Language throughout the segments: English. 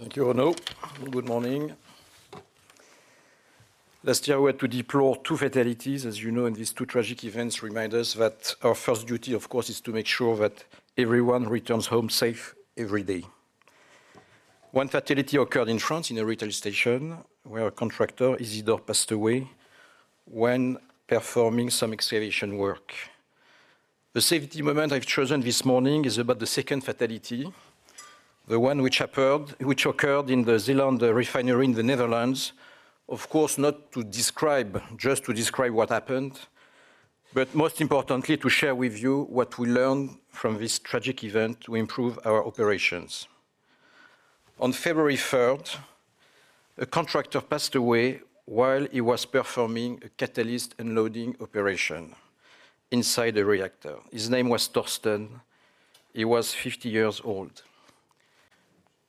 Thank you, Renaud. Good morning. Last year, we had to deplore two fatalities, as you know, and these two tragic events remind us that our first duty, of course, is to make sure that everyone returns home safe every day. One fatality occurred in France, in a retail station, where a contractor, Isidore, passed away when performing some excavation work. The safety moment I've chosen this morning is about the second fatality, the one which occurred, which occurred in the Zeeland refinery in the Netherlands. Of course, not to describe-- just to describe what happened, but most importantly, to share with you what we learned from this tragic event to improve our operations. On February 3rd, a contractor passed away while he was performing a catalyst unloading operation inside a reactor. His name was Torsten. He was 50 years old.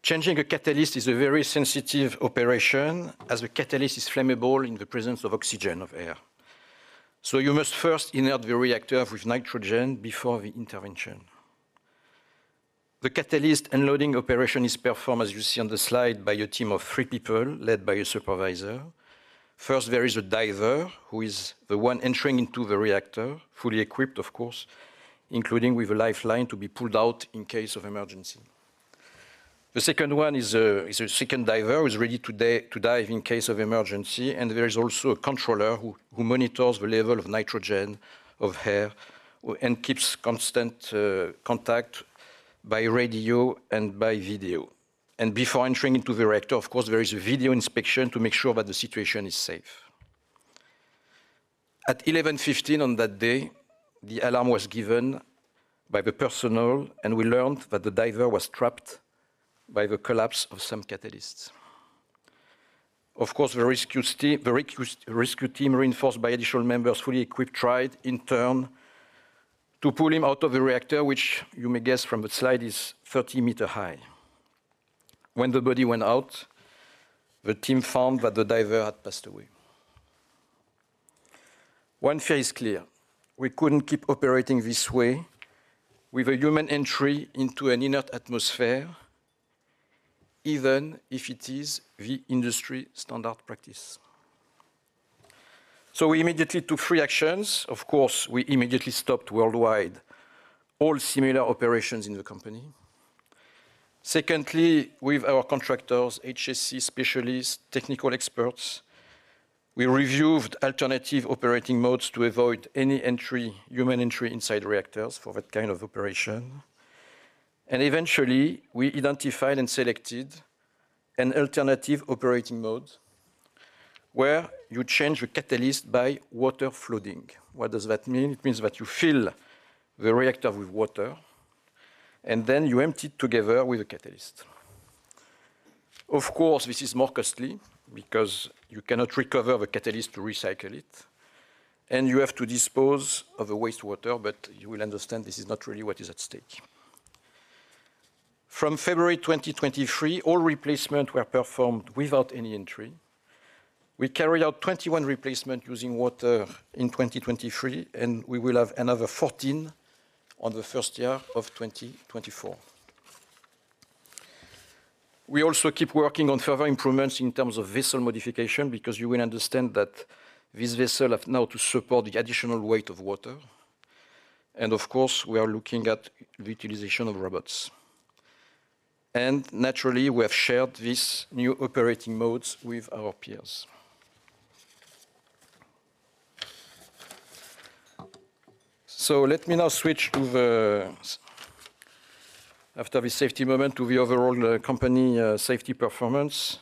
Changing a catalyst is a very sensitive operation, as the catalyst is flammable in the presence of oxygen, of air. So you must first inert the reactor with nitrogen before the intervention. The catalyst unloading operation is performed, as you see on the slide, by a team of three people, led by a supervisor. First, there is a diver, who is the one entering into the reactor, fully equipped, of course, including with a lifeline to be pulled out in case of emergency. The second one is a second diver, who is ready to dive in case of emergency, and there is also a controller who monitors the level of nitrogen, of air, and keeps constant contact by radio and by video. Before entering into the reactor, of course, there is a video inspection to make sure that the situation is safe. At 11:15 on that day, the alarm was given by the personnel, and we learned that the diver was trapped by the collapse of some catalysts. Of course, the rescue team, reinforced by additional members, fully equipped, tried in turn to pull him out of the reactor, which you may guess from the slide, is 30-meter high. When the body went out, the team found that the diver had passed away. One thing is clear: we couldn't keep operating this way with a human entry into an inert atmosphere, even if it is the industry standard practice. So we immediately took three actions. Of course, we immediately stopped worldwide all similar operations in the company. Secondly, with our contractors, HSE specialists, technical experts, we reviewed alternative operating modes to avoid any entry, human entry inside reactors for that kind of operation. Eventually, we identified and selected an alternative operating mode, where you change the catalyst by water flooding. What does that mean? It means that you fill the reactor with water, and then you empty it together with the catalyst. Of course, this is more costly because you cannot recover the catalyst to recycle it, and you have to dispose of the wastewater, but you will understand this is not really what is at stake. From February 2023, all replacements were performed without any entry. We carried out 21 replacements using water in 2023, and we will have another 14 on the first year of 2024. We also keep working on further improvements in terms of vessel modification, because you will understand that this vessel have now to support the additional weight of water. Of course, we are looking at the utilization of robots. Naturally, we have shared these new operating modes with our peers. Let me now switch to the... After the safety moment, to the overall company safety performance.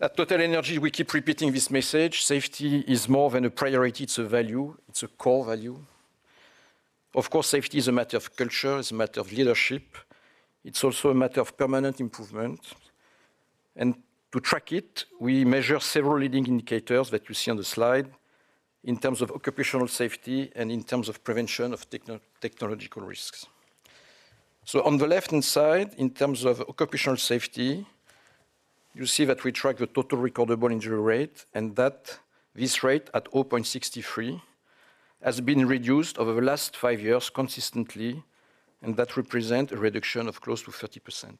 At TotalEnergies, we keep repeating this message: safety is more than a priority, it's a value. It's a core value. Of course, safety is a matter of culture, it's a matter of leadership. It's also a matter of permanent improvement. And to track it, we measure several leading indicators that you see on the slide in terms of occupational safety and in terms of prevention of technological risks. So on the left-hand side, in terms of occupational safety, you see that we track the total recordable injury rate and that this rate, at 0.63, has been reduced over the last five years consistently, and that represent a reduction of close to 30%.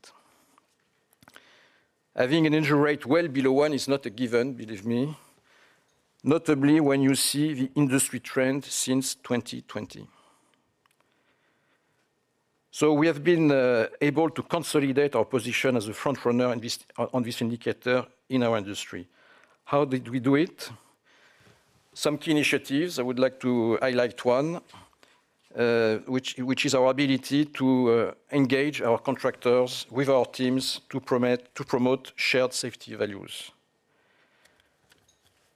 Having an injury rate well below one is not a given, believe me, notably when you see the industry trend since 2020. So we have been able to consolidate our position as a front runner on this, on this indicator in our industry. How did we do it? Some key initiatives, I would like to highlight one, which, which is our ability to engage our contractors with our teams to promote shared safety values.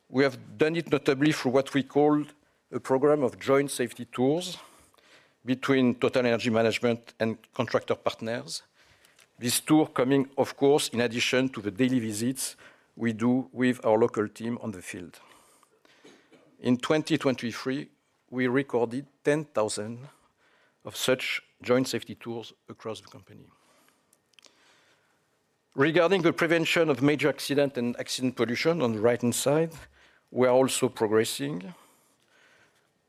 We have done it notably through what we call a program of joint safety tours between TotalEnergies management and contractor partners. This tour coming, of course, in addition to the daily visits we do with our local team on the field. In 2023, we recorded 10,000 of such joint safety tours across the company. Regarding the prevention of major accident and accident pollution on the right-hand side, we are also progressing.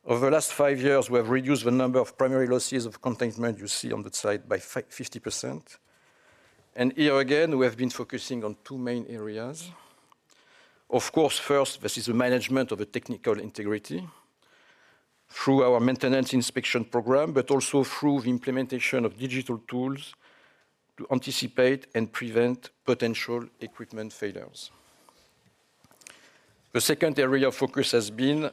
Over the last five years, we have reduced the number of primary losses of containment you see on that slide by 50%. And here again, we have been focusing on two main areas. Of course, first, this is the management of the technical integrity through our maintenance inspection program, but also through the implementation of digital tools to anticipate and prevent potential equipment failures. The second area of focus has been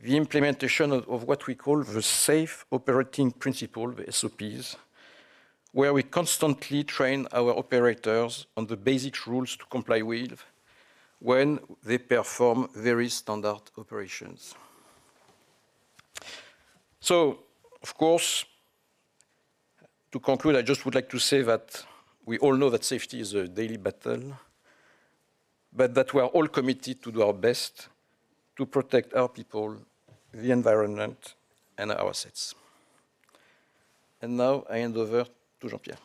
the implementation of what we call the Safe Operating Principle, the SOPs, where we constantly train our operators on the basic rules to comply with when they perform very standard operations. Of course, to conclude, I just would like to say that we all know that safety is a daily battle, but that we are all committed to do our best to protect our people, the environment, and our assets. Now I hand over to Jean-Pierre.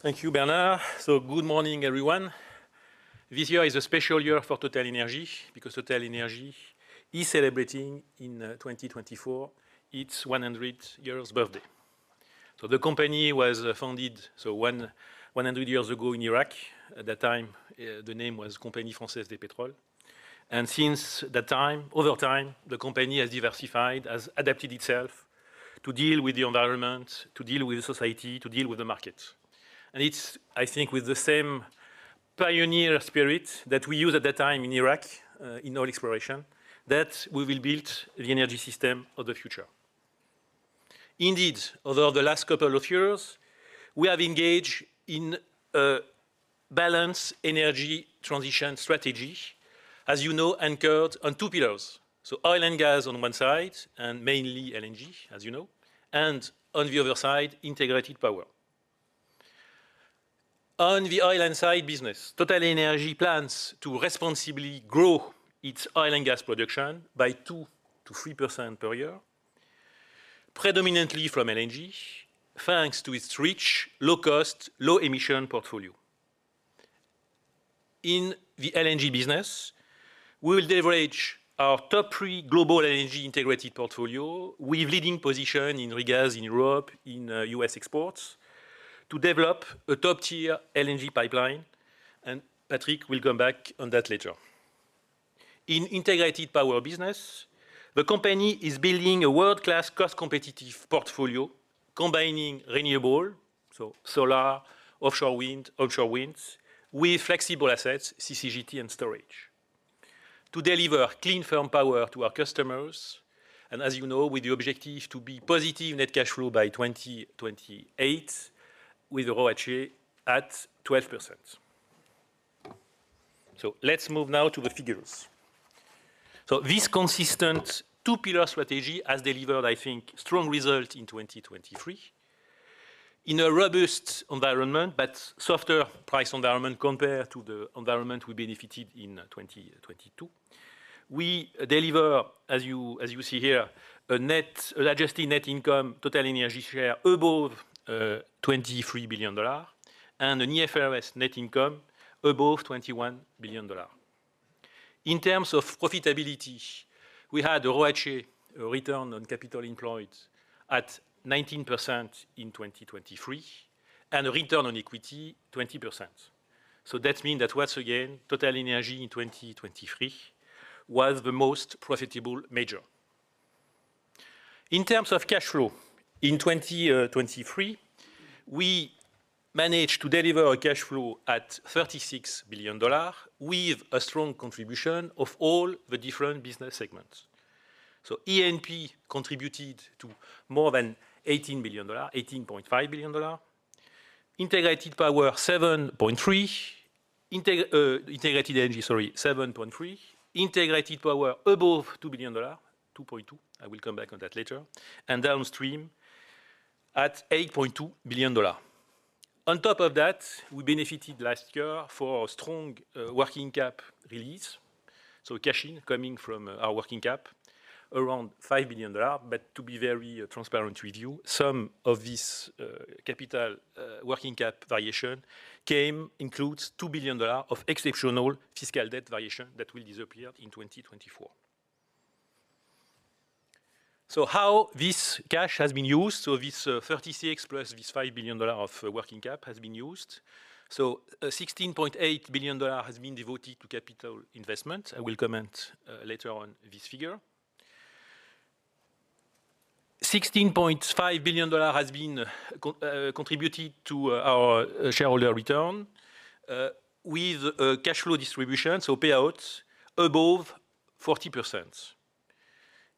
Thank you, Bernard. Good morning, everyone. This year is a special year for TotalEnergies, because TotalEnergies is celebrating in 2024 its 100 years birthday. The company was founded 100 years ago in Iraq. At that time, the name was Compagnie Française des Pétroles. Since that time, over time, the company has diversified, has adapted itself to deal with the environment, to deal with the society, to deal with the market. It's, I think, with the same pioneer spirit that we used at that time in Iraq in oil exploration that we will build the energy system of the future. Indeed, over the last couple of years, we have engaged in a balanced energy transition strategy, as you know, anchored on two pillars: so oil and gas on one side, and mainly LNG, as you know, and on the other side, integrated power. On the oil and side business, TotalEnergies plans to responsibly grow its oil and gas production by 2%-3% per year, predominantly from LNG, thanks to its rich, low-cost, low-emission portfolio. In the LNG business, we will leverage our top-three global LNG integrated portfolio with leading position in regas in Europe, in US exports, to develop a top-tier LNG pipeline, and Patrick will come back on that later. In integrated power business, the company is building a world-class, cost-competitive portfolio, combining renewable, so solar, offshore wind, offshore winds, with flexible assets, CCGT and storage, to deliver clean, firm power to our customers. And as you know, with the objective to be positive net cash flow by 2028, with ROACE at 12%. So let's move now to the figures. So this consistent two-pillar strategy has delivered, I think, strong result in 2023. In a robust environment, but softer price environment compared to the environment we benefited in 2022. We deliver, as you see here, a net, adjusted net income, TotalEnergies share above $23 billion and an IFRS net income above $21 billion. In terms of profitability, we had ROACE, return on capital employed, at 19% in 2023, and a return on equity, 20%. So that mean that once again, TotalEnergies in 2023 was the most profitable major. In terms of cash flow, in 2023, we managed to deliver a cash flow at $36 billion, with a strong contribution of all the different business segments. So E&P contributed to more than $18 billion, $18.5 billion. Integrated power, $7.3 billion. Integrated energy, sorry, $7.3 billion. Integrated power, above $2 billion, $2.2 billion. I will come back on that later. And downstream, at $8.2 billion. On top of that, we benefited last year for a strong working capital release, so cash in coming from our working cap, around $5 billion. But to be very transparent with you, some of this capital working cap variation came, includes $2 billion of exceptional fiscal debt variation that will disappear in 2024. So how this cash has been used? So this 36 plus this $5 billion of working cap has been used. $16.8 billion has been devoted to capital investment. I will comment later on this figure. $16.5 billion has been contributed to our shareholder return with a cash flow distribution, so payouts above 40%.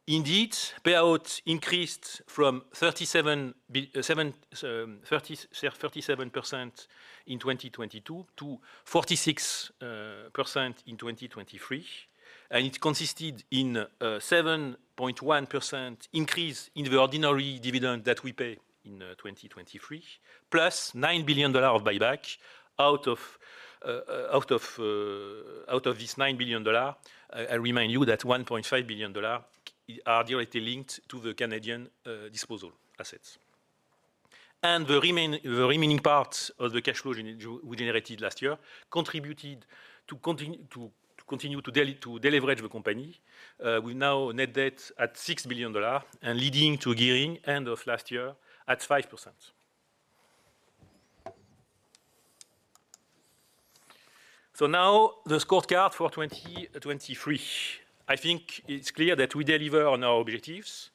Indeed, payouts increased from 37% in 2022 to 46% in 2023, and it consisted in a 7.1% increase in the ordinary dividend that we paid in 2023, plus $9 billion of buyback. Out of this $9 billion, I remind you that $1.5 billion is directly linked to the Canadian disposal assets. And the remaining parts of the cash flow we generated last year contributed to continue to deleverage the company. We've now net debt at $6 billion and leading to a gearing end of last year at 5%. So now the scorecard for 2023. I think it's clear that we deliver on our objectives.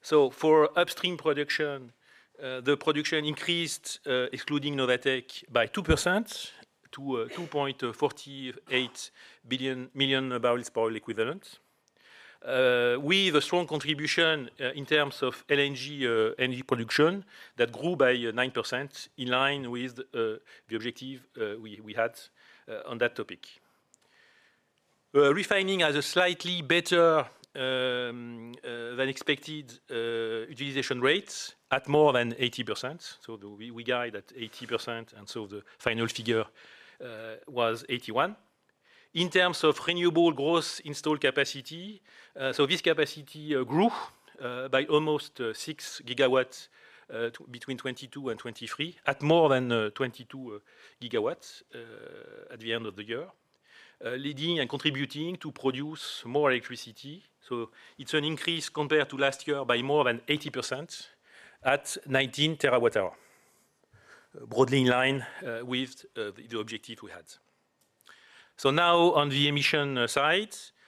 So for upstream production, the production increased, excluding Novatek, by 2% to 2.48 million barrels oil equivalent. With a strong contribution in terms of LNG energy production that grew by 9%, in line with the objective we had on that topic. Refining has a slightly better than expected utilization rates at more than 80%. So we guide at 80%, and so the final figure was 81. In terms of renewable gross installed capacity, so this capacity grew by almost 6 GW between 2022 and 2023, at more than 22 GW at the end of the year, leading and contributing to produce more electricity. So it's an increase compared to last year by more than 80% at 19 TWh, broadly in line with the objective we had. So now on the emissions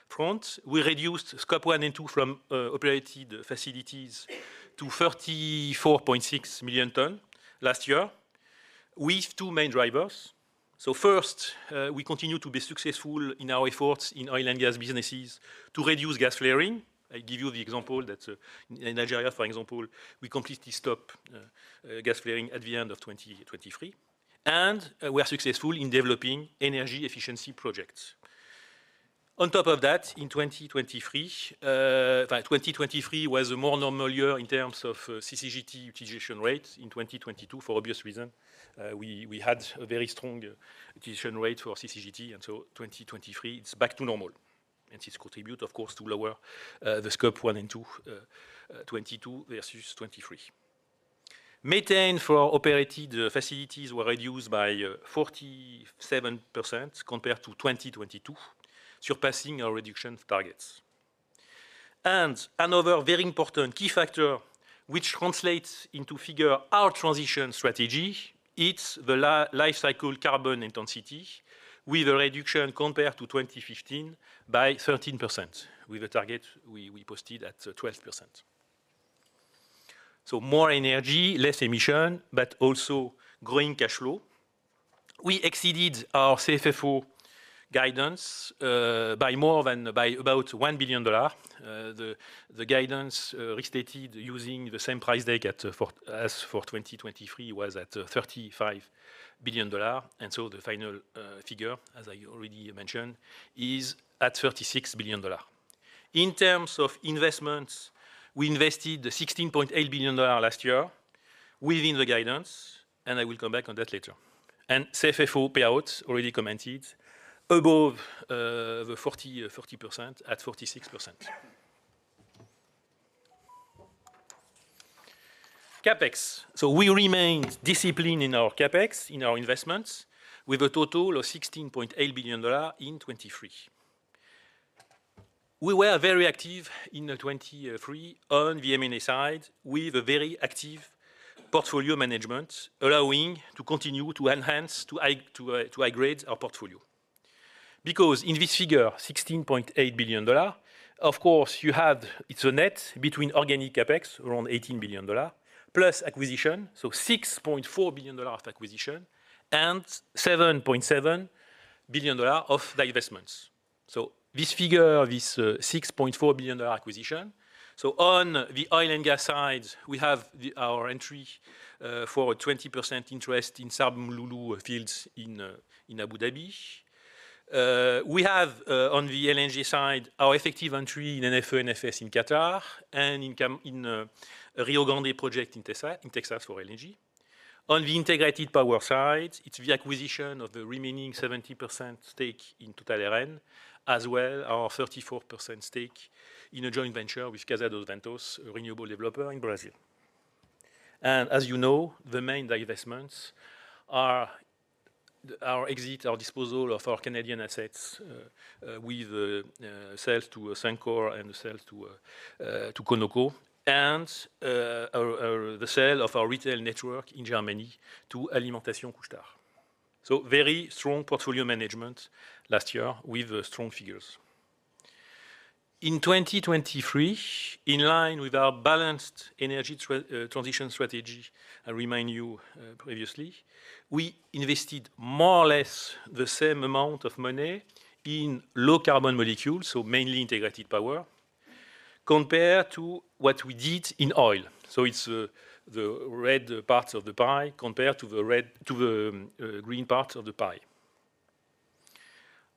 front, we reduced Scope one and two from operated facilities to 34.6 million tonnes last year, with two main drivers. So first, we continue to be successful in our efforts in oil and gas businesses to reduce gas flaring. I give you the example that, in Nigeria, for example, we completely stop gas flaring at the end of 2023, and we are successful in developing energy efficiency projects. On top of that, in 2023, in fact, 2023 was a more normal year in terms of CCGT utilization rates. In 2022, for obvious reason, we had a very strong utilization rate for CCGT, and so 2023, it's back to normal, and this contribute, of course, to lower the Scope one and two '22 versus '23. Methane for operated facilities were reduced by 47% compared to 2022, surpassing our reduction targets. Another very important key factor which translates into figure our transition strategy, it's the lifecycle carbon intensity, with a reduction compared to 2015 by 13%, with a target we posted at 12%. So more energy, less emission, but also growing cash flow. We exceeded our CFFO guidance by more than by about $1 billion. The guidance restated using the same price deck as for 2023 was at $35 billion, and the final figure, as I already mentioned, is at $36 billion. In terms of investments, we invested $16.8 billion last year within the guidance, and I will come back on that later. CFFO payouts already commented above the 40%, at 46%. CapEx. So we remained disciplined in our CapEx, in our investments, with a total of $16.8 billion in 2023. We were very active in the 2023 on the M&A side, with a very active portfolio management, allowing to continue to enhance, to to upgrade our portfolio. Because in this figure, $16.8 billion, of course, you have it's a net between organic CapEx, around $18 billion, plus acquisition, so $6.4 billion of acquisition, and $7.7 billion of divestments. So this figure, this, $6.4 billion acquisition, so on the oil and gas side, we have the, our entry, for a 20% interest in Umm Lulu fields in, in Abu Dhabi. We have, on the LNG side, our effective entry in an NFE and NFS in Qatar and in Rio Grande project in Texas for LNG. On the integrated power side, it's the acquisition of the remaining 70% stake in Total Eren, as well our 34% stake in a joint venture with Casa dos Ventos, a renewable developer in Brazil. And as you know, the main divestments are our exit, our disposal of our Canadian assets, with sales to Suncor and the sale to Conoco, and our, the sale of our retail network in Germany to Alimentation Couche-Tard. So very strong portfolio management last year with strong figures. In 2023, in line with our balanced energy transition strategy, I remind you, previously, we invested more or less the same amount of money in low-carbon molecules, so mainly integrated power, compared to what we did in oil. So it's the red parts of the pie compared to the green part of the pie.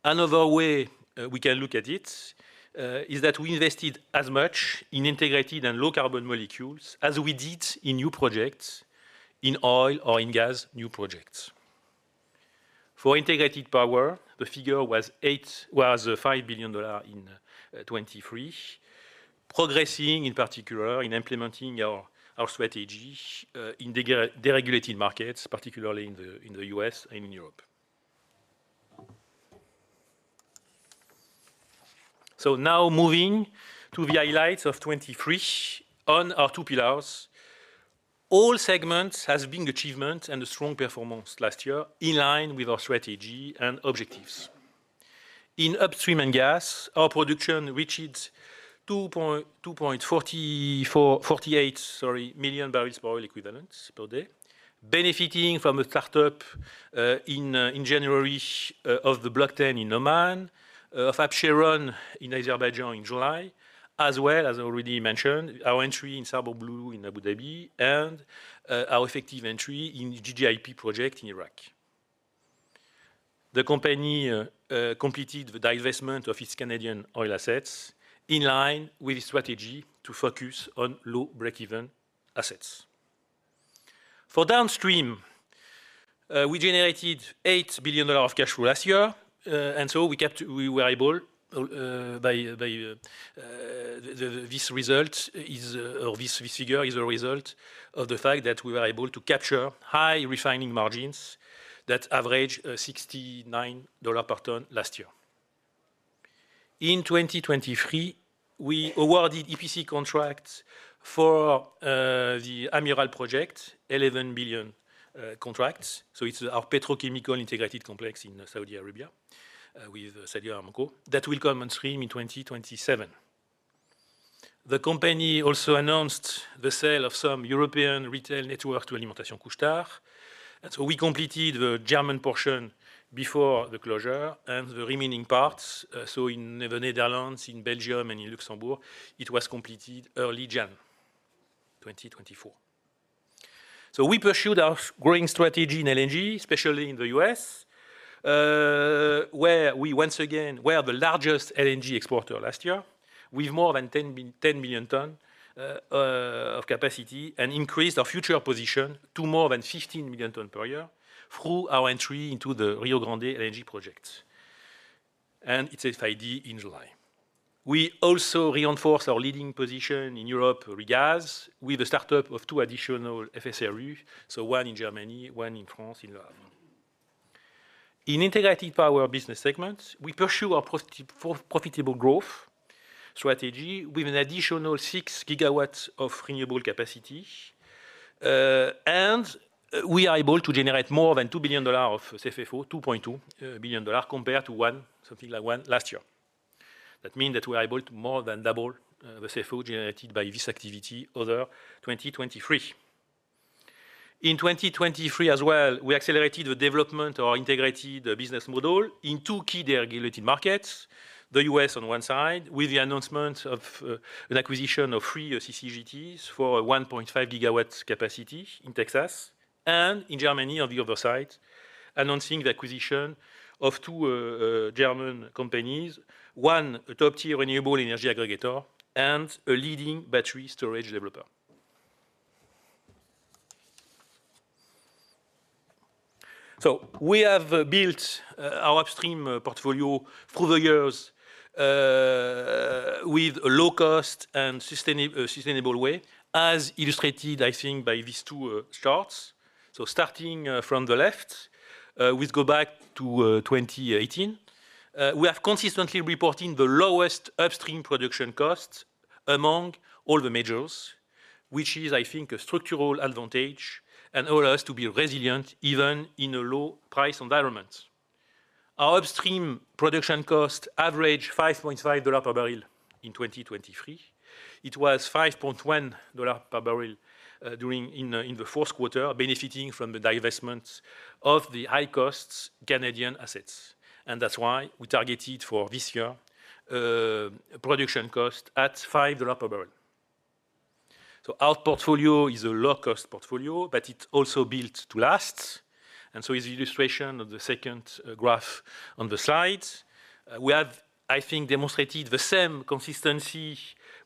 Another way we can look at it is that we invested as much in integrated and low-carbon molecules as we did in new projects, in oil or in gas, new projects. For integrated power, the figure was eight, was $5 billion in 2023, progressing in particular in implementing our strategy in deregulated markets, particularly in the U.S. and in Europe. So now moving to the highlights of 2023 on our two pillars. All segments has been achievement and a strong performance last year, in line with our strategy and objectives. In upstream and gas, our production reached 2.2448 million barrels oil equivalents per day, benefiting from a start up in January of the Block 10 in Oman of Absheron in Azerbaijan in July, as well as I already mentioned, our entry in Sarb and Umm Lulu in Abu Dhabi and our effective entry in the GGIP project in Iraq. The company completed the divestment of its Canadian oil assets, in line with its strategy to focus on low breakeven assets. For downstream, we generated $8 billion of cash flow last year, and so we were able by this result is, or this figure is a result of the fact that we were able to capture high refining margins that averaged $69 per ton last year. In 2023, we awarded EPC contracts for the Amiral project, $11 billion contracts. So it's our petrochemical integrated complex in Saudi Arabia with Saudi Aramco that will come on stream in 2027. The company also announced the sale of some European retail network to Alimentation Couche-Tard. And so we completed the German portion before the closure and the remaining parts, so in the Netherlands, in Belgium, and in Luxembourg, it was completed early January 2024. So we pursued our growing strategy in LNG, especially in the US, where we once again were the largest LNG exporter last year, with more than 10 million tons of capacity, and increased our future position to more than 15 million tons per year through our entry into the Rio Grande LNG project. And it's FID in July. We also reinforced our leading position in Europe, regas, with the start-up of two additional FSRU, so one in Germany, one in France, in Le Havre. In integrated power business segment, we pursue our profitable growth strategy with an additional 6 GW of renewable capacity, and we are able to generate more than $2 billion of CFFO, $2.2 billion, compared to something like $1 billion last year. That means that we are able to more than double the CFFO generated by this activity over 2023. In 2023 as well, we accelerated the development of our integrated business model in two key deregulated markets. The U.S. on one side, with the announcement of an acquisition of three CCGTs for a 1.5 GW capacity in Texas, and in Germany, on the other side, announcing the acquisition of two German companies, one a top-tier renewable energy aggregator, and a leading battery storage developer. So we have built our upstream portfolio through the years with a low cost and sustainable way, as illustrated, I think, by these two charts. So starting from the left, we go back to 2018. We have consistently reporting the lowest upstream production costs among all the majors, which is, I think, a structural advantage and allow us to be resilient even in a low price environment. Our upstream production cost average $5.5 per barrel in 2023. It was $5.1 per barrel during the fourth quarter, benefiting from the divestment of the high costs Canadian assets. That's why we targeted for this year production cost at $5 per barrel. So our portfolio is a low-cost portfolio, but it's also built to last, and so is the illustration of the second graph on the slide. We have, I think, demonstrated the same consistency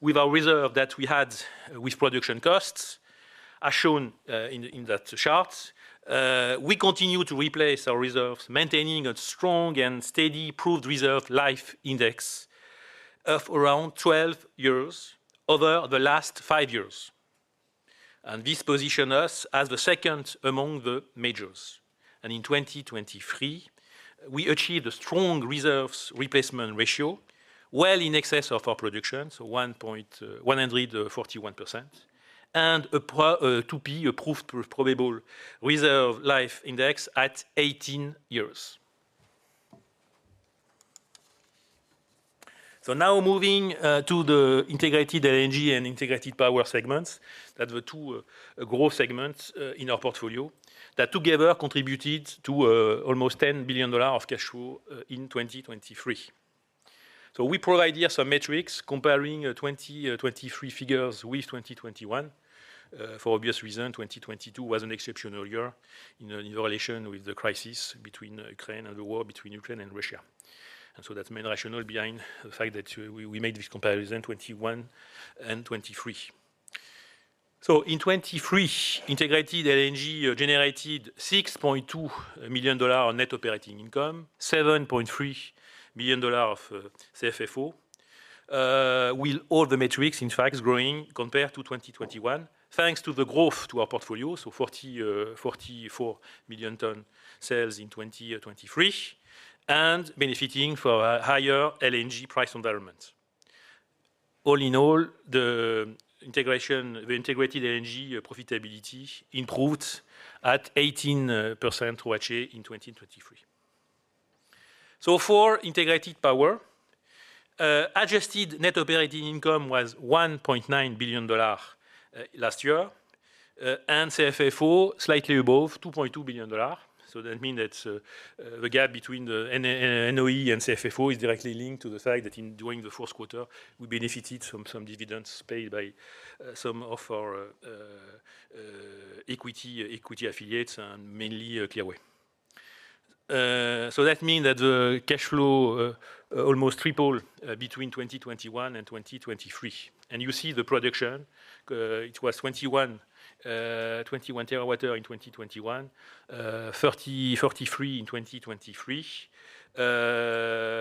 with our reserve that we had with production costs, as shown in that chart. We continue to replace our reserves, maintaining a strong and steady proved reserve life index of around 12 years over the last five years. This position us as the second among the majors. In 2023, we achieved a strong reserves replacement ratio, well in excess of our production, so 141%, and a proved probable reserve life index at 18 years. Now moving to the integrated LNG and integrated power segments. That the two growth segments in our portfolio, that together contributed to almost $10 billion of cash flow in 2023. We provide here some metrics comparing 2023 figures with 2021. For obvious reason, 2022 was an exceptional year in relation with the crisis between Ukraine and the war between Ukraine and Russia. So that's the main rationale behind the fact that we made this comparison, 2021 and 2023. So in 2023, integrated LNG generated $6.2 million on net operating income, $7.3 million of CFFO. With all the metrics, in fact, growing compared to 2021, thanks to the growth to our portfolio, so 44 million ton sales in 2023, and benefiting from a higher LNG price environment. All in all, the integration, the integrated LNG profitability improved at 18% ROACE in 2023. So for integrated power, adjusted net operating income was $1.9 billion last year, and CFFO slightly above $2.2 billion. So that means that the gap between the NOI and CFFO is directly linked to the fact that during the fourth quarter, we benefited from some dividends paid by some of our equity affiliates and mainly Clearway. So that means that the cash flow almost tripled between 2021 and 2023. And you see the production, it was 21 TWh in 2021, 33 in 2023,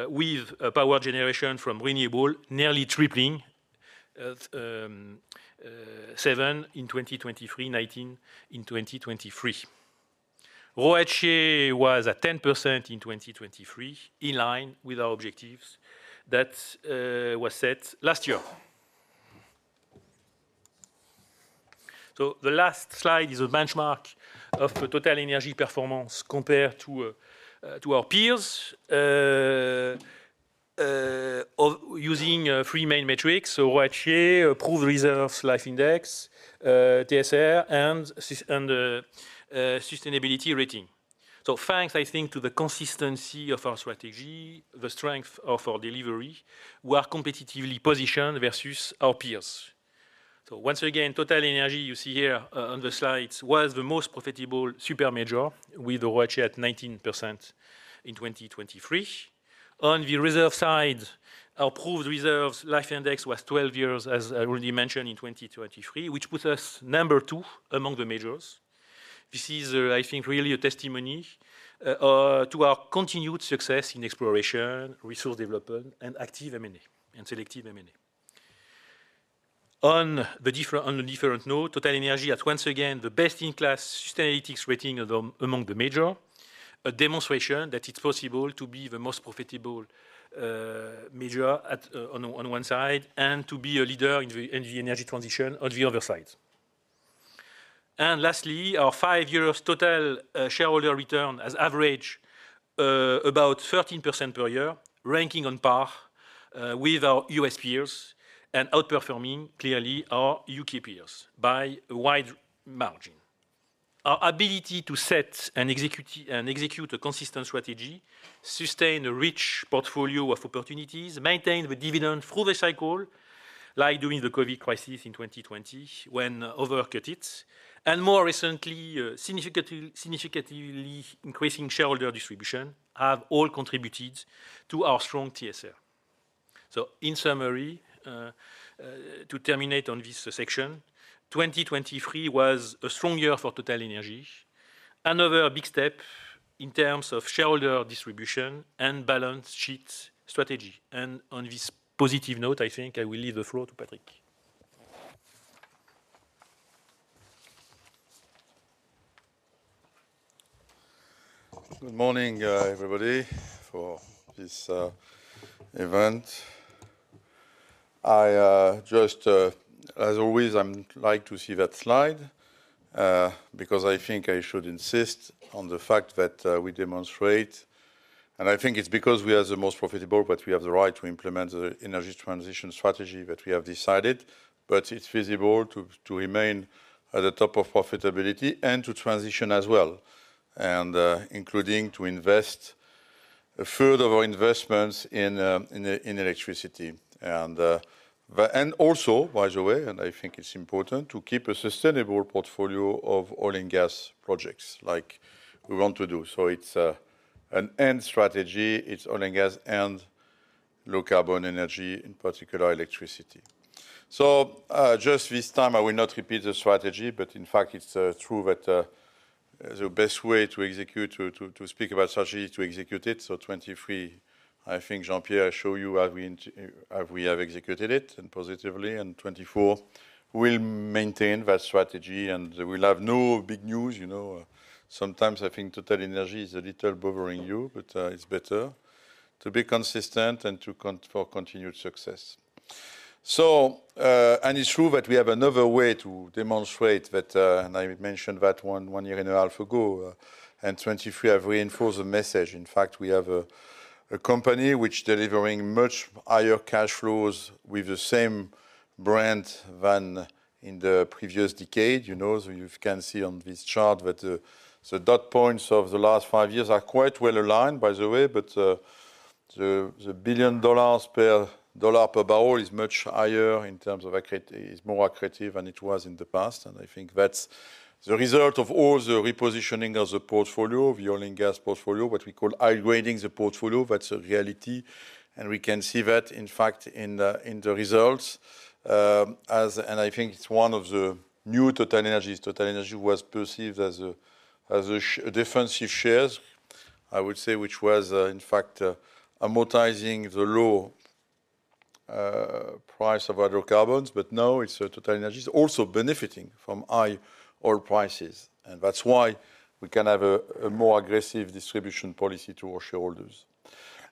with a power generation from renewable nearly tripling at seven in 2023, 19 in 2023. ROACE was at 10% in 2023, in line with our objectives that was set last year. So the last slide is a benchmark of the TotalEnergies performance compared to to our peers of using three main metrics: so ROACE, approved reserves life index, TSR, and sustainability rating. So thanks, I think, to the consistency of our strategy, the strength of our delivery, we are competitively positioned versus our peers. So once again, TotalEnergies, you see here on the slides, was the most profitable super major, with ROACE at 19% in 2023. On the reserve side, our approved reserves life index was 12 years, as I already mentioned, in 2023, which puts us number two among the majors. This is, I think, really a testimony to our continued success in exploration, resource development, and active M&A and selective M&A. On a different note, TotalEnergies is once again the best-in-class sustainability rating among the major, a demonstration that it's possible to be the most profitable major on one side, and to be a leader in the energy transition on the other side. And lastly, our five years Total shareholder return has averaged about 13% per year, ranking on par with our US peers and outperforming, clearly, our UK peers by a wide margin. Our ability to set and execute, and execute a consistent strategy, sustain a rich portfolio of opportunities, maintain the dividend through the cycle, like during the COVID crisis in 2020, when others cut it, and more recently, significantly increasing shareholder distribution, have all contributed to our strong TSR. So in summary, to terminate on this section, 2023 was a strong year for TotalEnergies. Another big step in terms of shareholder distribution and balance sheet strategy. On this positive note, I think I will leave the floor to Patrick. Good morning, everybody, for this event. I just, as always, I'm like to see that slide, because I think I should insist on the fact that we demonstrate, and I think it's because we are the most profitable, but we have the right to implement the energy transition strategy that we have decided, but it's feasible to remain at the top of profitability and to transition as well, and including to invest further our investments in electricity. And, but and also, by the way, and I think it's important, to keep a sustainable portfolio of oil and gas projects like we want to do. So it's an and strategy, it's oil and gas and low-carbon energy, in particular, electricity. So, just this time, I will not repeat the strategy, but in fact, it's true that the best way to execute, to speak about strategy is to execute it. So 2023, I think Jean-Pierre showed you how we have executed it, and positively, and 2024 will maintain that strategy, and we will have no big news. You know, sometimes I think TotalEnergies is a little bothering you, but it's better to be consistent and to continue for continued success. So, and it's true that we have another way to demonstrate that, and I mentioned that one year and a half ago, and 2023, I've reinforced the message. In fact, we have a company which delivering much higher cash flows with the same brand than in the previous decade. You know, as you can see on this chart, that the dot points of the last five years are quite well aligned, by the way, but the $1 billion per $1 per barrel is much higher in terms of accretion is more accretive than it was in the past. And I think that's the result of all the repositioning of the portfolio, of the oil and gas portfolio, what we call high-grading the portfolio. That's a reality, and we can see that, in fact, in the results. And I think it's one of the new TotalEnergies. TotalEnergies was perceived as a, as a defensive shares, I would say, which was, in fact, amortizing the low price of hydrocarbons. But now, it's TotalEnergies is also benefiting from high oil prices, and that's why we can have a more aggressive distribution policy to our shareholders.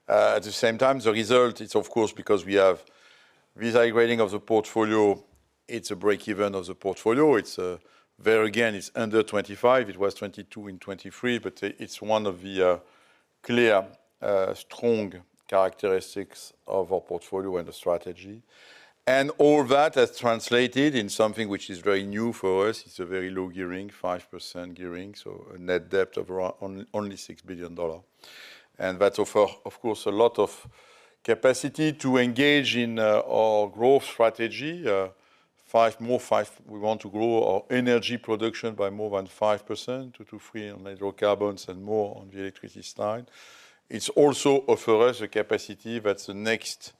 At the same time, the result is, of course, because we have this high-grading of the portfolio, it's a break-even of the portfolio. It's there again, it's under 25. It was 22 in 2023, but it's one of the clear strong characteristics of our portfolio and the strategy. And all that has translated in something which is very new for us. It's a very low gearing, 5% gearing, so a net debt of around only $6 billion. And that offer, of course, a lot of capacity to engage in our growth strategy. We want to grow our energy production by more than 5%, two to three on hydrocarbons and more on the electricity side. It's also offer us the capacity that the next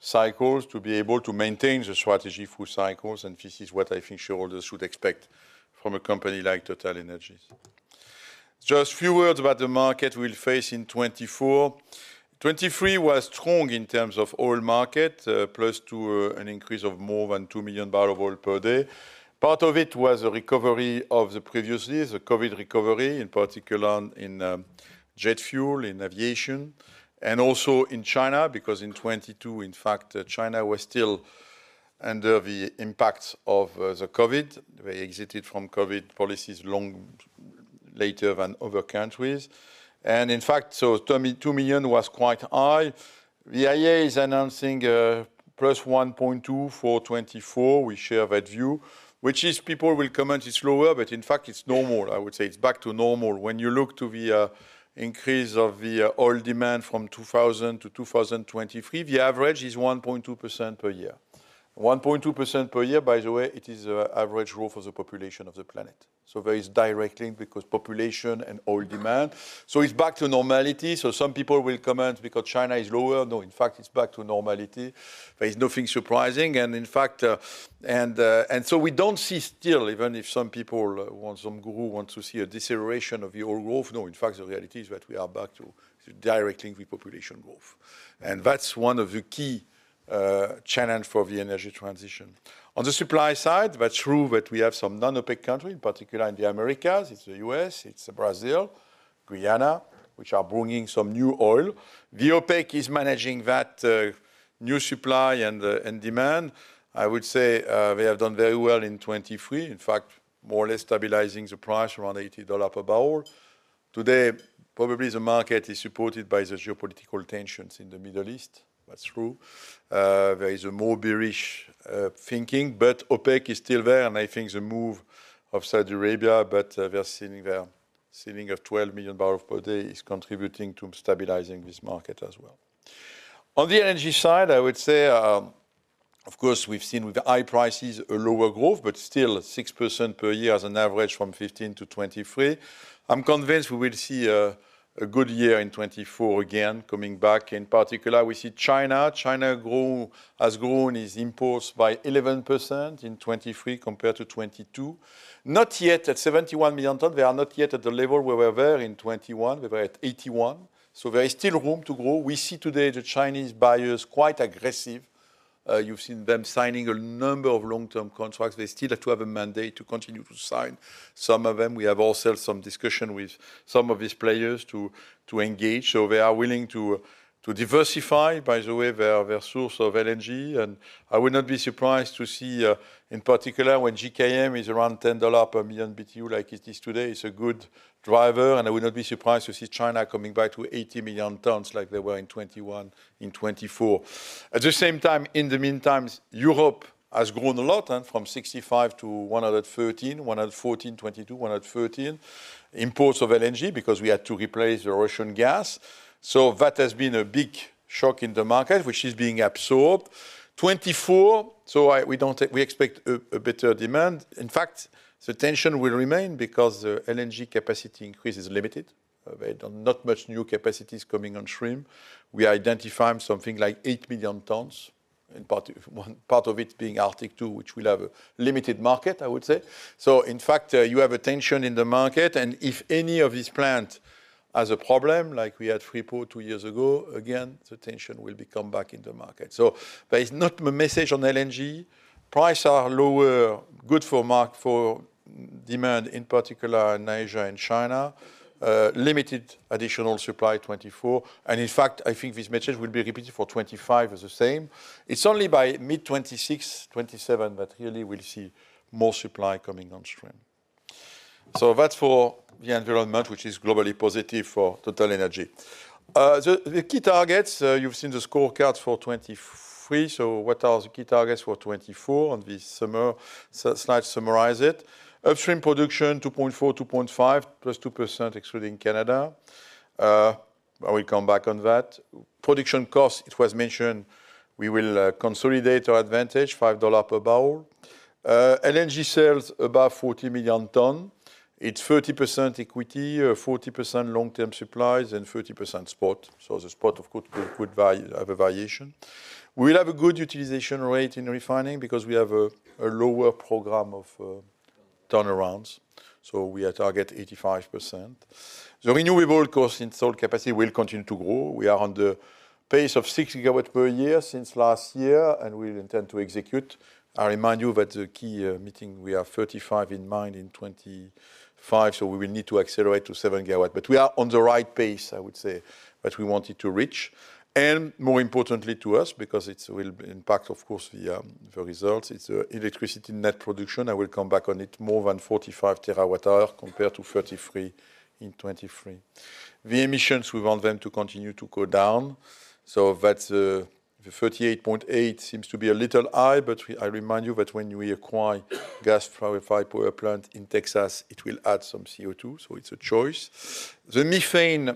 cycles, to be able to maintain the strategy through cycles, and this is what I think shareholders should expect from a company like TotalEnergies. Just a few words about the market we'll face in 2024. 2023 was strong in terms of oil market, plus two, an increase of more than 2 million barrels of oil per day. Part of it was a recovery of the previous years, the COVID recovery, in particular in jet fuel, in aviation, and also in China, because in 2022, in fact, China was still under the impact of the COVID. They exited from COVID policies long later than other countries. In fact, so 22 million was quite high. The IEA is announcing +1.2 for 2024. We share that view, which is people will comment it's lower, but in fact, it's normal. I would say it's back to normal. When you look to the increase of the oil demand from 2000 to 2023, the average is 1.2% per year. 1.2% per year, by the way, it is the average growth of the population of the planet. So there is direct link because population and oil demand. So it's back to normality. So some people will comment because China is lower. No, in fact, it's back to normality. There is nothing surprising, and in fact... And so we don't see still, even if some people want, some guru want to see a deceleration of the oil growth. No, in fact, the reality is that we are back to directly the population growth. And that's one of the key challenge for the energy transition. On the supply side, that's true that we have some non-OPEC countries, particularly in the Americas. It's the U.S., it's Brazil, Guyana, which are bringing some new oil. The OPEC is managing that new supply and the demand. I would say they have done very well in 2023. In fact, more or less stabilizing the price around $80 per barrel. Today, probably the market is supported by the geopolitical tensions in the Middle East. That's true. There is a more bearish thinking, but OPEC is still there, and I think the move of Saudi Arabia, but they are sitting there, sitting at 12 million barrels per day, is contributing to stabilizing this market as well. On the energy side, I would say, of course, we've seen with the high prices, a lower growth, but still 6% per year as an average from 2015 to 2023. I'm convinced we will see a good year in 2024 again, coming back. In particular, we see China has grown its imports by 11% in 2023 compared to 2022. Not yet at 71 million tons. They are not yet at the level where we were in 2021. They were at 81, so there is still room to grow. We see today the Chinese buyers quite aggressive. You've seen them signing a number of long-term contracts. They still have to have a mandate to continue to sign some of them. We have also some discussion with some of these players to engage. So they are willing to diversify, by the way, their source of LNG. And I would not be surprised to see, in particular, when GKM is around $10 per million BTU like it is today, it's a good driver, and I would not be surprised to see China coming back to 80 million tons like they were in 2021, in 2024. At the same time, in the meantime, Europe has grown a lot, and from 65 to 113, 114, 2022, 113 imports of LNG, because we had to replace the Russian gas. So that has been a big shock in the market, which is being absorbed. 2024, so we expect a better demand. In fact, the tension will remain because the LNG capacity increase is limited. There are not much new capacities coming on stream. We are identifying something like 8 million tons, and part of it being Arctic LNG 2, which will have a limited market, I would say. So in fact, you have a tension in the market, and if any of these plant has a problem, like we had Freeport two years ago, again, the tension will come back in the market. So there is not a message on LNG. Prices are lower, good for demand, in particular in Asia and China. Limited additional supply in 2024, and in fact, I think this message will be repeated for 2025 as the same. It's only by mid-2026-2027 that really we'll see more supply coming on stream. So that's for the environment, which is globally positive for TotalEnergies. The key targets, you've seen the scorecard for 2023. So what are the key targets for 2024? On this summary slide summarize it. Upstream production 2.4-2.5 +2%, excluding Canada. I will come back on that. Production cost, it was mentioned, we will consolidate our advantage, $5 per barrel. LNG sales above 40 million tons. It's 30% equity, 40% long-term supplies, and 30% spot. So the spot, of course, could have a variation. We will have a good utilization rate in refining because we have a lower program of turnarounds, so we are target 85%. The renewable cost installed capacity will continue to grow. We are on the pace of 6 GW per year since last year, and we intend to execute. I remind you that the key meeting, we have 35 in mind in 2025, so we will need to accelerate to 7 GW. But we are on the right pace, I would say, that we wanted to reach. And more importantly to us, because it will impact, of course, the results, it's electricity net production. I will come back on it, more than 45 TWh compared to 33 in 2023. The emissions, we want them to continue to go down, so that's, the 38.8 seems to be a little high, but we-- I remind you that when we acquire gas-fired power plant in Texas, it will add some CO2, so it's a choice. The methane,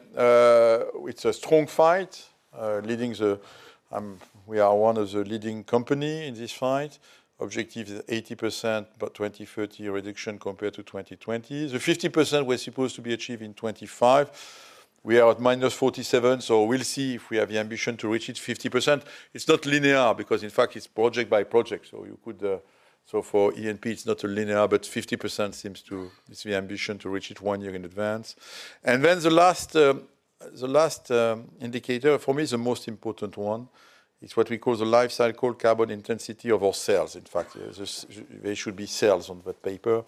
it's a strong fight, leading the we are one of the leading company in this fight. Objective is 80% by 2030 reduction compared to 2020. The 50% we're supposed to be achieved in 2025, we are at -47, so we'll see if we have the ambition to reach it, 50%. It's not linear, because in fact, it's project by project, so you could... So for E&P, it's not linear, but 50% seems to, it's the ambition to reach it one year in advance. Then the last indicator, for me, the most important one, is what we call the life cycle carbon intensity of our sales. In fact, there should be sales on that paper.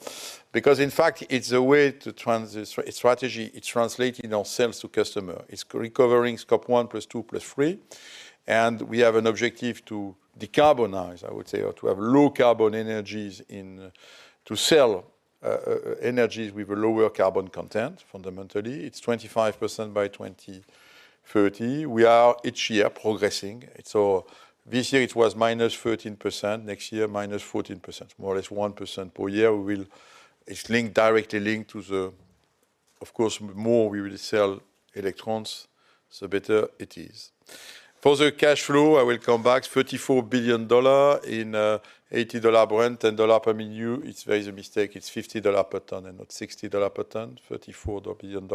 Because, in fact, it's a way to translate the strategy, it's translating our sales to customer. It's recovering Scope one plus two plus three, and we have an objective to decarbonize, I would say, or to have low carbon energies to sell energies with a lower carbon content. Fundamentally, it's 25% by 2030. We are each year progressing. So this year it was -13%, next year, -14%, more or less 1% per year. It's linked, directly linked to the... Of course, more we will sell electrons, so better it is. For the cash flow, I will come back. $34 billion in $80 Brent, $10 per million. There's a mistake, it's $50 per ton and not $60 per ton, $34 billion.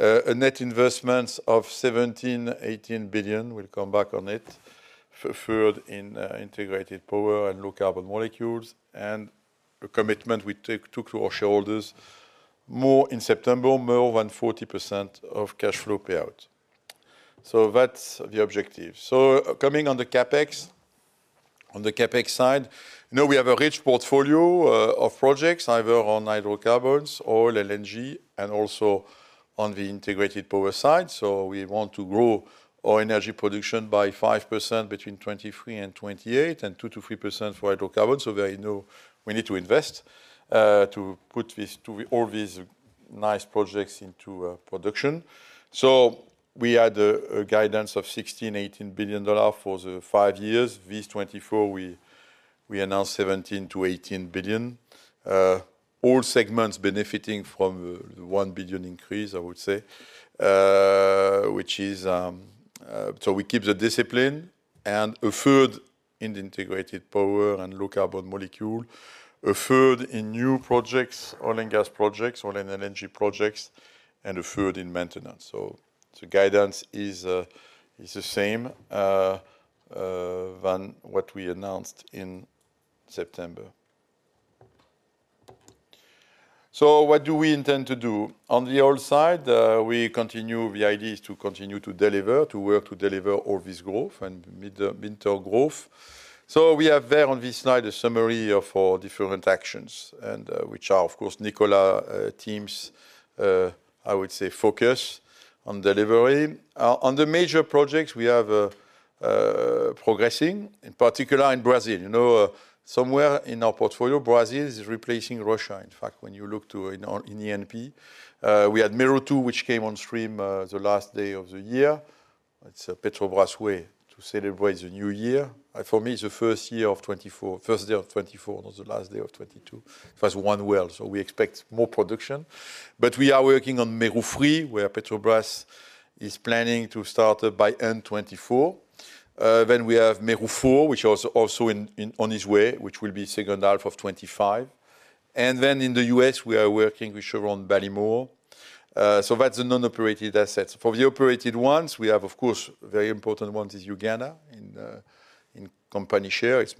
A net investments of $17-$18 billion, we'll come back on it, referred in integrated power and low carbon molecules, and a commitment we take, took to our shareholders more in September, more than 40% of cash flow payout. So that's the objective. So coming on the CapEx, on the CapEx side, you know, we have a rich portfolio of projects, either on hydrocarbons or LNG, and also on the integrated power side. So we want to grow our energy production by 5% between 2023 and 2028, and 2%-3% for hydrocarbon. So there you know, we need to invest to put this, to all these nice projects into production. So we had a guidance of $16 billion-$18 billion for the five years. This 2024, we announced $17 billion-$18 billion. All segments benefiting from the $1 billion increase, I would say, which is, so we keep the discipline and a third in the integrated power and low carbon molecule, a third in new projects, oil and gas projects, oil and LNG projects, and a third in maintenance. So the guidance is, is the same, than what we announced in September. So what do we intend to do? On the oil side, we continue, the idea is to continue to deliver, to work to deliver all this growth and mid-term, midterm growth. So we have there on this slide, a summary of our different actions, and, which are, of course, Nicolas' team's, I would say, focus on delivery. On the major projects, we have progressing, in particular in Brazil. You know, somewhere in our portfolio, Brazil is replacing Russia. In fact, when you look to in on-in E&P, we had Mero-2, which came on stream, the last day of the year. It's a Petrobras way to celebrate the new year. For me, it's the first year of 2024, first day of 2024, not the last day of 2022. It was one well, so we expect more production. But we are working on Mero-3, where Petrobras is planning to start it by end 2024. Then we have Mero-4, which is also in, in, on its way, which will be second half of 2025. In the US, we are working with Chevron Baltimore. So that's the non-operated assets. For the operated ones, we have, of course, very important one is Uganda. In company share, it's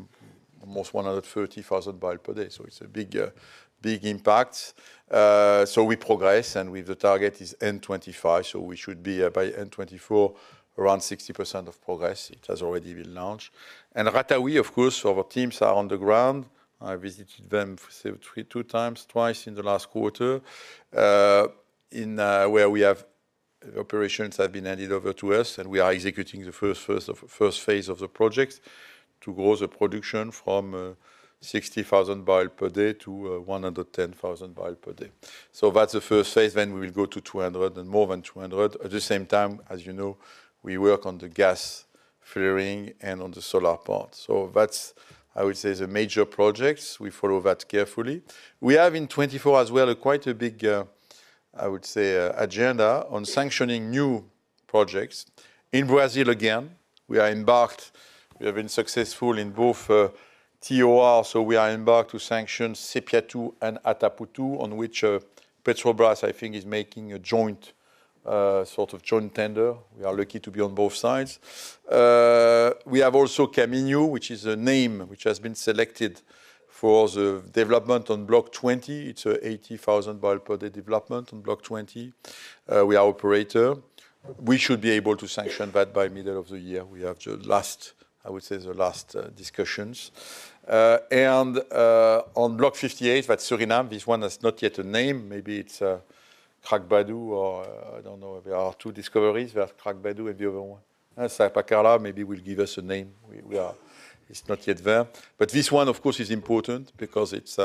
almost 130,000 barrel per day, so it's a big impact. So we progress, and with the target is end 2025, so we should be, by end 2024, around 60% of progress, it has already been launched. And Ratawi, of course, our teams are on the ground. I visited them twice in the last quarter, where we have operations have been handed over to us, and we are executing the first phase of the project to grow the production from 60,000 barrel per day to 110,000 barrel per day. So that's the first phase, then we will go to 200 and more than 200. At the same time, as you know, we work on the gas flaring and on the solar part. So that's, I would say, the major projects. We follow that carefully. We have in 2024 as well, quite a big, I would say, agenda on sanctioning new projects. In Brazil again, we are embarked—we have been successful in both tenders, so we are embarked to sanction Sépia 2 and Atapu 2, on which, Petrobras, I think, is making a joint, sort of joint tender. We are lucky to be on both sides. We have also Kaminho, which is a name which has been selected for the development on Block 31. It's a 80,000 barrels per day development on Block 31. We are operator. We should be able to sanction that by middle of the year. We have the last, I would say, the last discussions. And on Block 58, that Suriname, this one has not yet a name. Maybe it's Krabdagu or I don't know. There are two discoveries. We have Krabdagu and the other one, Sapakara, maybe will give us a name. We, we are- it's not yet there. But this one, of course, is important because it's,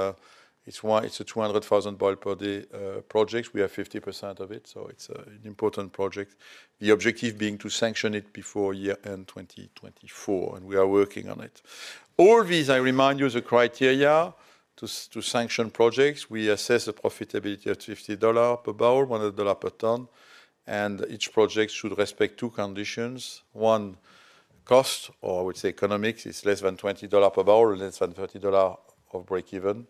it's one-- it's a 200,000 barrel per day project. We have 50% of it, so it's an important project. The objective being to sanction it before year-end 2024, and we are working on it. All these, I remind you, the criteria to sanction projects, we assess the profitability at $50 per barrel, $100 per ton, and each project should respect two conditions. One, cost, or I would say economics, is less than $20 per barrel and less than $30 of breakeven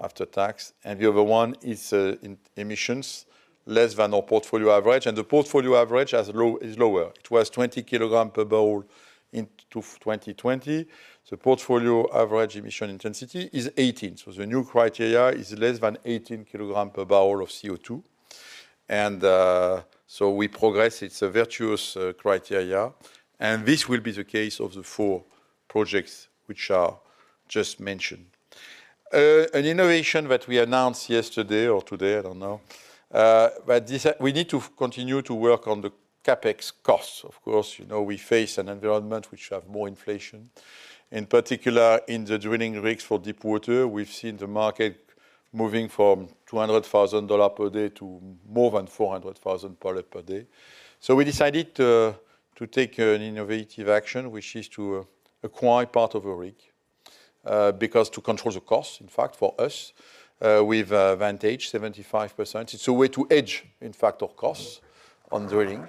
after tax. And the other one is emissions, less than our portfolio average, and the portfolio average has low, is lower. It was 20 kg per barrel in 2020. The portfolio average emission intensity is 18. So the new criteria is less than 18 kg per barrel of CO2. And so we progress. It's a virtuous criteria, and this will be the case of the four projects which are just mentioned. An innovation that we announced yesterday or today, I don't know, but this—we need to continue to work on the CapEx costs. Of course, you know, we face an environment which have more inflation, in particular in the drilling rigs for deepwater. We've seen the market moving from $200,000 per day to more than $400,000 per day. So we decided to take an innovative action, which is to acquire part of a rig, because to control the costs, in fact, for us, we've Vantage 75%. It's a way to hedge, in fact, our costs on drilling.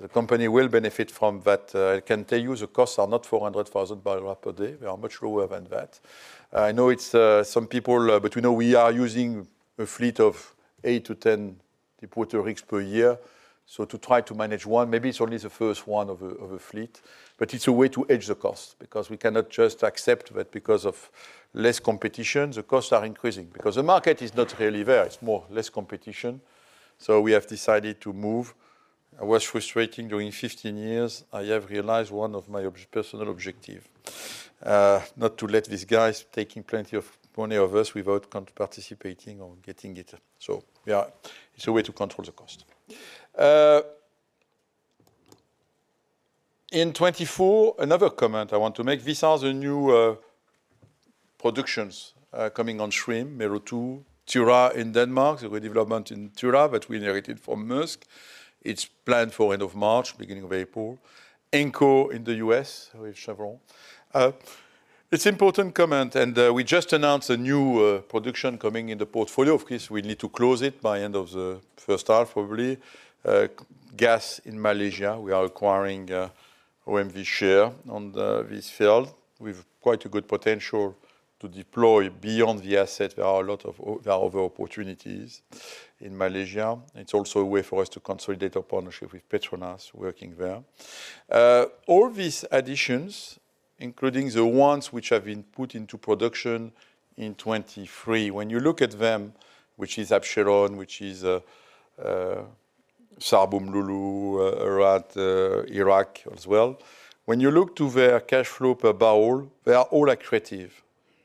The company will benefit from that. I can tell you the costs are not $400,000 per day. They are much lower than that. I know it's some people... But we know we are using a fleet of 8-10 deepwater rigs per year, so to try to manage one, maybe it's only the first one of a fleet, but it's a way to hedge the cost because we cannot just accept that because of less competition, the costs are increasing, because the market is not really there. It's more less competition. So we have decided to move. I was frustrating during 15 years. I have realized one of my personal objective, not to let these guys taking plenty of money of us without participating or getting it. So yeah, it's a way to control the cost. In 2024, another comment I want to make, these are the new productions coming on stream, Mero-2, Tyra in Denmark, the development in Tyra, which we inherited from Maersk. It's planned for end of March, beginning of April. Anchor in the US, with Chevron. It's an important comment, and we just announced a new production coming in the portfolio. Of course, we need to close it by end of the first half, probably. Gas in Malaysia, we are acquiring OMV's share in this field. We have quite a good potential to deploy beyond the asset. There are a lot of other opportunities in Malaysia. It's also a way for us to consolidate our partnership with Petronas, working there. All these additions, including the ones which have been put into production in 2023, when you look at them, which is Absheron, which is Sarb and Umm Lulu, Ratawi, Iraq as well. When you look to their cash flow per barrel, they are all accretive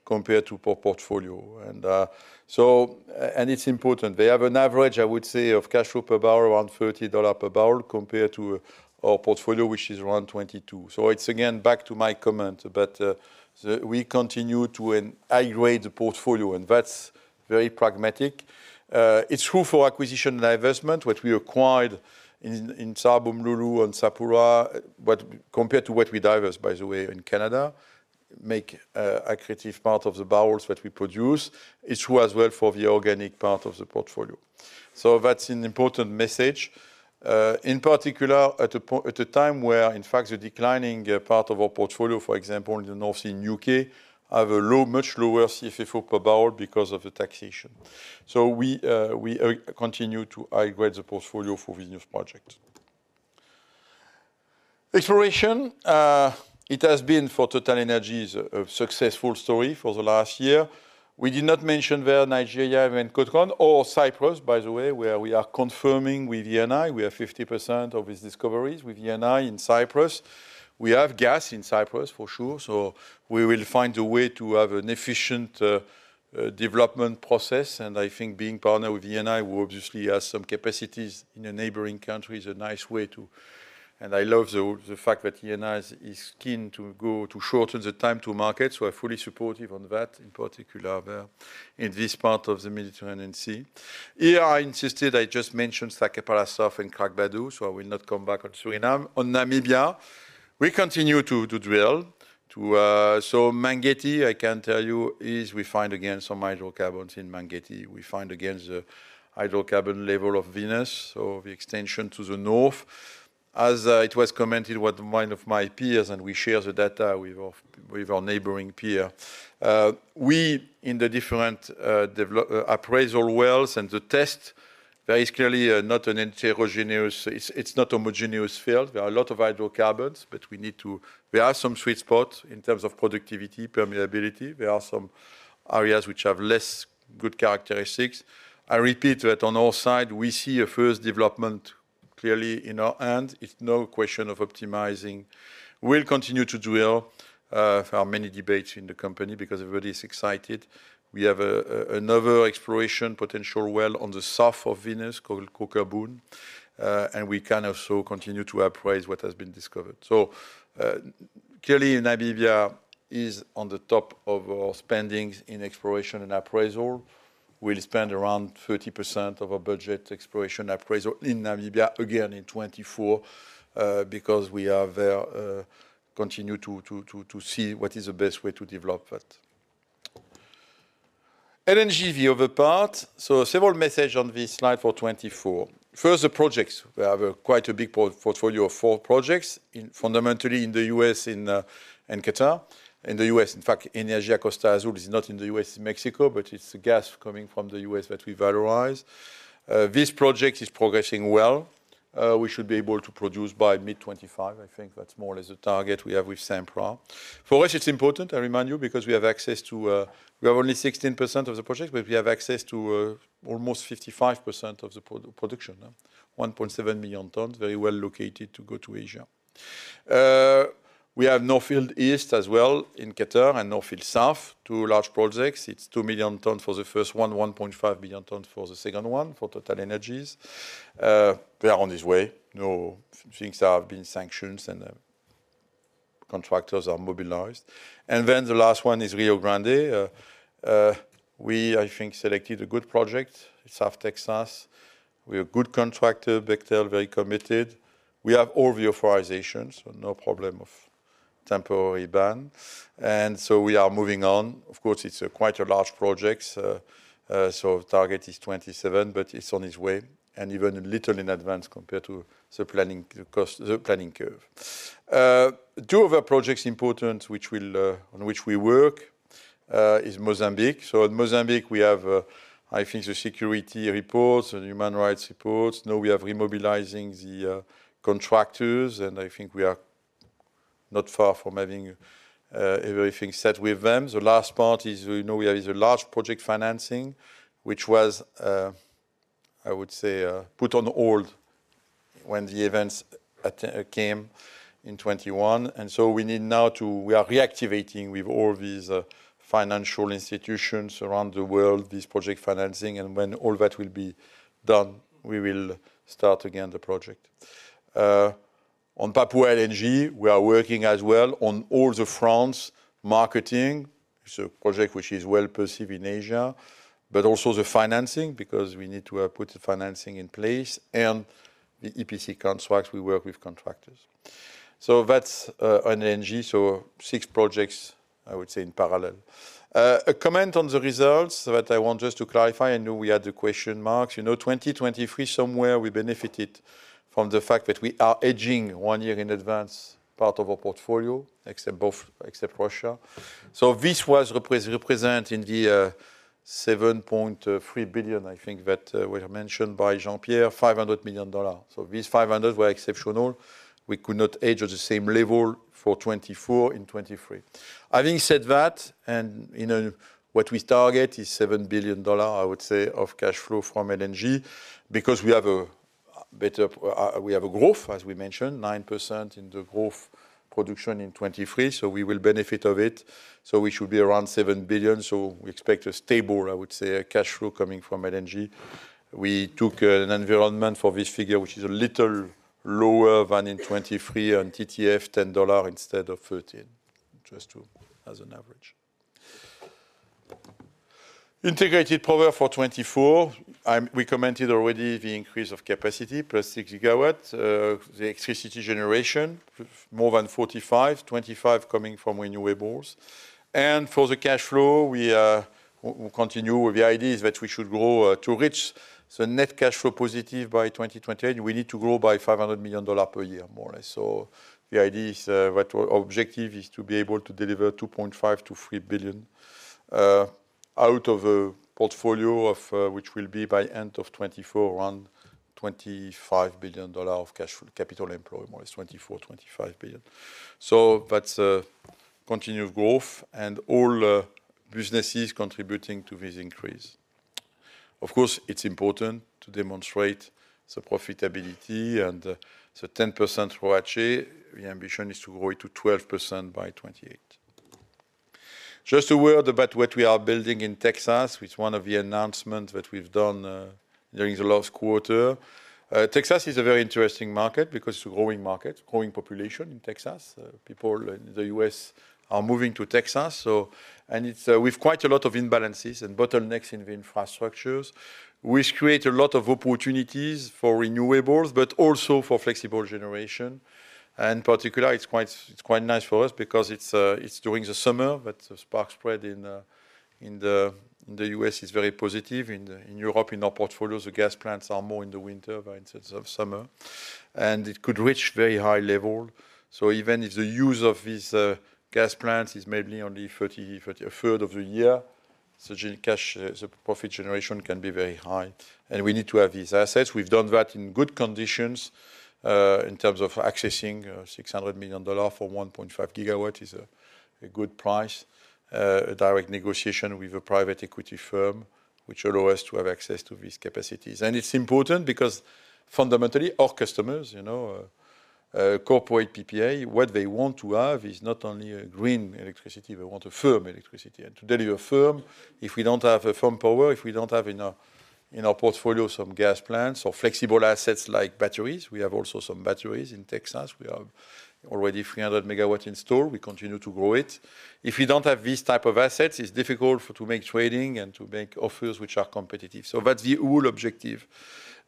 compared to our portfolio. It's important. They have an average, I would say, of cash flow per barrel around $30 per barrel, compared to our portfolio, which is around $22. So it's again back to my comment, but we continue to high-grade the portfolio, and that's very pragmatic. It's true for acquisition and divestment, which we acquired in Sarb and Umm Lulu and Sapakara, but compared to what we divest, by the way, in Canada, make accretive part of the barrels that we produce. It's true as well for the organic part of the portfolio. So that's an important message, in particular, at a time where, in fact, the declining part of our portfolio, for example, in the North Sea and UK, have a much lower CFFO per barrel because of the taxation. So we continue to high-grade the portfolio for business project. Exploration, it has been, for TotalEnergies, a successful story for the last year. We did not mention there Nigeria and Cotton or Cyprus, by the way, where we are confirming with ENI, we have 50% of its discoveries with ENI in Cyprus. We have gas in Cyprus, for sure, so we will find a way to have an efficient development process, and I think being partnered with ENI, who obviously has some capacities in the neighboring country, is a nice way to... And I love the fact that ENI is keen to go to shorten the time to market, so we're fully supportive on that, in particular, there in this part of the Mediterranean Sea. Here, I insisted, I just mentioned Sapakara and Krabdagu, so I will not come back on Suriname. On Namibia, we continue to drill. So Mangetti, I can tell you, we find again some hydrocarbons in Mangetti. We find again the hydrocarbon level of Venus, so the extension to the north, as it was commented with one of my peers, and we share the data with our neighboring peer. We, in the different development appraisal wells and the test, very clearly, not a heterogeneous, it's not a homogeneous field. There are a lot of hydrocarbons, but we need to. There are some sweet spots in terms of productivity, permeability. There are some areas which have less good characteristics. I repeat that on all sides, we see a first development clearly in our hand. It's no question of optimizing. We'll continue to drill. There are many debates in the company because everybody is excited. We have another exploration potential well on the south of Venus, called Kokerboom, and we can also continue to appraise what has been discovered. So, clearly, Namibia is on the top of our spendings in exploration and appraisal. We'll spend around 30% of our budget exploration appraisal in Namibia again in 2024, because we are there, continue to see what is the best way to develop that. LNG, the other part. So several message on this slide for 2024. First, the projects. We have quite a big portfolio of four projects in, fundamentally in the U.S., in Qatar. In the US, in fact, in ECA Costa Azul is not in the US and Mexico, but it's gas coming from the US that we valorize. This project is progressing well. We should be able to produce by mid-2025. I think that's more or less the target we have with Sempra. For us, it's important, I remind you, because we have access to... We have only 16% of the project, but we have access to almost 55% of the production, huh? 1.7 million tons, very well located to go to Asia. We have North Field East as well in Qatar and North Field South, two large projects. It's 2 million tons for the first one, 1.5 million tons for the second one, for TotalEnergies. They are on his way. No, things have been sanctioned, and contractors are mobilized. And then the last one is Rio Grande. We, I think, selected a good project, South Texas. We have good contractor, Bechtel, very committed. We have all the authorizations, so no problem of temporary ban. And so we are moving on. Of course, it's a quite a large project, so target is 2027, but it's on its way, and even a little in advance compared to the planning cost, the planning curve. Two other projects important, which we'll, on which we work, is Mozambique. So in Mozambique, we have, I think the security reports and human rights reports. Now, we have remobilizing the contractors, and I think we are not far from having everything set with them. The last part is, you know, there is a large project financing, which was, I would say, put on hold when the events that came in 2021, and so we need now to. We are reactivating with all these financial institutions around the world, this project financing, and when all that will be done, we will start again the project. On Papua LNG, we are working as well on all the fronts, marketing, so project which is well perceived in Asia, but also the financing, because we need to put the financing in place and the EPC contracts, we work with contractors. So that's on LNG, so six projects, I would say, in parallel. A comment on the results that I want just to clarify, I know we had the question marks. You know, 2023, somewhere, we benefited from the fact that we are hedging one year in advance part of our portfolio, except both, except Russia. So this was represent in the seven point three billion, I think, that were mentioned by Jean-Pierre, $500 million. So these five hundred were exceptional. We could not hedge at the same level for 2024 and 2023. Having said that, and you know, what we target is $7 billion, I would say, of cash flow from LNG, because we have a better, we have a growth, as we mentioned, 9% in the growth production in 2023, so we will benefit of it. So we should be around $7 billion, so we expect a stable, I would say, a cash flow coming from LNG. We took an environment for this figure, which is a little lower than in 2023 on TTF, $10 instead of 13, just to as an average. Integrated power for 2024, we commented already the increase of capacity, +6 GW, the electricity generation, more than 45, 25 coming from renewables. And for the cash flow, we will continue with the ideas that we should grow to reach the net cash flow positive by 2028. We need to grow by $500 million per year, more or less. So the idea is that our objective is to be able to deliver $2.5 billion-$3 billion out of a portfolio of which will be by end of 2024, around $25 billion of capital employment, more or less $24 billion-$25 billion. So that's a continued growth and all, businesses contributing to this increase. Of course, it's important to demonstrate the profitability and the 10% ROACE. The ambition is to grow it to 12% by 2028. Just a word about what we are building in Texas, which one of the announcements that we've done during the last quarter. Texas is a very interesting market because it's a growing market, growing population in Texas. People in the US are moving to Texas, so, and it's with quite a lot of imbalances and bottlenecks in the infrastructures, which create a lot of opportunities for renewables, but also for flexible generation. And in particular, it's quite, it's quite nice for us because it's during the summer that the spark spread in the US is very positive. In Europe, in our portfolios, the gas plants are more in the winter, but instead of summer. And it could reach very high level. So even if the use of these gas plants is maybe only 30, a third of the year, so the cash, the profit generation can be very high, and we need to have these assets. We've done that in good conditions, in terms of accessing $600 million for 1.5 GW is a good price. A direct negotiation with a private equity firm, which allow us to have access to these capacities. And it's important because fundamentally, our customers, you know, corporate PPA, what they want to have is not only a green electricity, they want a firm electricity. To deliver firm, if we don't have a firm power, if we don't have in our, in our portfolio some gas plants or flexible assets like batteries, we have also some batteries in Texas. We have already 300 MW in store. We continue to grow it. If we don't have these type of assets, it's difficult to make trading and to make offers which are competitive. So that's the whole objective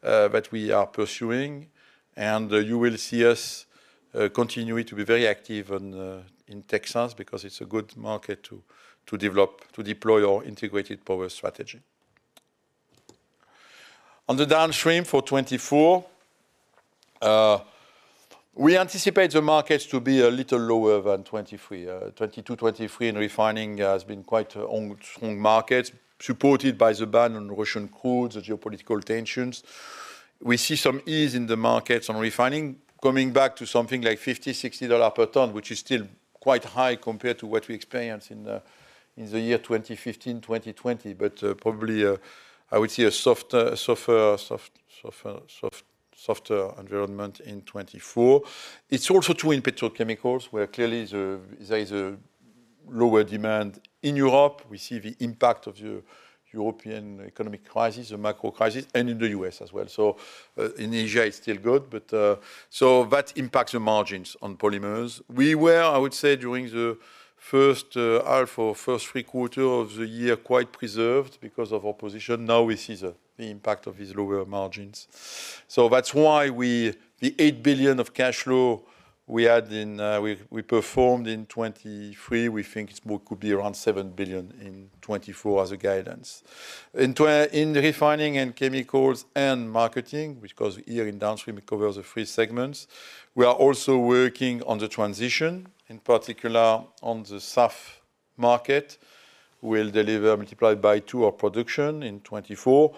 that we are pursuing, and you will see us continuing to be very active on in Texas because it's a good market to develop, to deploy our integrated power strategy. On the downstream for 2024, we anticipate the markets to be a little lower than 2023. 2022, 2023 in refining has been quite a strong market, supported by the ban on Russian crude, the geopolitical tensions. We see some ease in the markets on refining, coming back to something like $50-$60 per ton, which is still quite high compared to what we experienced in the year 2015, 2020. But probably I would see a softer environment in 2024. It's also true in petrochemicals, where clearly there is a lower demand. In Europe, we see the impact of the European economic crisis, the macro crisis, and in the US as well. So in Asia, it's still good, but so that impacts the margins on polymers. We were, I would say, during the first half or first three quarter of the year, quite preserved because of our position. Now we see the impact of these lower margins. So that's why the $8 billion of cash flow we had in 2023 we performed in 2023, we think it could be around $7 billion in 2024 as a guidance. In refining and chemicals and marketing, because here in downstream, it covers the three segments. We are also working on the transition, in particular on the SAF market. We'll deliver, multiplied by two, our production in 2024.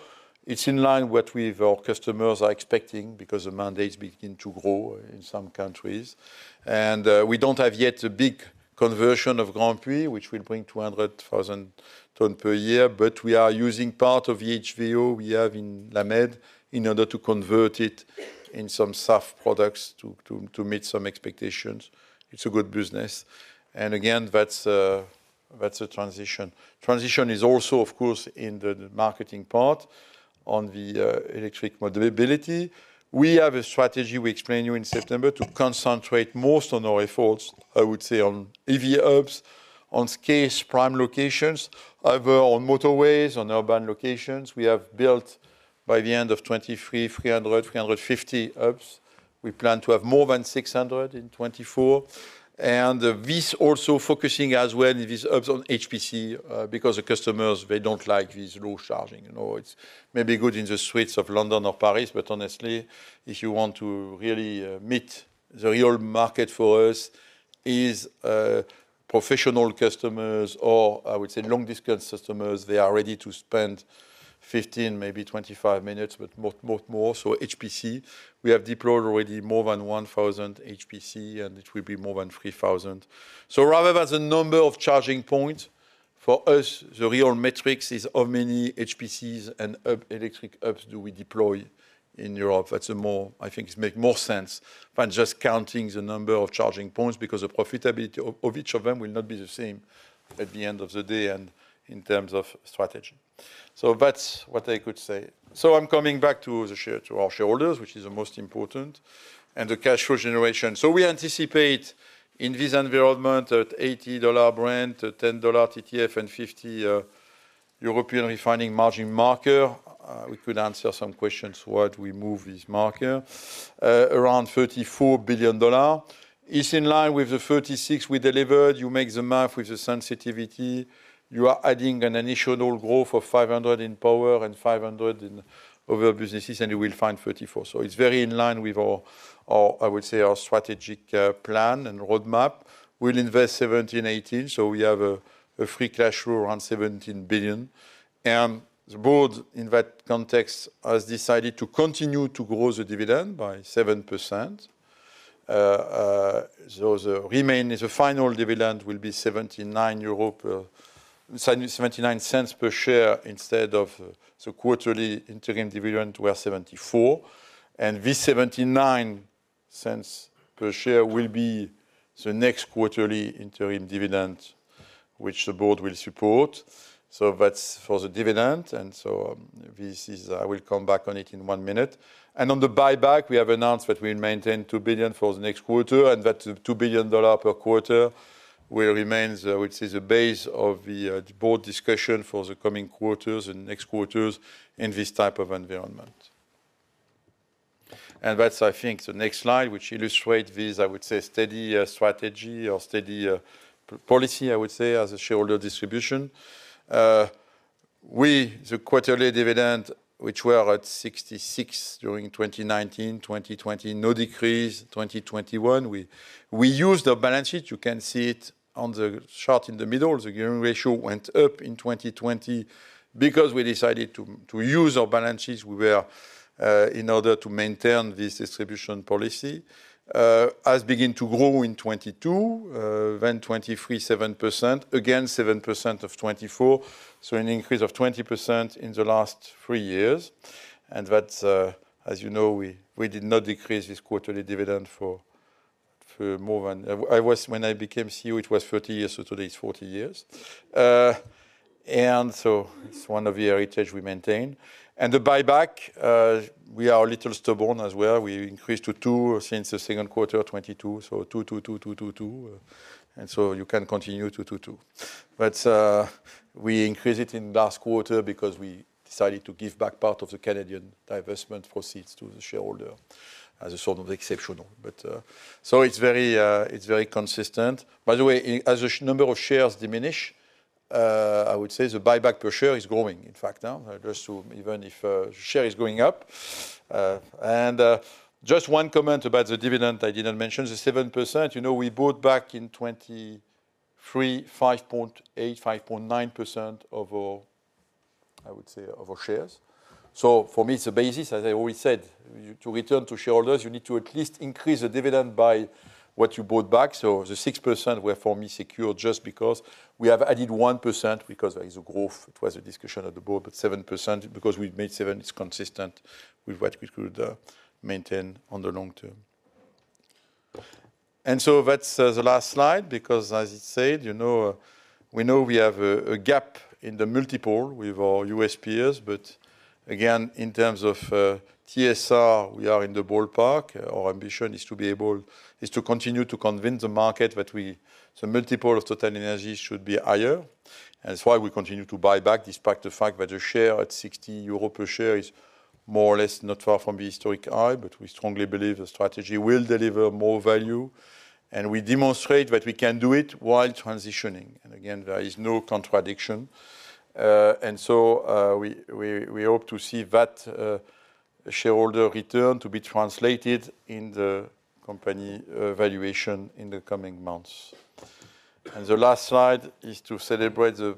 It's in line what we've our customers are expecting because the mandates begin to grow in some countries. And we don't have yet a big conversion of Grandpuits, which will bring 200,000 tons per year, but we are using part of HVO we have in La Mède in order to convert it in some SAF products to meet some expectations. It's a good business. And again, that's a transition. Transition is also, of course, in the marketing part on the electric mobility. We have a strategy we explained you in September to concentrate most on our efforts, I would say, on EV hubs, on case prime locations, either on motorways, on urban locations. We have built, by the end of 2023, 350 hubs. We plan to have more than 600 in 2024. And this also focusing as well, these hubs on HPC, because the customers, they don't like this low charging. You know, it's maybe good in the streets of London or Paris, but honestly, if you want to really meet the real market for us is professional customers or I would say long-distance customers. They are ready to spend 15, maybe 25 minutes, but more, more, more. So HPC, we have deployed already more than 1,000 HPC, and it will be more than 3,000. So rather than the number of charging points, for us, the real metrics is how many HPCs and hub, electric hubs do we deploy in Europe? That's a more... I think it makes more sense than just counting the number of charging points, because the profitability of, of each of them will not be the same at the end of the day and in terms of strategy. So that's what I could say. So I'm coming back to the share, to our shareholders, which is the most important, and the cash flow generation. So we anticipate in this environment, at $80 Brent, $10 TTF, and $50 European refining margin marker, we could answer some questions while we move this marker. Around $34 billion is in line with the 36 we delivered. You make the math with the sensitivity, you are adding an additional growth of $500 million in power and $500 million in other businesses, and you will find $34 billion. So it's very in line with our, our, I would say, our strategic plan and roadmap. We'll invest $17 billion-$18 billion, so we have a free cash flow around $17 billion. And the board, in that context, has decided to continue to grow the dividend by 7%. So the remain is the final dividend will be 0.79 per share instead of the quarterly interim dividend were 74. And this EUR 0.79 per share will be the next quarterly interim dividend, which the board will support. So that's for the dividend, and so, this is, I will come back on it in one minute. And on the buyback, we have announced that we maintain $2 billion for the next quarter, and that $2 billion per quarter will remain the, which is the base of the, board discussion for the coming quarters and next quarters in this type of environment. And that's, I think, the next slide, which illustrate this, I would say, steady, strategy or steady, policy, I would say, as a shareholder distribution. We, the quarterly dividend, which were at 0.66 during 2019, 2020, no decrease. 2021, we, we used our balance sheet. You can see it on the chart in the middle. The gearing ratio went up in 2020 because we decided to, to use our balance sheets. We were in order to maintain this distribution policy has begin to grow in 2022, then 2023, 7%. Again, 7% of 2024, so an increase of 20% in the last three years. As you know, we did not decrease this quarterly dividend for more than 30 years. When I became CEO, it was 30 years, so today it's 40 years. So it's one of the heritage we maintain. The buyback, we are a little stubborn as well. We increased to two since the second quarter of 2022, so two, two, two, two, two, two. So you can continue two, two, two. But we increase it in last quarter because we decided to give back part of the Canadian divestment proceeds to the shareholder as a sort of exceptional. But, so it's very, it's very consistent. By the way, as the number of shares diminish, I would say the buyback per share is growing, in fact, now, just to even if share is going up. And, just one comment about the dividend I didn't mention, the 7%. You know, we bought back in 2023, 5.8%-5.9% of our, I would say, of our shares. So for me, it's a basis. As I always said, you, to return to shareholders, you need to at least increase the dividend by what you bought back. So the 6% were, for me, secure just because we have added 1%, because there is a growth. It was a discussion at the board, but 7%, because we've made 7%, it's consistent with what we could maintain on the long term. And so that's the last slide, because as I said, you know, we know we have a gap in the multiple with our US peers, but again, in terms of TSR, we are in the ballpark. Our ambition is to be able- is to continue to convince the market that we... the multiple of TotalEnergies should be higher. And that's why we continue to buy back, despite the fact that the share at 60 euro per share is more or less not far from the historic high. But we strongly believe the strategy will deliver more value, and we demonstrate that we can do it while transitioning. And again, there is no contradiction. And so, we hope to see that shareholder return to be translated in the company valuation in the coming months. And the last slide is to celebrate the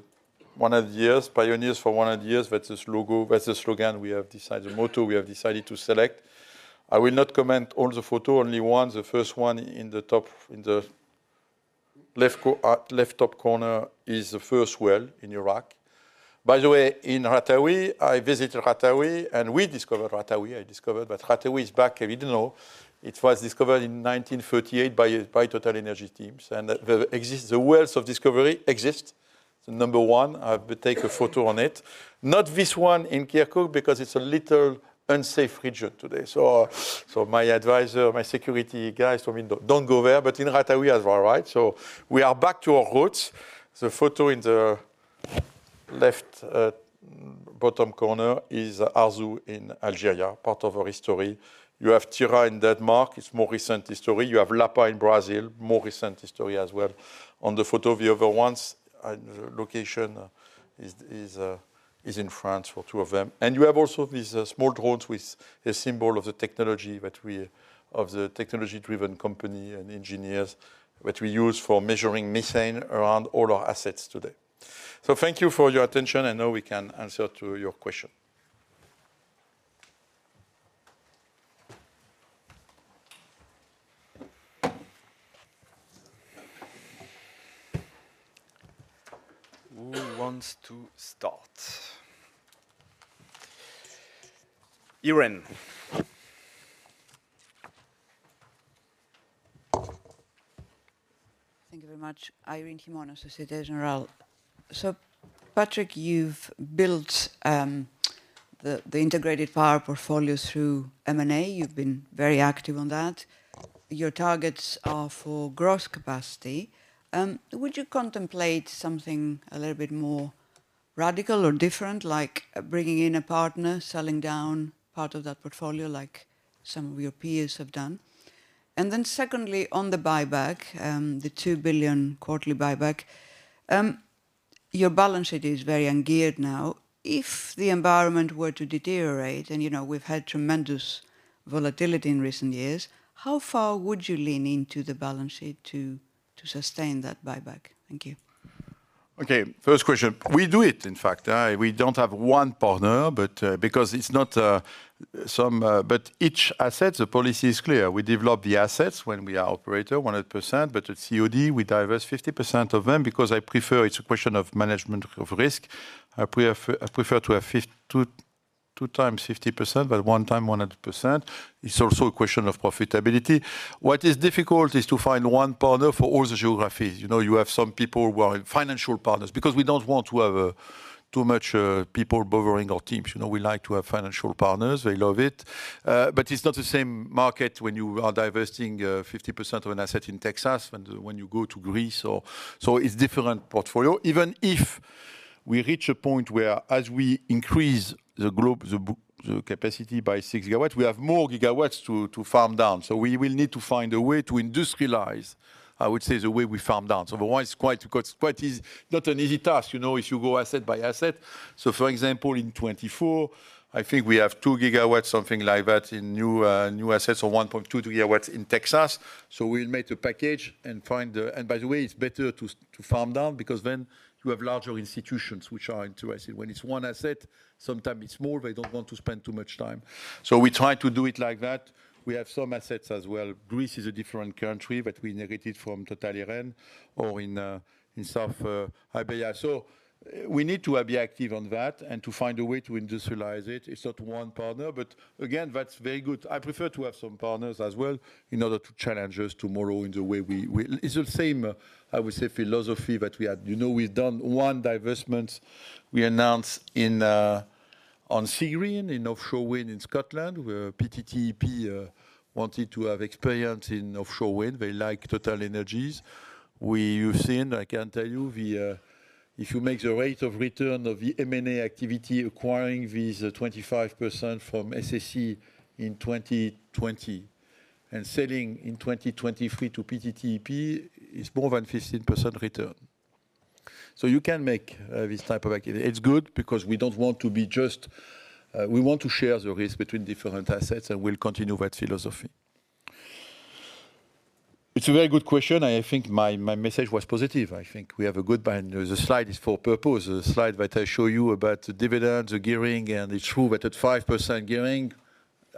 100 years, pioneers for 100 years. That's the logo, that's the slogan we have decided, the motto we have decided to select. I will not comment all the photo, only one. The first one in the top, in the left top corner is the first well in Iraq. By the way, in Ratawi, I visited Ratawi, and we discovered Ratawi. I discovered, but Ratawi is back, if you didn't know. It was discovered in 1938 by TotalEnergies teams, and the wells of discovery exist. The number one, I take a photo on it. Not this one in Kirkuk, because it's a little unsafe region today. So, my advisor, my security guy told me, "Don't, don't go there," but in Ratawi, I was all right. So we are back to our roots. The photo in the left, bottom corner is Arzew in Algeria, part of our history. You have Tyra in Denmark. It's more recent history. You have Lapa in Brazil, more recent history as well. On the photo, the other ones, location is in France for two of them. And you have also these, small drones with a symbol of the technology of the technology-driven company and engineers, what we use for measuring methane around all our assets today. So thank you for your attention, and now we can answer to your question. Who wants to start? Irene. Thank you very much. Irene Himona, Société Générale. So, Patrick, you've built the integrated power portfolio through M&A. You've been very active on that. Your targets are for gross capacity. Would you contemplate something a little bit more radical or different, like bringing in a partner, selling down part of that portfolio, like some of your peers have done? And then secondly, on the buyback, the $2 billion quarterly buyback, your balance sheet is very ungeared now. If the environment were to deteriorate, and you know, we've had tremendous volatility in recent years, how far would you lean into the balance sheet to sustain that buyback? Thank you. Okay, first question. We do it, in fact, we don't have one partner, but, because it's not, some... But each asset, the policy is clear. We develop the assets when we are operator 100%, but at COD, we divest 50% of them because I prefer it's a question of management of risk. We have, I prefer to have two times 50%, but one time 100%. It's also a question of profitability. What is difficult is to find one partner for all the geographies. You know, you have some people who are financial partners, because we don't want to have too much people bothering our teams. You know, we like to have financial partners, they love it. But it's not the same market when you are divesting 50% of an asset in Texas and when you go to Greece, so it's a different portfolio. Even if we reach a point where as we increase the group, the capacity by 6 GW, we have more gigawatts to farm down. So we will need to find a way to industrialize, I would say, the way we farm down. So otherwise, it's not an easy task, you know, if you go asset by asset. So for example, in 2024, I think we have 2 GW, something like that, in new assets or 1.2 GW in Texas. So we'll make a package and find the and by the way, it's better to farm down because then you have larger institutions which are interested. When it's one asset, sometimes it's small, they don't want to spend too much time. So we try to do it like that. We have some assets as well. Greece is a different country, but we inherited from Total, or in South Iberia. So we need to be active on that and to find a way to industrialize it. It's not one partner, but again, that's very good. I prefer to have some partners as well in order to challenge us tomorrow in the way we, we... It's the same, I would say, philosophy that we had. You know, we've done one divestment. We announced in, on Seagreen, in offshore wind in Scotland, where PTTEP wanted to have experience in offshore wind. They like TotalEnergies. We. You've seen, I can tell you, the... If you make the rate of return of the M&A activity, acquiring these 25% from SSE in 2020, and selling in 2023 to PTTEP, is more than 15% return. So you can make this type of activity. It's good because we don't want to be just. We want to share the risk between different assets, and we'll continue that philosophy. It's a very good question, and I think my, my message was positive. I think we have a good buy, and the slide is for purpose. The slide that I show you about the dividend, the gearing, and it's true that at 5% gearing,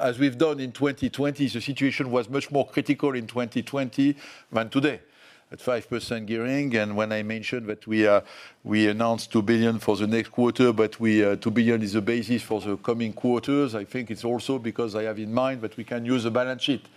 as we've done in 2020, the situation was much more critical in 2020 than today. At 5% gearing, and when I mentioned that we announced $2 billion for the next quarter, but we, $2 billion is the basis for the coming quarters. I think it's also because I have in mind that we can use the balance sheet.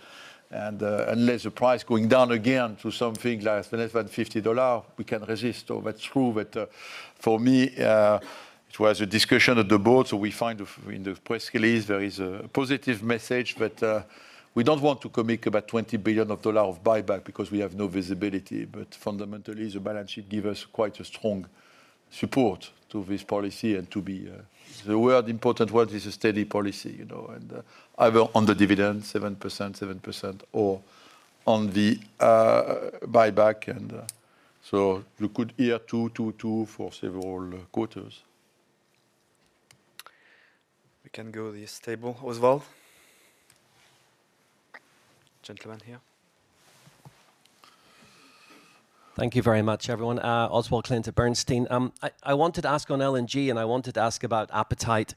And, unless the price going down again to something like less than $50, we can resist. Oh, that's true, but, for me, it was a discussion of the board, so we find in the press release, there is a positive message, but, we don't want to commit about $20 billion of buyback because we have no visibility. But fundamentally, the balance sheet give us quite a strong support to this policy and to be... The word, important word is a steady policy, you know, and either on the dividend, 7%, 7%, or on the buyback. And so you could hear two, two, two for several quarters. We can go to this table as well. Gentlemen here. Thank you very much, everyone. Oswald Clint at Bernstein. I wanted to ask on LNG, and I wanted to ask about appetite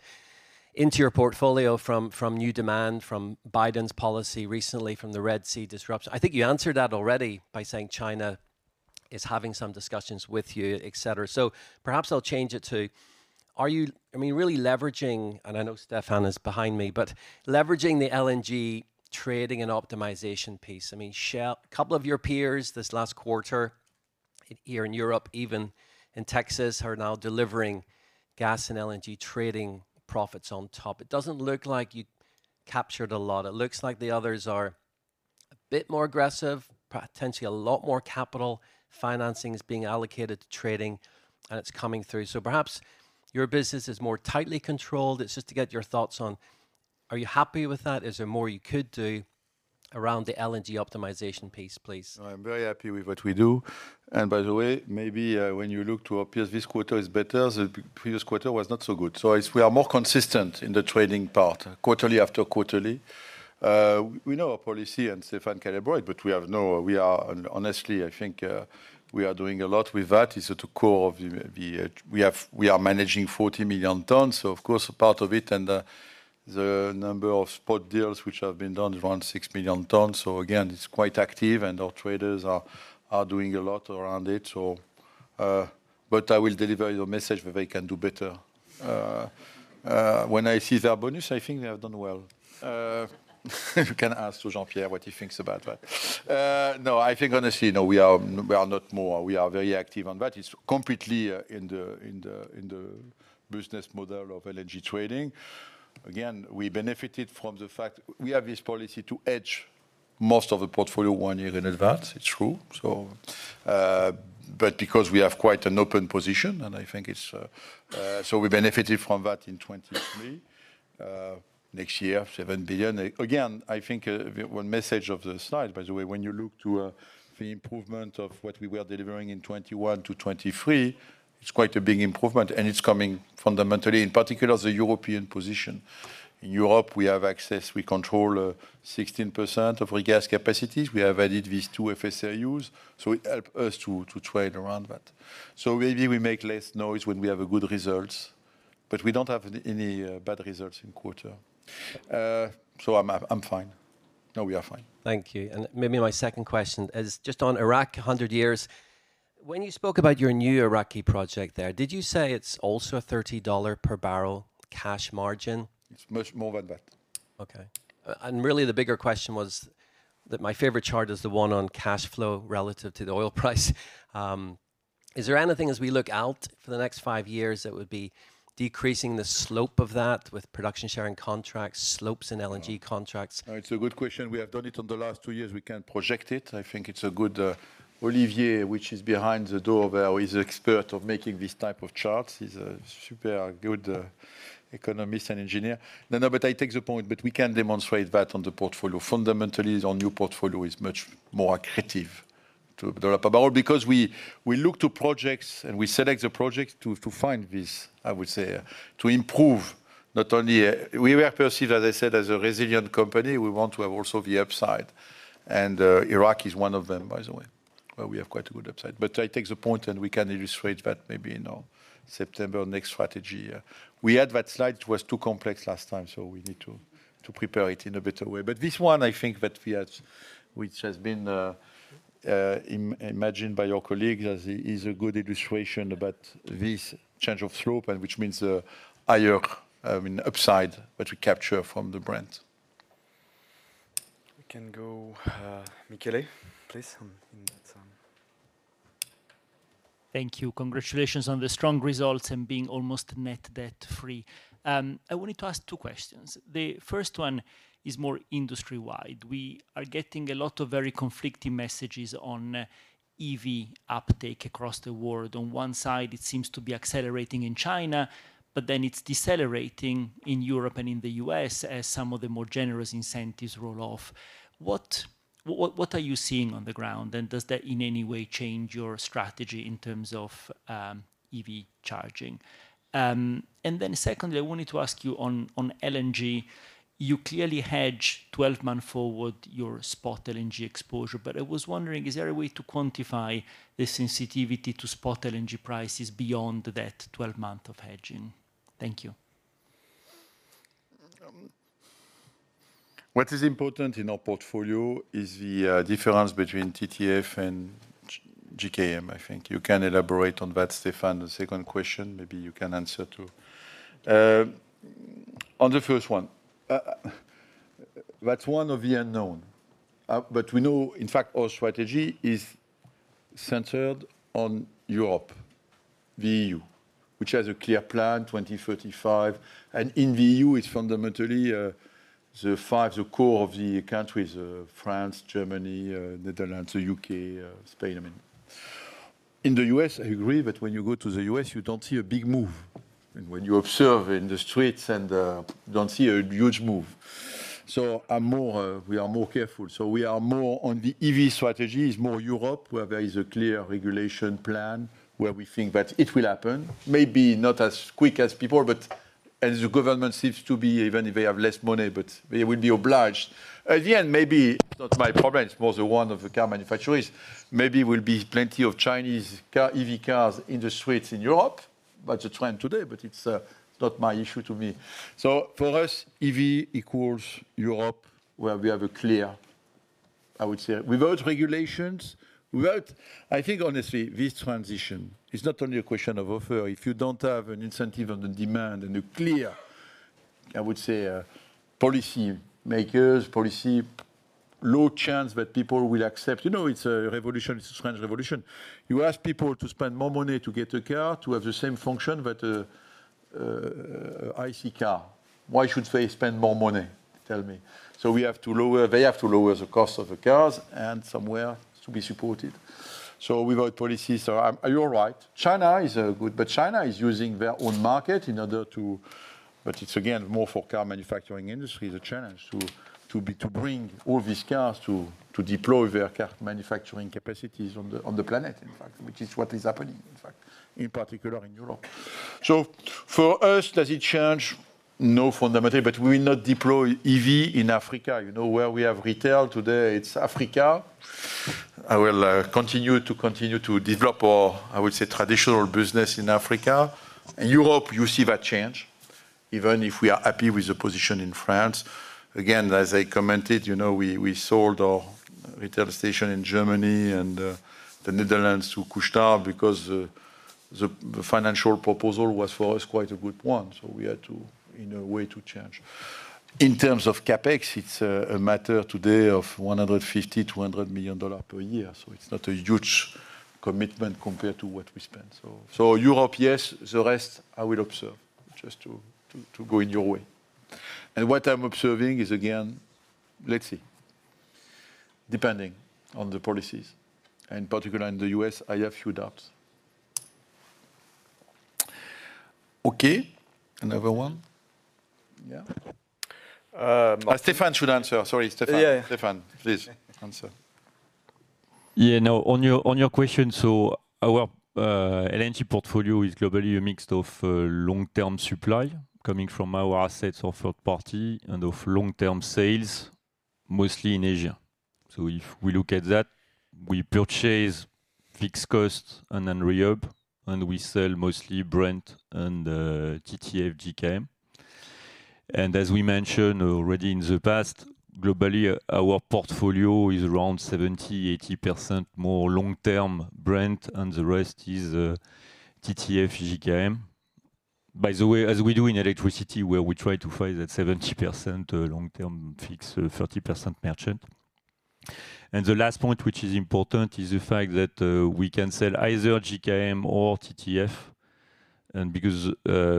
into your portfolio from new demand, from Biden's policy recently, from the Red Sea disruption. I think you answered that already by saying China is having some discussions with you, et cetera. So perhaps I'll change it to: are you, I mean, really leveraging, and I know Stephane is behind me, but leveraging the LNG trading and optimization piece? I mean, Shell, a couple of your peers this last quarter here in Europe, even in Texas, are now delivering gas and LNG trading profits on top. It doesn't look like you captured a lot. It looks like the others are a bit more aggressive, potentially a lot more capital financing is being allocated to trading, and it's coming through. Perhaps your business is more tightly controlled. It's just to get your thoughts on, are you happy with that? Is there more you could do around the LNG optimization piece, please? I'm very happy with what we do. By the way, maybe when you look to our peers, this quarter is better. The previous quarter was not so good. So it's we are more consistent in the trading part, quarterly after quarterly. We know our policy, and Stephane can elaborate, but we have no we are, honestly, I think, we are doing a lot with that. It's at the core of the, the... We have we are managing 40 million tons, so of course, a part of it, and the number of spot deals which have been done is around 6 million tons. So again, it's quite active, and our traders are doing a lot around it. So, but I will deliver your message that they can do better. When I see their bonus, I think they have done well. You can ask Jean-Pierre what he thinks about that. No, I think honestly, no, we are, we are not more. We are very active on that. It's completely in the business model of LNG trading. Again, we benefited from the fact we have this policy to hedge most of the portfolio one year in advance. It's true. So, but because we have quite an open position, and I think it's, so we benefited from that in 2023. Next year, $7 billion. Again, I think, one message of the slide, by the way, when you look to the improvement of what we were delivering in 2021 to 2023, it's quite a big improvement, and it's coming fundamentally, in particular, the European position. In Europe, we have access, we control, 16% of regas capacities. We have added these two FSRUs, so it help us to trade around that. So maybe we make less noise when we have a good results, but we don't have any bad results in quarter. So I'm fine. No, we are fine. Thank you. Maybe my second question is just on Iraq, 100 years. ... when you spoke about your new Iraqi project there, did you say it's also a $30 per barrel cash margin? It's much more than that. Okay. Really, the bigger question was that my favorite chart is the one on cash flow relative to the oil price. Is there anything, as we look out for the next five years, that would be decreasing the slope of that with production sharing contracts, slopes, and LNG contracts? No, it's a good question. We have done it on the last two years. We can project it. I think it's a good, Olivier, which is behind the door there, he's expert of making this type of charts. He's a super good economist and engineer. No, no, but I take the point, but we can demonstrate that on the portfolio. Fundamentally, our new portfolio is much more accretive to develop about because we, we look to projects and we select the projects to, to find this, I would say, to improve not only-- we were perceived, as I said, as a resilient company. We want to have also the upside, and Iraq is one of them, by the way, where we have quite a good upside. But I take the point, and we can illustrate that maybe in our September next strategy. We had that slide. It was too complex last time, so we need to prepare it in a better way. But this one, I think that we have, which has been imagined by your colleagues, as is a good illustration about this change of slope and which means a higher, I mean, upside that we capture from the brand. We can go, Michele, please, on, in that. Thank you. Congratulations on the strong results and being almost net debt-free. I wanted to ask two questions. The first one is more industry-wide. We are getting a lot of very conflicting messages on EV uptake across the world. On one side, it seems to be accelerating in China, but then it's decelerating in Europe and in the US as some of the more generous incentives roll off. What are you seeing on the ground, and does that in any way change your strategy in terms of EV charging? And then secondly, I wanted to ask you on LNG. You clearly hedge twelve-month forward your spot LNG exposure, but I was wondering, is there a way to quantify the sensitivity to spot LNG prices beyond that twelve month of hedging? Thank you. What is important in our portfolio is the difference between TTF and GKM. I think you can elaborate on that, Stephane. The second question, maybe you can answer, too. On the first one, that's one of the unknown, but we know, in fact, our strategy is centered on Europe, the EU, which has a clear plan, 2035, and in the EU, it's fundamentally the five, the core of the countries, France, Germany, Netherlands, the U.K., Spain, I mean. In the U.S., I agree that when you go to the U.S., you don't see a big move. And when you observe in the streets and don't see a huge move. So I'm more, we are more careful. So we are more on the EV strategy, is more Europe, where there is a clear regulation plan, where we think that it will happen. Maybe not as quick as before, but as the government seems to be, even if they have less money, but they will be obliged. At the end, maybe not my problem, it's more the one of the car manufacturers. Maybe will be plenty of Chinese car, EV cars in the streets in Europe, that's the trend today, but it's, not my issue to me. So for us, EV equals Europe, where we have a clear, I would say, without regulations, without... I think honestly, this transition is not only a question of offer. If you don't have an incentive on the demand and a clear, I would say, a policy makers, policy, low chance that people will accept. You know, it's a revolution. It's a strange revolution. You ask people to spend more money to get a car, to have the same function, but an ICE car. Why should they spend more money? Tell me. So we have to lower, they have to lower the cost of the cars and somewhere to be supported. So without policies, so I'm, you're right. China is a good, but China is using their own market in order to... But it's again, more for car manufacturing industry, the challenge to, to be, to bring all these cars to, to deploy their car manufacturing capacities on the, on the planet, in fact, which is what is happening, in fact, in particular in Europe. So for us, does it change? No fundamentally, but we will not deploy EV in Africa. You know, where we have retail today, it's Africa. I will continue to develop our, I would say, traditional business in Africa. In Europe, you see that change, even if we are happy with the position in France. Again, as I commented, you know, we sold our retail station in Germany and the Netherlands to Couche-Tard because the financial proposal was, for us, quite a good one, so we had to, in a way, change. In terms of CapEx, it's a matter today of $150 million-$200 million per year, so it's not a huge commitment compared to what we spent. So Europe, yes, the rest, I will observe, just to go in your way. And what I'm observing is, again, let's see, depending on the policies, and particularly in the U.S., I have few doubts. Okay, another one? Yeah. Stephane should answer. Sorry, Stephane. Yeah. Stephane, please answer. Yeah, no, on your, on your question, so our LNG portfolio is globally a mix of long-term supply coming from our assets of third party and of long-term sales, mostly in Asia. So if we look at that, we purchase fixed cost and then reup, and we sell mostly Brent and TTF, GKM. ... and as we mentioned already in the past, globally, our portfolio is around 70%-80% more long-term Brent, and the rest is TTF GKM. By the way, as we do in electricity, where we try to find that 70% long-term fixed, so 30% merchant. And the last point, which is important, is the fact that we can sell either GKM or TTF, and because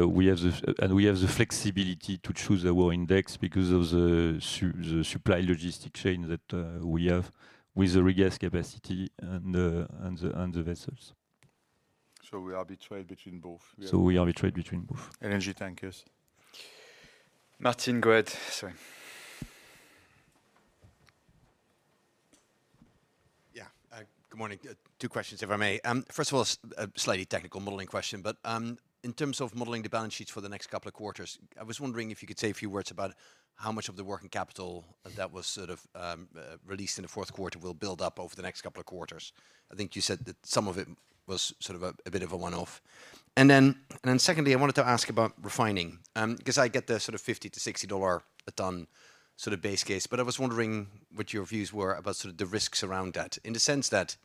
we have the flexibility to choose our index because of the supply logistics chain that we have with the regas capacity and the vessels. We arbitrate between both? We arbitrate between both. Energy tankers. Martin go ahead, sorry. Yeah. Good morning. Two questions, if I may. First of all, a slightly technical modeling question, but, in terms of modeling the balance sheets for the next couple of quarters, I was wondering if you could say a few words about how much of the working capital that was sort of released in the fourth quarter will build up over the next couple of quarters? I think you said that some of it was sort of a bit of a one-off. And then, and secondly, I wanted to ask about refining. 'Cause I get the sort of $50-$60 a ton sort of base case, but I was wondering what your views were about sort of the risks around that, in the sense that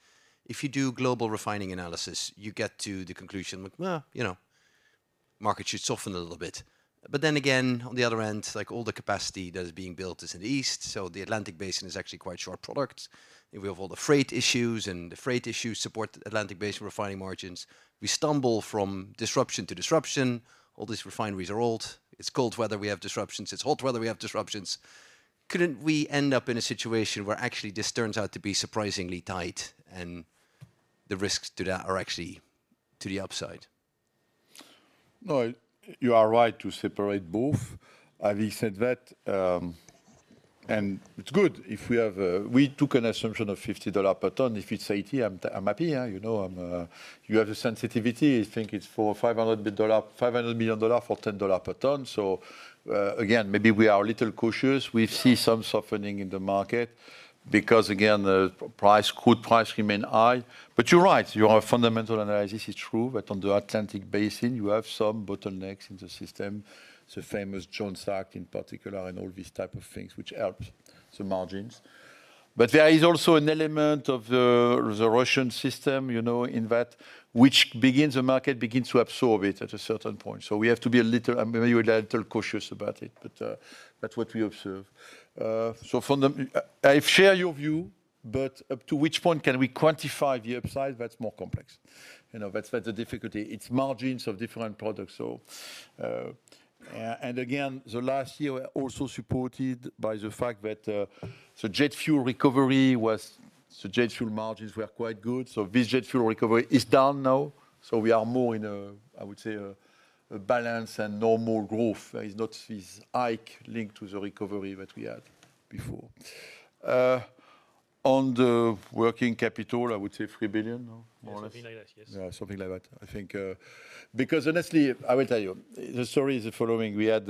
if you do global refining analysis, you get to the conclusion, like, well, you know, market should soften a little bit. But then again, on the other end, like all the capacity that is being built is in the east, so the Atlantic basin is actually quite short product. And we have all the freight issues, and the freight issues support Atlantic basin refining margins. We stumble from disruption to disruption. All these refineries are old. It's cold weather, we have disruptions. It's hot weather, we have disruptions. Couldn't we end up in a situation where actually this turns out to be surprisingly tight, and the risks to that are actually to the upside? No, you are right to separate both. Having said that, and it's good if we have. We took an assumption of $50 per ton. If it's 80, I'm happy, yeah, you know, you have the sensitivity. I think it's for $500 million for $10 per ton. So, again, maybe we are a little cautious. We see some softening in the market because, again, the price, crude price remain high. But you're right, your fundamental analysis is true, that on the Atlantic basin, you have some bottlenecks in the system, the famous Jones Act in particular, and all these type of things, which helps the margins. But there is also an element of the Russian system, you know, in that which begins, the market begins to absorb it at a certain point. So we have to be a little, maybe a little cautious about it, but, that's what we observe. So from the... I share your view, but up to which point can we quantify the upside? That's more complex. You know, that's, that's the difficulty. It's margins of different products. So, and again, the last year were also supported by the fact that, the jet fuel recovery was, the jet fuel margins were quite good, so this jet fuel recovery is down now. So we are more in a, I would say, a, a balance and normal growth. It's not this hike linked to the recovery that we had before. On the working capital, I would say $3 billion, no, more or less? Something like that, yes. Yeah, something like that. I think, because honestly, I will tell you, the story is the following: we had,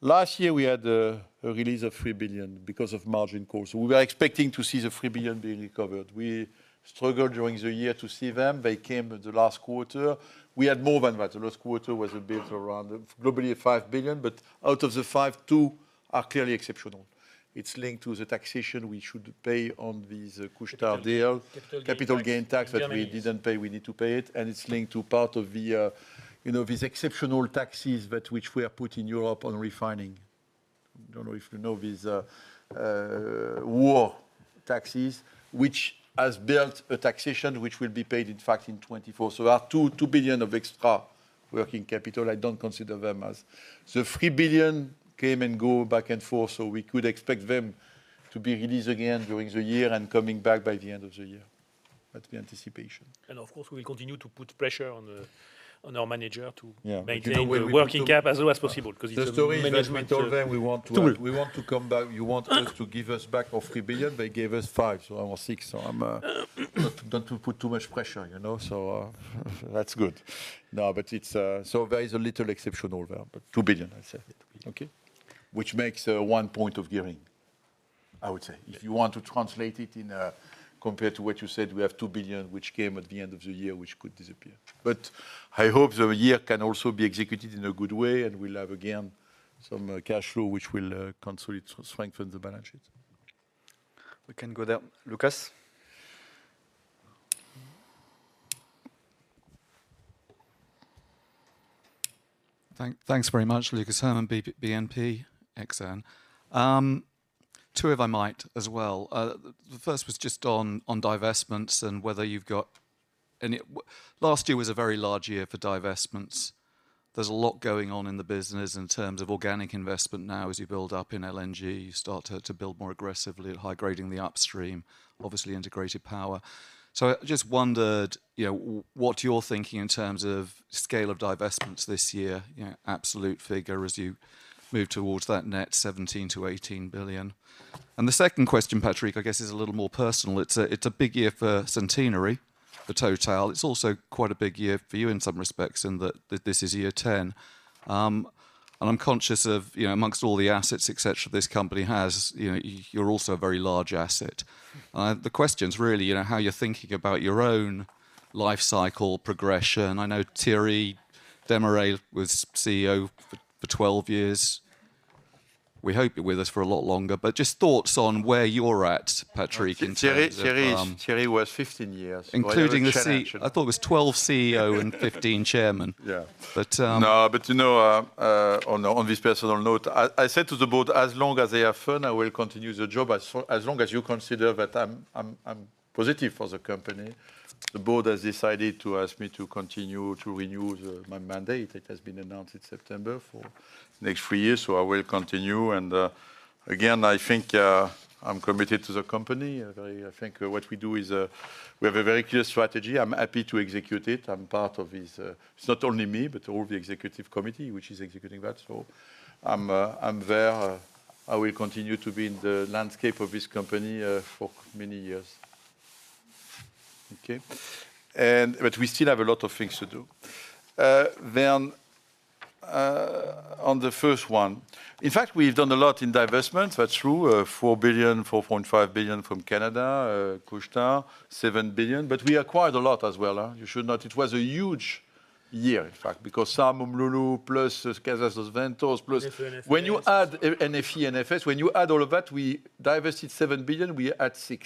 last year, we had, a release of $3 billion because of margin cost, so we were expecting to see the $3 billion being recovered. We struggled during the year to see them. They came at the last quarter. We had more than that. The last quarter was a bit around globally $5 billion, but out of the $5 billion, two are clearly exceptional. It's linked to the taxation we should pay on this Couche-Tard deal. Capital gain tax. Capital gain tax that we didn't pay, we need to pay it, and it's linked to part of the, you know, these exceptional taxes that which were put in Europe on refining. I don't know if you know, these, war taxes, which has built a taxation, which will be paid, in fact, in 2024. So there are $2 billion of extra working capital. I don't consider them as... The $3 billion came and go back and forth, so we could expect them to be released again during the year and coming back by the end of the year. That's the anticipation. Of course, we continue to put pressure on our manager to Yeah... maintain the working cap as low as possible, 'cause it- The story is, we told them we want to- Total... we want to come back. You want us to give us back our $3 billion. They gave us $5, or $6, so I'm not to put too much pressure, you know, so that's good. No, but it's so there is a little exceptional there, but $2 billion, I'd say. Okay? Which makes one point of gearing, I would say. If you want to translate it in a... compared to what you said, we have $2 billion, which came at the end of the year, which could disappear. But I hope the year can also be executed in a good way, and we'll have again some cash flow, which will consolidate, strengthen the balance sheet. We can go there, Lucas. Thanks very much. Lucas Herrmann, BNP Exane. Two, if I might as well. The first was just on divestments and whether you've got any. Last year was a very large year for divestments. There's a lot going on in the business in terms of organic investment now as you build up in LNG, you start to build more aggressively, high-grading the upstream, obviously integrated power. So I just wondered, you know, what you're thinking in terms of scale of divestments this year, you know, absolute figure as you move towards that net $17 billion-$18 billion. And the second question, Patrick, I guess is a little more personal. It's a big year for centenary for Total. It's also quite a big year for you in some respects, in that this is year ten. I'm conscious of, you know, amongst all the assets, et cetera, this company has, you know, you're also a very large asset. The question's really, you know, how you're thinking about your own life cycle progression. I know Thierry Desmarest was CEO for 12 years.... we hope you're with us for a lot longer, but just thoughts on where you're at, Patrick, in terms of, Thierry was 15 years. Including the C- Chairman. I thought it was 12 CEO and 15 chairman. Yeah. But, uh- No, but, you know, on this personal note, I said to the board, as long as they have fun, I will continue the job. As long as you consider that I'm positive for the company, the board has decided to ask me to continue to renew my mandate. It has been announced in September for next three years, so I will continue. And, again, I think, I'm committed to the company. I think what we do is, we have a very clear strategy. I'm happy to execute it. I'm part of this. It's not only me, but all the Executive Committee, which is executing that. So I'm there. I will continue to be in the landscape of this company, for many years. Okay. But we still have a lot of things to do. Then, on the first one, in fact, we've done a lot in divestment. That's true. $4 billion, $4.5 billion from Canada, Couche-Tard, $7 billion, but we acquired a lot as well, huh? You should note it was a huge year, in fact, because Sarb and Umm Lulu plus Casa dos Ventos, plus- NFE, NFS. When you add NFE, NFS, when you add all of that, we divested $7 billion, we add $6 billion.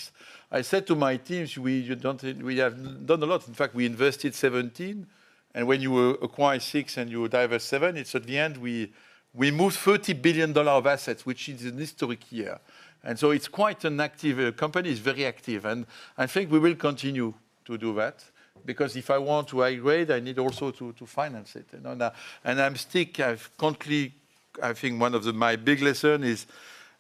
I said to my teams, we, you don't... We have done a lot. In fact, we invested $17 billion, and when you acquire $6 billion and you divest $7 billion, it's at the end, we, we moved $30 billion of assets, which is an historic year. And so it's quite an active... company is very active, and I think we will continue to do that, because if I want to migrate, I need also to, to finance it, you know. Now, and I'm stick. I've currently, I think one of the my big lesson is,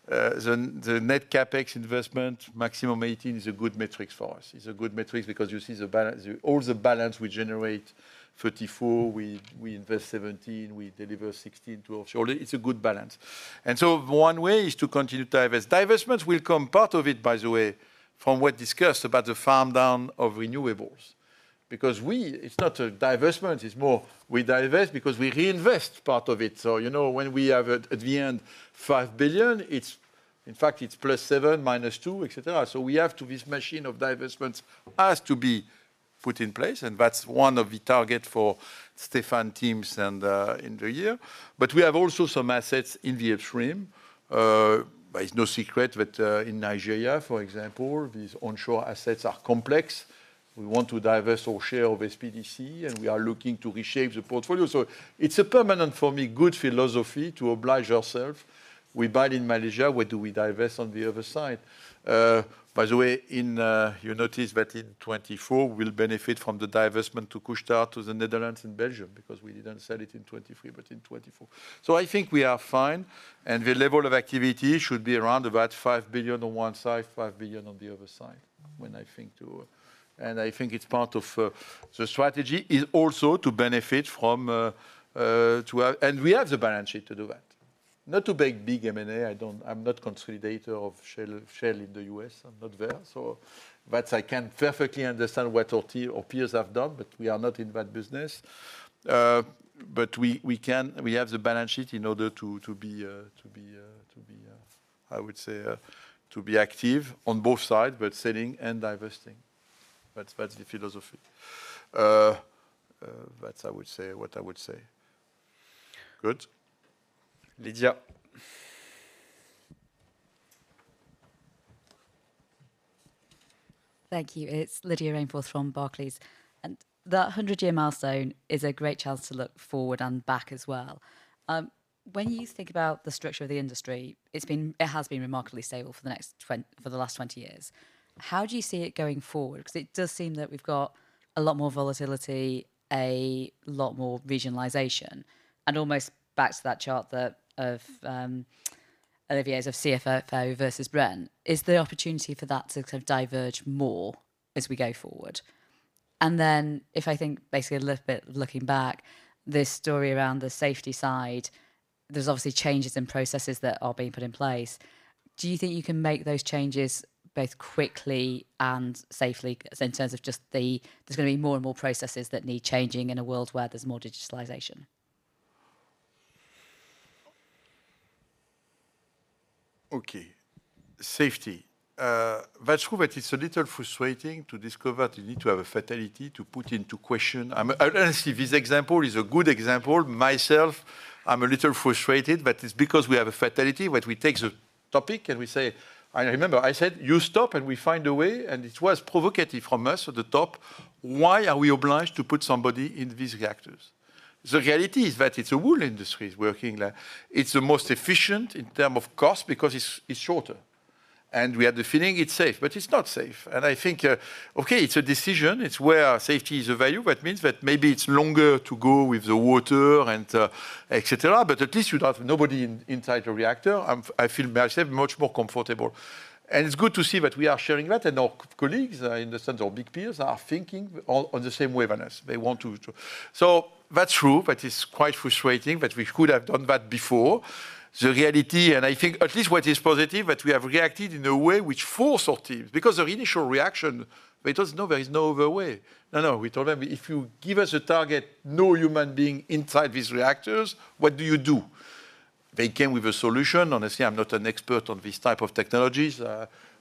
the, the net CapEx investment, maximum 18 is a good metrics for us. It's a good metrics because you see the balance. All the balance, we generate 34, we, we invest 17, we deliver 16 to shortly. It's a good balance. So one way is to continue to divest. Divestments will come, part of it, by the way, from what discussed about the farm down of renewables, because we, it's not a divestment, it's more we divest because we reinvest part of it. So, you know, when we have, at the end, $5 billion, it's, in fact, it's +$7 billion, -$2 billion, et cetera. So we have to, this machine of divestments has to be put in place, and that's one of the targets for Stephane's teams and in the year. But we have also some assets in the upstream. But it's no secret that in Nigeria, for example, these onshore assets are complex. We want to divest our share of SPDC, and we are looking to reshape the portfolio. So it's a permanent, for me, good philosophy to oblige ourselves. We buy in Malaysia, where do we divest on the other side? By the way, in, you notice that in 2024, we'll benefit from the divestment to Couche-Tard to the Netherlands and Belgium, because we didn't sell it in 2023, but in 2024. So I think we are fine, and the level of activity should be around about $5 billion on one side, $5 billion on the other side, when I think to... And I think it's part of, the strategy is also to benefit from, to have- and we have the balance sheet to do that. Not to make big M&A, I'm not consolidator of Shell, Shell in the US. I'm not there, so but I can perfectly understand what our team, our peers have done, but we are not in that business. But we can—we have the balance sheet in order to be active on both sides, but selling and divesting. That's the philosophy. That's, I would say, what I would say. Good. Lydia? Thank you. It's Lydia Rainforth from Barclays, and that hundred-year milestone is a great chance to look forward and back as well. When you think about the structure of the industry, it has been remarkably stable for the last 20 years. How do you see it going forward? Because it does seem that we've got a lot more volatility, a lot more regionalization, and almost back to that chart, that of Olivier's of CFFO versus Brent, is the opportunity for that to kind of diverge more as we go forward? And then if I think basically a little bit looking back, this story around the safety side, there's obviously changes in processes that are being put in place. Do you think you can make those changes both quickly and safely, in terms of just the... There's going to be more and more processes that need changing in a world where there's more digitalization? Okay. Safety. That's true, but it's a little frustrating to discover that you need to have a fatality to put into question. Honestly, this example is a good example. Myself, I'm a little frustrated, but it's because we have a fatality, that we take the topic and we say... And remember, I said, "You stop, and we find a way." And it was provocative from us at the top. Why are we obliged to put somebody in these reactors? The reality is that it's a whole industry is working like. It's the most efficient in term of cost because it's, it's shorter, and we had the feeling it's safe, but it's not safe. And I think, okay, it's a decision. It's where safety is a value, but it means that maybe it's longer to go with the water and et cetera, but at least you have nobody inside the reactor. I feel myself much more comfortable. And it's good to see that we are sharing that, and our colleagues in the sense of big peers are thinking all on the same way with us. They want to... So that's true, but it's quite frustrating that we could have done that before. The reality, and I think at least what is positive, that we have reacted in a way which force our teams, because our initial reaction, we just know there is no other way. No, no, we told them, "If you give us a target, no human being inside these reactors, what do you do?"... they came with a solution. Honestly, I'm not an expert on this type of technologies,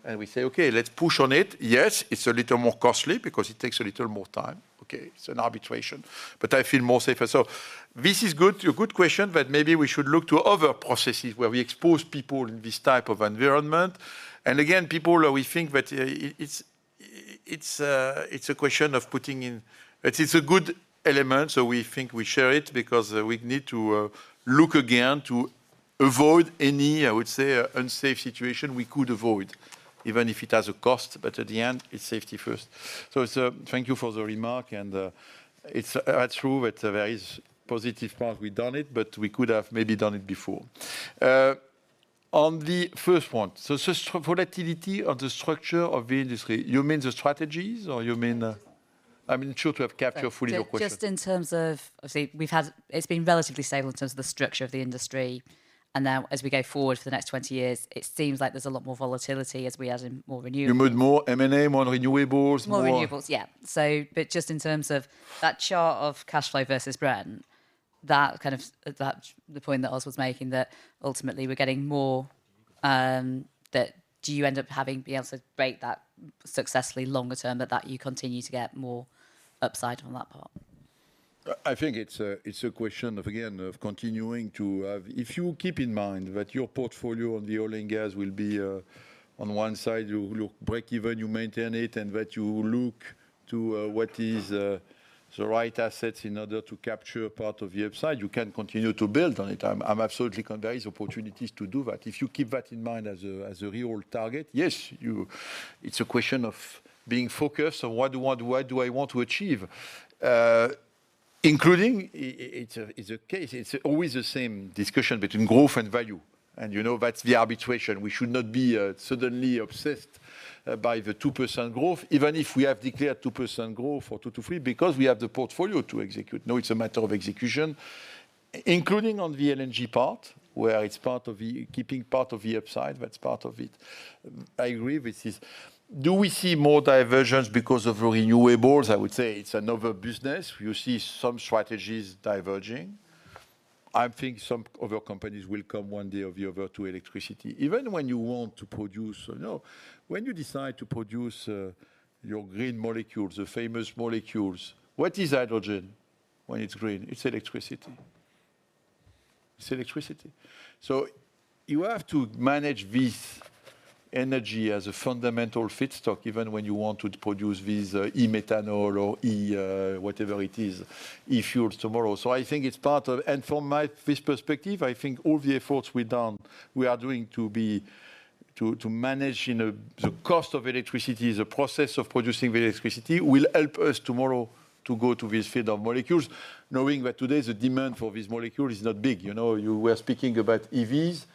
and we say, "Okay, let's push on it." Yes, it's a little more costly because it takes a little more time, okay? It's an arbitration, but I feel more safer. So this is good, a good question, but maybe we should look to other processes where we expose people in this type of environment. And again, people, we think that it's, it's a question of putting in. It is a good element, so we think we share it because we need to look again to avoid any, I would say, unsafe situation we could avoid, even if it has a cost, but at the end, it's safety first. So, thank you for the remark and, it's true that there is positive part we've done it, but we could have maybe done it before. On the first one, so, volatility of the structure of the industry, you mean the strategies or you mean, I'm not sure to have captured fully your question. Just in terms of... So we've had. It's been relatively stable in terms of the structure of the industry, and now as we go forward for the next 20 years, it seems like there's a lot more volatility as we add in more renewables. You mean more M&A, more renewables, more- More renewables, yeah. So, but just in terms of that chart of cash flow versus Brent, that kind of, that the point that Oz was making, that ultimately we're getting more, that do you end up having be able to break that successfully longer term, but that you continue to get more upside on that part? I think it's a question of, again, of continuing to have. If you keep in mind that your portfolio on the oil and gas will be, on one side, you break even, you maintain it, and that you look to what is the right assets in order to capture part of the upside, you can continue to build on it. I'm absolutely convinced there is opportunities to do that. If you keep that in mind as a real target, yes, you. It's a question of being focused on what do I want to achieve? Including, it's a case, it's always the same discussion between growth and value, and, you know, that's the arbitration. We should not be suddenly obsessed by the 2% growth, even if we have declared 2% growth for two to three, because we have the portfolio to execute. Now, it's a matter of execution, including on the LNG part, where it's part of the keeping part of the upside, that's part of it. I agree with this. Do we see more divergences because of renewables? I would say it's another business. You see some strategies diverging. I think some other companies will come one day or the other to electricity. Even when you want to produce, you know, when you decide to produce your green molecules, the famous molecules, what is hydrogen when it's green? It's electricity. It's electricity. So you have to manage this energy as a fundamental feedstock, even when you want to produce these e-methanol or e- whatever it is, e-fuels tomorrow. So I think it's part of... And from my this perspective, I think all the efforts we've done, we are doing to manage the cost of electricity, the process of producing the electricity, will help us tomorrow to go to this field of molecules, knowing that today the demand for this molecule is not big. You know, you were speaking about EVs.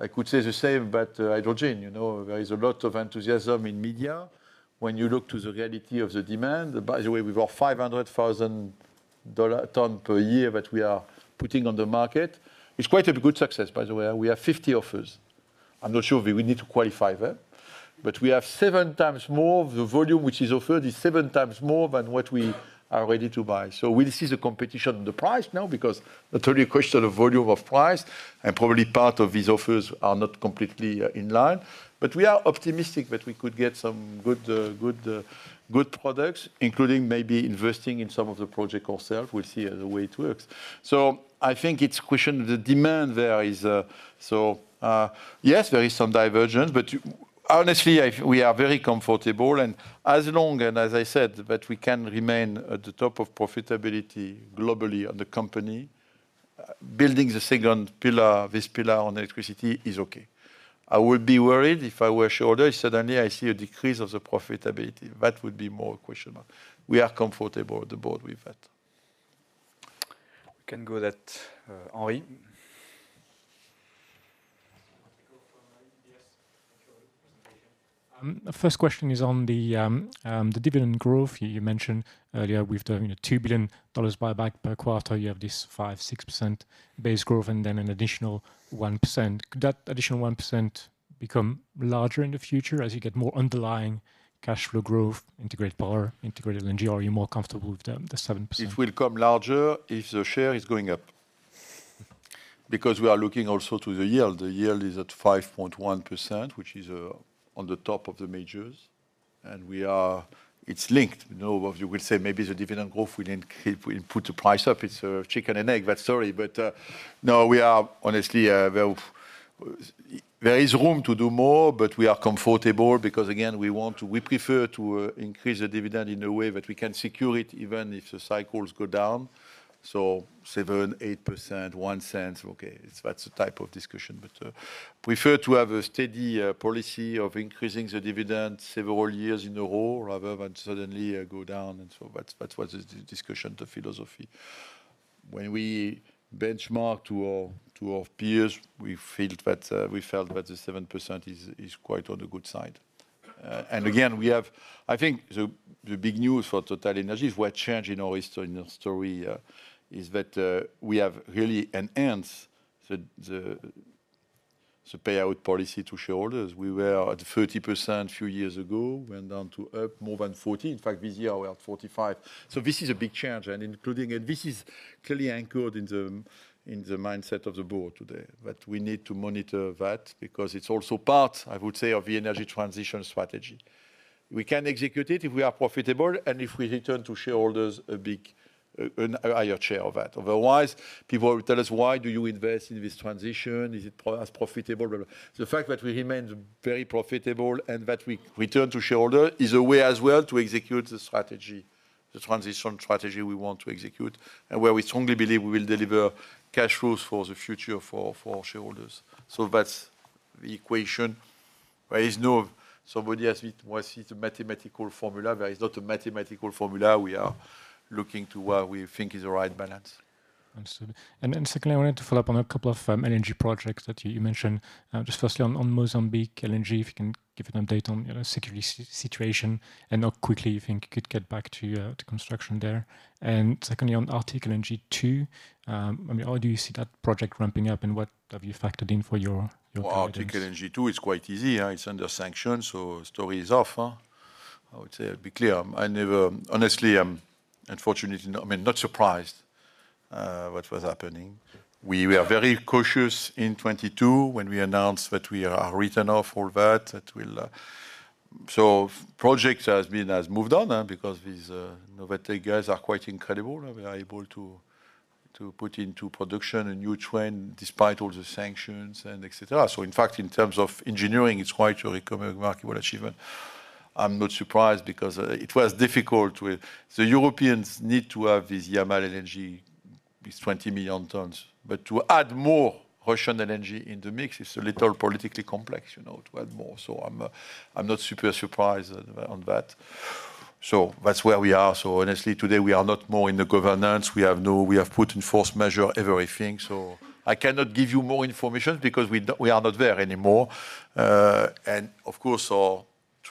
I could say the same about hydrogen, you know, there is a lot of enthusiasm in media. When you look to the reality of the demand, by the way, we've got 500,000 tons per year that we are putting on the market. It's quite a good success, by the way. We have 50 offers. I'm not sure we need to qualify that, but we have seven times more. The volume which is offered is seven times more than what we are ready to buy. So we see the competition, the price now, because it's only a question of volume of price, and probably part of these offers are not completely in line. But we are optimistic that we could get some good, good, good products, including maybe investing in some of the project ourselves. We'll see the way it works. So I think it's a question of the demand there is. So, yes, there is some divergence, but honestly, we are very comfortable, and as long, and as I said, that we can remain at the top of profitability globally on the company, building the second pillar, this pillar on electricity, is okay. I would be worried if I were a shareholder, suddenly I see a decrease of the profitability. That would be more a question mark. We are comfortable at the board with that. We can go that, Henry. Yes. The first question is on the dividend growth. You mentioned earlier, we've done a $2 billion buyback per quarter. You have this 5%-6% base growth and then an additional 1%. Could that additional 1% become larger in the future as you get more underlying cash flow growth, integrated power, integrated LNG, or are you more comfortable with the 7%? It will come larger if the share is going up. Because we are looking also to the yield. The yield is at 5.1%, which is on the top of the majors, and we are—it's linked. You know, you will say maybe the dividend growth will increase, will put the price up. It's a chicken and egg, that story. But no, we are honestly, well, there is room to do more, but we are comfortable because again, we want to—we prefer to increase the dividend in a way that we can secure it, even if the cycles go down. So 7%-8%, 1 cent, okay, it's—that's the type of discussion. But prefer to have a steady policy of increasing the dividend several years in a row rather than suddenly go down, and so that's, that was the discussion, the philosophy. When we benchmark to our peers, we feel that, we felt that the 7% is quite on the good side. And again, I think the big news for TotalEnergies, what changed in our story, is that we have really enhanced the payout policy to shareholders. We were at 30% a few years ago, went down to more than 40. In fact, this year we are 45. So this is a big change, and including and this is clearly anchored in the, in the mindset of the board today, that we need to monitor that because it's also part, I would say, of the energy transition strategy. We can execute it if we are profitable and if we return to shareholders a big, a higher share of that. Otherwise, people will tell us, "Why do you invest in this transition? Is it profitable?" Blah, blah. The fact that we remain very profitable and that we return to shareholder is a way as well to execute the strategy, the transition strategy we want to execute, and where we strongly believe we will deliver cash flows for the future for, for our shareholders. So that's the equation. There is no-- Somebody asked me, what is the mathematical formula? There is not a mathematical formula. We are looking to what we think is the right balance. Understood. And then secondly, I wanted to follow up on a couple of LNG projects that you mentioned. Just firstly, on Mozambique LNG, if you can give an update on, you know, security situation and how quickly you think you could get back to construction there. And secondly, on Arctic LNG 2, I mean, how do you see that project ramping up, and what have you factored in for your, your- Well, Arctic LNG 2 is quite easy, yeah. It's under sanctions, so story is off, huh? I would say, be clear, I never... Honestly, I'm unfortunately, I mean, not surprised what was happening. We were very cautious in 2022 when we announced that we wrote off all that... So the project has moved on because these Novatek guys are quite incredible, and they are able to put into production a new train despite all the sanctions and et cetera. So in fact, in terms of engineering, it's quite a remarkable achievement. I'm not surprised because it was difficult with... The Europeans need to have this Yamal energy, these 20 million tons, but to add more Russian energy in the mix is a little politically complex, you know, to add more. So I'm, I'm not super surprised on that. So that's where we are. So honestly, today, we are not more in the governance. We have put in force majeure, everything. So I cannot give you more information because we not, we are not there anymore. And of course,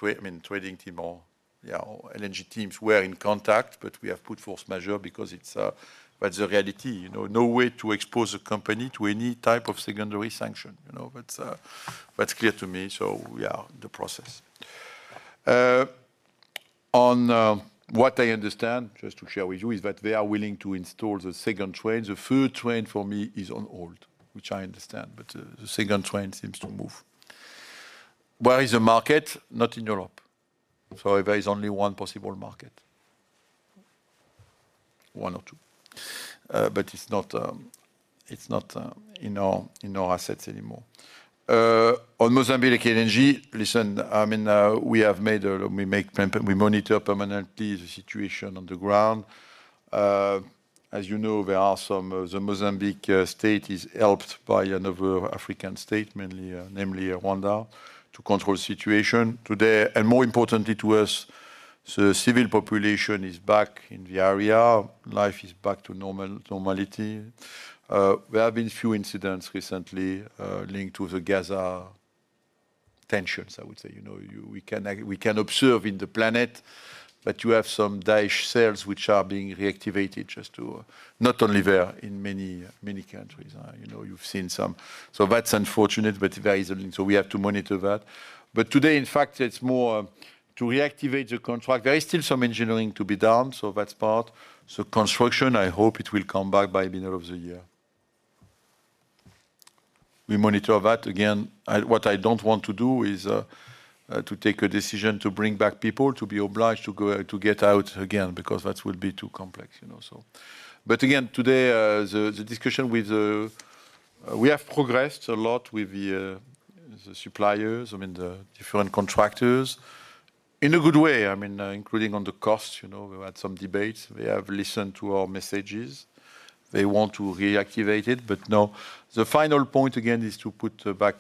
our trading team or, yeah, our LNG teams were in contact, but we have put force majeure because it's, that's the reality, you know. No way to expose the company to any type of secondary sanction, you know? That's, that's clear to me. So yeah, the process. On what I understand, just to share with you, is that they are willing to install the second train. The first train, for me, is on hold, which I understand, but the second train seems to move. Where is the market? Not in Europe. So there is only one possible market. One or two. But it's not in our assets anymore. On Mozambique LNG, listen, I mean, we monitor permanently the situation on the ground. As you know, the Mozambique state is helped by another African state, mainly, namely Rwanda, to control the situation. Today, and more importantly to us, the civil population is back in the area. Life is back to normal, normality. There have been a few incidents recently, linked to the Gaza tensions, I would say, you know. We can observe in the planet that you have some Daesh cells which are being reactivated just to... Not only there, in many, many countries. You know, you've seen some. So that's unfortunate, but there is... So we have to monitor that. But today, in fact, it's more to reactivate the contract. There is still some engineering to be done, so that's part. So construction, I hope it will come back by the middle of the year. We monitor that. Again, I, what I don't want to do is, to take a decision to bring back people, to be obliged to go, to get out again, because that will be too complex, you know, so. But again, today, the discussion with the... We have progressed a lot with the suppliers, I mean, the different contractors, in a good way, I mean, including on the costs. You know, we've had some debates. They have listened to our messages. They want to reactivate it, but no, the final point again is to put back,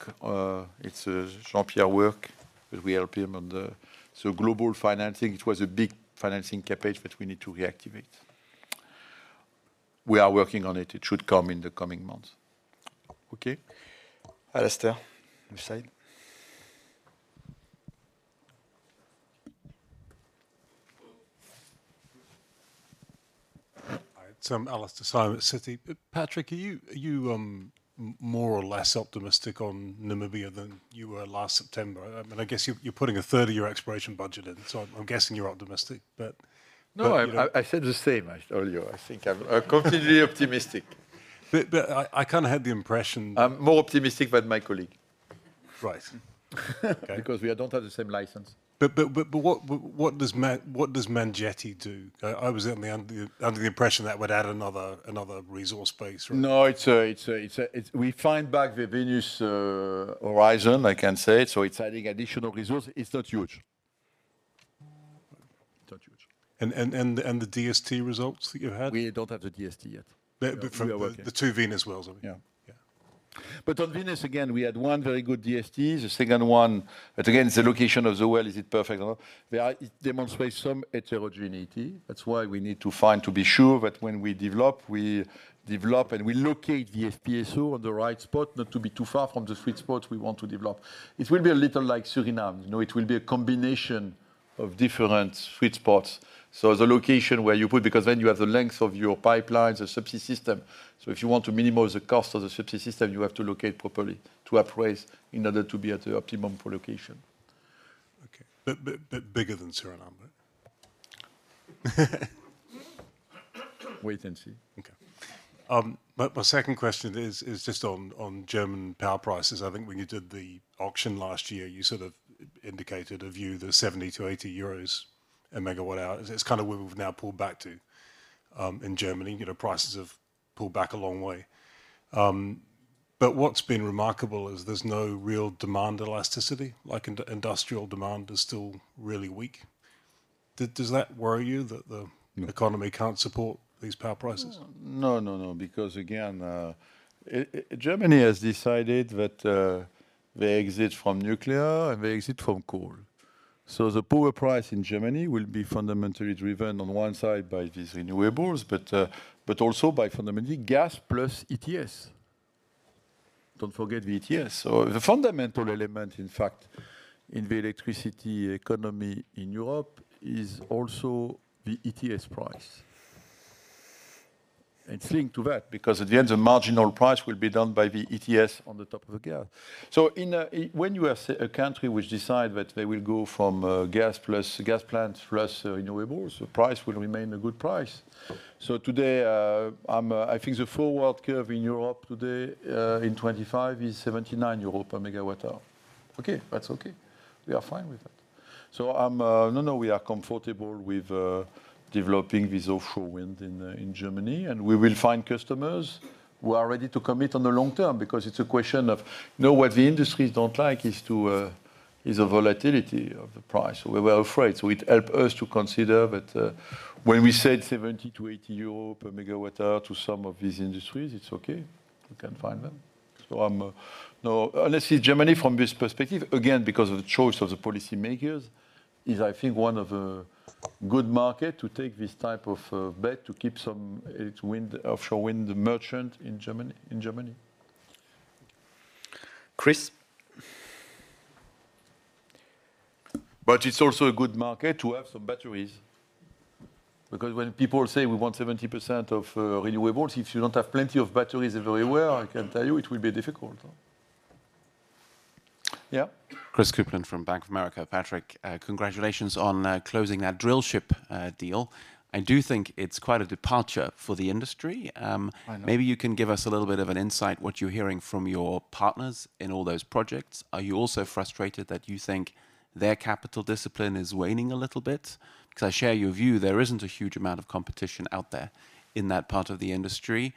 it's Jean-Pierre work, because we help him on the. So global financing, it was a big financing CapEx, but we need to reactivate. We are working on it. It should come in the coming months. Okay. Alastair, other side. Hi, it's Alastair Syme at Citi. Patrick, are you more or less optimistic on Namibia than you were last September? I mean, I guess you're putting a third of your exploration budget in, so I'm guessing you're optimistic, but- No, I said the same as all you. I think I'm completely optimistic. But I kind of had the impression- I'm more optimistic than my colleague. Right. Okay. Because we don't have the same license. But what does Mangetti do? I was under the impression that would add another resource base, right? No, it's we find back the Venus horizon, I can say. So it's adding additional resource. It's not huge. It's not huge. And the DST results that you had? We don't have the DST yet, but we are working. The two Venus wells, I mean. Yeah, yeah. On Venus, again, we had one very good DST. The second one, but again, the location of the well, is it perfect or not? There are. It demonstrates some heterogeneity. That's why we need to find, to be sure that when we develop, we develop and we locate the FPSO on the right spot, not to be too far from the sweet spot we want to develop. It will be a little like Suriname, you know? It will be a combination of different sweet spots. So the location where you put, because then you have the length of your pipelines, the subsea system. So if you want to minimize the cost of the subsea system, you have to locate properly to appraise in order to be at the optimum for location. Okay. But bigger than Suriname, right? Wait and see. Okay. But my second question is just on German power prices. I think when you did the auction last year, you sort of indicated a view that 70-80 euros a megawatt hour. It's kind of where we've now pulled back to in Germany, you know, prices have pulled back a long way. But what's been remarkable is there's no real demand elasticity, like industrial demand is still really weak. Does that worry you that the- Mm... economy can't support these power prices? No, no, no, because again, Germany has decided that they exit from nuclear and they exit from coal. So the power price in Germany will be fundamentally driven on one side by these renewables, but also by fundamentally gas plus ETS. Don't forget the ETS. So the fundamental element, in fact, in the electricity economy in Europe is also the ETS price. And think to that, because at the end, the marginal price will be done by the ETS on the top of the gas. So when you are a country which decide that they will go from gas plus gas plants plus renewables, the price will remain a good price. So today, I think the forward curve in Europe today in 2025 is 79 euro per megawatt-hour. Okay, that's okay. We are fine with that. So I'm no, no, we are comfortable with developing this offshore wind in in Germany, and we will find customers who are ready to commit on the long term, because it's a question of, you know what the industries don't like is to is the volatility of the price. We were afraid, so it help us to consider that, when we said 70-80 euro per megawatt hour to some of these industries, it's okay. We can find them. So I'm no, honestly, Germany, from this perspective, again, because of the choice of the policymakers, is, I think, one of a good market to take this type of bet, to keep some its wind offshore wind merchant in Germany, in Germany. Chris? But it's also a good market to have some batteries, because when people say we want 70% of renewables, if you don't have plenty of batteries everywhere, I can tell you it will be difficult. Yeah. Chris Kuplent from Bank of America. Patrick, congratulations on closing that drillship deal. I do think it's quite a departure for the industry, I know... maybe you can give us a little bit of an insight, what you're hearing from your partners in all those projects. Are you also frustrated that you think their capital discipline is waning a little bit? Because I share your view, there isn't a huge amount of competition out there in that part of the industry.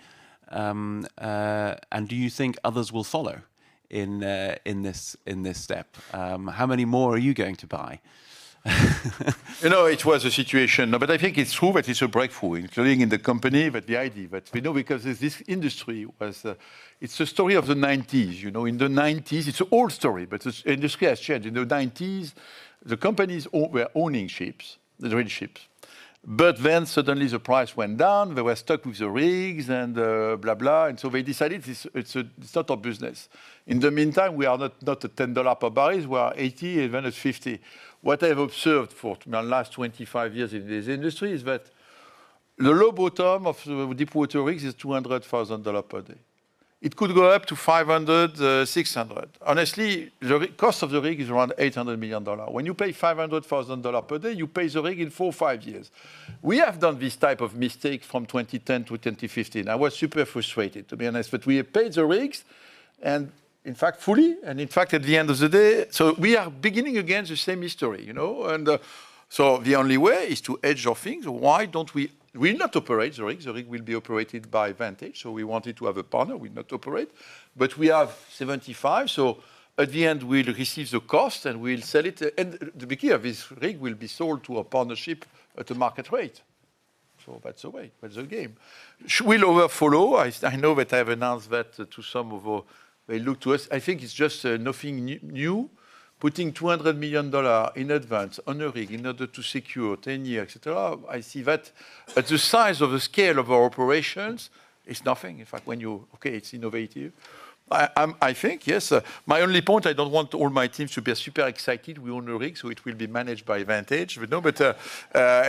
And do you think others will follow in this step? How many more are you going to buy? You know, it was a situation, but I think it's true that it's a breakthrough, including in the company, but the idea, but we know because this industry was. It's a story of the 1990s. You know, in the 1990s, it's an old story, but the industry has changed. In the 1990s, the companies were owning ships, the drill ships, but then suddenly the price went down, they were stuck with the rigs and, blah, blah, and so they decided this, it's a, it's not our business. In the meantime, we are not, not at $10 per barrels, we are $80, even at $50. What I've observed for the last 25 years in this industry is that the low bottom of the deepwater rigs is $200,000 per day. It could go up to $500-$600. Honestly, the rig cost of the rig is around $800 million. When you pay $500,000 per day, you pay the rig in four to five years. We have done this type of mistake from 2010 to 2015. I was super frustrated, to be honest, but we have paid the rigs, and in fact, fully, and in fact, at the end of the day... So we are beginning again the same history, you know, and so the only way is to hedge our things. We not operate the rig, the rig will be operated by Vantage, so we wanted to have a partner. We not operate, but we have 75, so at the end, we'll receive the cost and we'll sell it, and the beginning of this rig will be sold to a partnership at a market rate. So that's the way, that's the game. Should we lower follow? I know that I have announced that to some of our-- they look to us. I think it's just nothing new. Putting $200 million in advance on a rig in order to secure 10 years, et cetera. I see that at the size of the scale of our operations, it's nothing. In fact, when you-- okay, it's innovative. I think, yes. My only point, I don't want all my teams to be super excited. We own a rig, so it will be managed by Vantage. But no,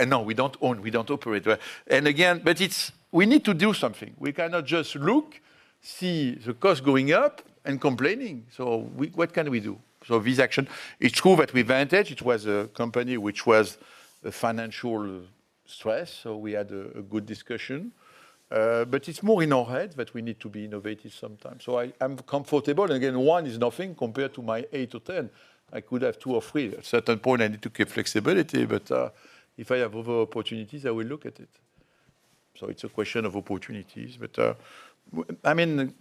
no, we don't own, we don't operate. And again, but it's- we need to do something. We cannot just look, see the cost going up and complaining. So what can we do? This action, it's true that with Vantage, it was a company which was a financial stress, so we had a good discussion. But it's more in our head that we need to be innovative sometimes. So I'm comfortable, and again, 1 is nothing compared to my 8-10. I could have two or three. At certain point, I need to keep flexibility, but if I have other opportunities, I will look at it. So it's a question of opportunities, but I mean,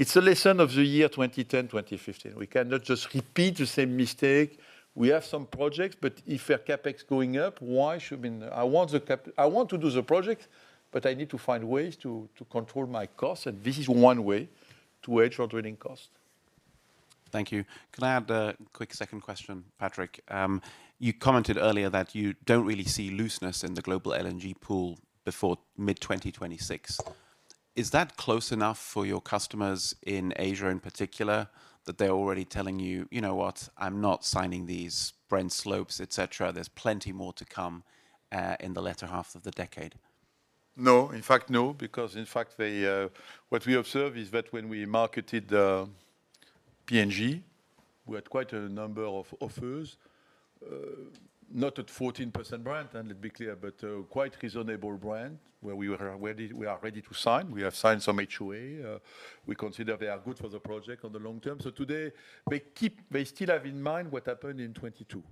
it's a lesson of the year 2010, 2015. We cannot just repeat the same mistake. We have some projects, but if our CapEx going up, why should we... I want to do the project, but I need to find ways to control my costs, and this is one way to hedge our drilling cost. Thank you. Can I add a quick second question, Patrick? You commented earlier that you don't really see looseness in the global LNG pool before mid-2026.... Is that close enough for your customers in Asia, in particular, that they're already telling you, "You know what? I'm not signing these Brent slopes, et cetera." There's plenty more to come in the latter half of the decade? No. In fact, no, because in fact, the What we observe is that when we marketed the PNG, we had quite a number of offers, not at 14% Brent, and let's be clear, but quite reasonable Brent, where we were ready-- we are ready to sign. We have signed some HOA. We consider they are good for the project on the long term. So today, they keep-- they still have in mind what happened in 2022.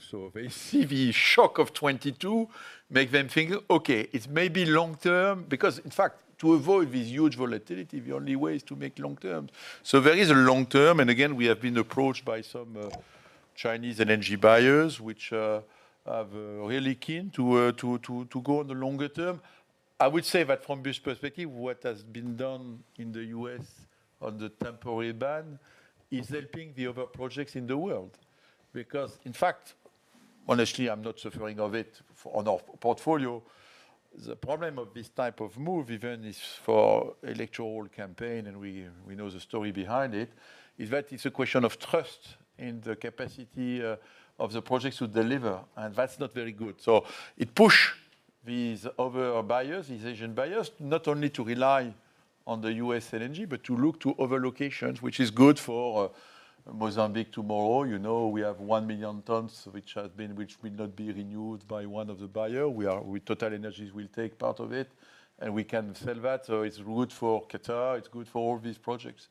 So they see the shock of 2022, make them think, "Okay, it may be long term," because, in fact, to avoid this huge volatility, the only way is to make long term. So there is a long term, and again, we have been approached by some Chinese LNG buyers, which are really keen to go on the longer term. I would say that from this perspective, what has been done in the U.S. on the temporary ban is helping the other projects in the world. Because, in fact, honestly, I'm not suffering of it for-- on our portfolio. The problem of this type of move, even if for electoral campaign, and we, we know the story behind it, is that it's a question of trust in the capacity, of the projects to deliver, and that's not very good. So it push these other buyers, these Asian buyers, not only to rely on the U.S. LNG, but to look to other locations, which is good for Mozambique tomorrow. You know, we have 1 million tons, which has been, which will not be renewed by one of the buyer. We are... With TotalEnergies, we'll take part of it, and we can sell that, so it's good for Qatar, it's good for all these projects.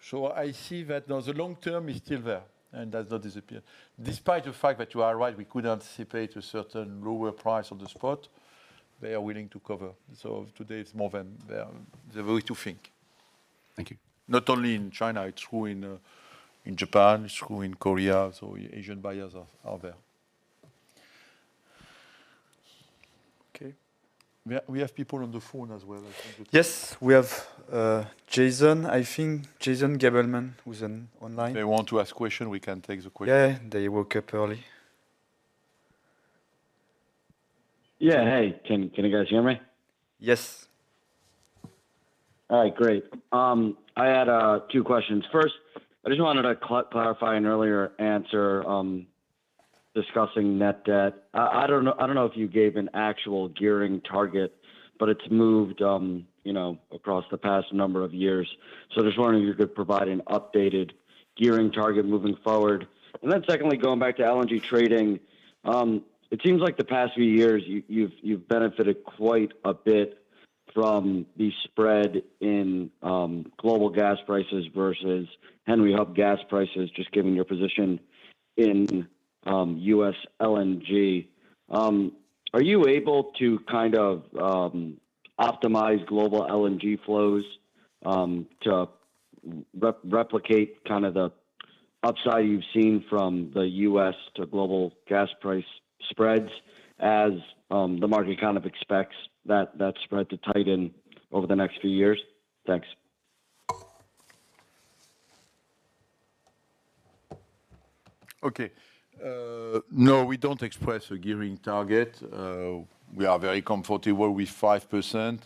So I see that now the long term is still there and does not disappear. Despite the fact that you are right, we could anticipate a certain lower price on the spot, they are willing to cover. So today it's more than the way to think. Thank you. Not only in China, it's true in Japan, it's true in Korea, so Asian buyers are there. Okay. We have people on the phone as well. Yes, we have Jason. I think Jason Gabelman, who's online. They want to ask question, we can take the question. Yeah, they woke up early. Yeah. Hey, can you guys hear me? Yes. All right, great. I had two questions. First, I just wanted to clarify an earlier answer, discussing net debt. I don't know if you gave an actual gearing target, but it's moved, you know, across the past number of years. So I just wondering if you could provide an updated gearing target moving forward. And then secondly, going back to LNG trading, it seems like the past few years, you've benefited quite a bit from the spread in global gas prices versus Henry Hub gas prices, just given your position in US LNG. Are you able to kind of optimize global LNG flows to replicate kind of the upside you've seen from the U.S. to global gas price spreads as the market kind of expects that spread to tighten over the next few years? Thanks. Okay. No, we don't express a gearing target. We are very comfortable with 5%.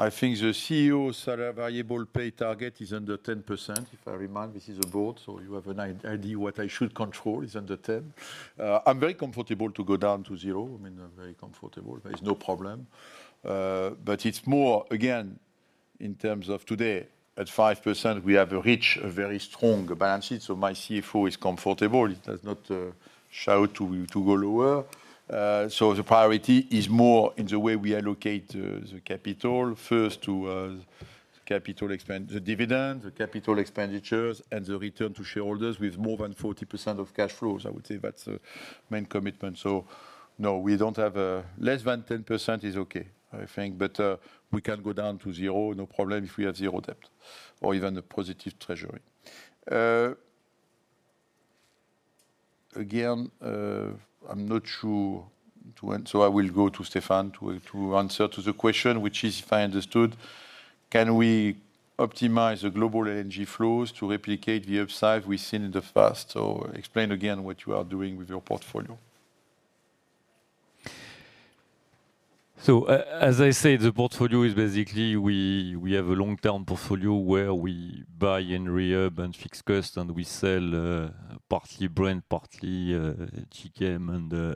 I think the CEO's variable pay target is under 10%. If I remind, this is a board, so you have an idea what I should control, is under 10. I'm very comfortable to go down to zero. I mean, I'm very comfortable. There's no problem. But it's more, again, in terms of today, at 5%, we have reached a very strong balance sheet, so my CFO is comfortable. He does not shout to go lower. So the priority is more in the way we allocate the capital, first to the dividend, the capital expenditures, and the return to shareholders with more than 40% of cash flows. I would say that's the main commitment. So no, we don't have a... Less than 10% is okay, I think, but we can go down to zero, no problem, if we have zero debt or even a positive treasury. Again, I'm not sure to answer, so I will go to Stephane to answer to the question, which is, if I understood, can we optimize the global LNG flows to replicate the upside we've seen in the past? So explain again what you are doing with your portfolio. So as I said, the portfolio is basically we have a long-term portfolio where we buy and rehab and fix cost, and we sell partly Brent, partly GKM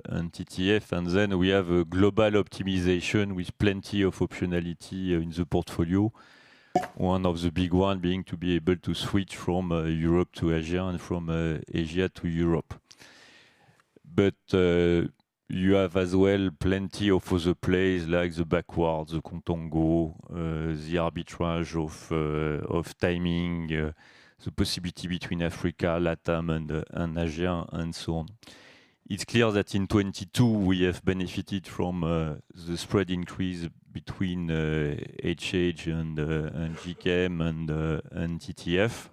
and TTF. And then we have a global optimization with plenty of optionality in the portfolio. One of the big one being to be able to switch from Europe to Asia and from Asia to Europe. But you have as well plenty of other place, like the backwardation, the contango, the arbitrage of timing, the possibility between Africa, Latam and Asia, and so on. It's clear that in 2022, we have benefited from the spread increase between HH and GKM and TTF,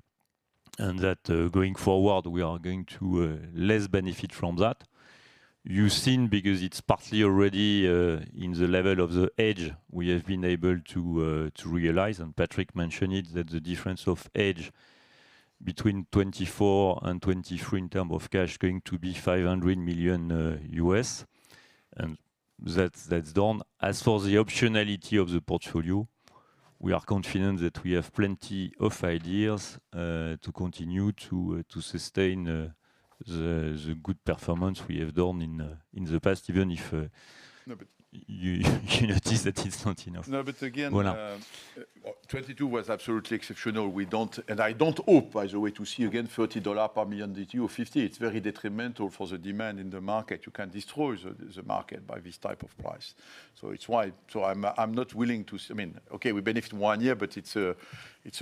and that going forward, we are going to less benefit from that. You've seen, because it's partly already in the level of the hedge we have been able to realize, and Patrick mentioned it, that the difference of hedge between 2024 and 2023 in terms of cash going to be $500 million, and that's, that's done. As for the optionality of the portfolio, we are confident that we have plenty of ideas to continue to sustain the, the good performance we have done in in the past, even if No, but- You notice that it's not enough. No, but again- Voilà. 2022 was absolutely exceptional. We don't and I don't hope, by the way, to see again $30 per million BTU or $50. It's very detrimental for the demand in the market. You can destroy the market by this type of price. So it's why... So I'm not willing to—I mean, okay, we benefited one year, but it's a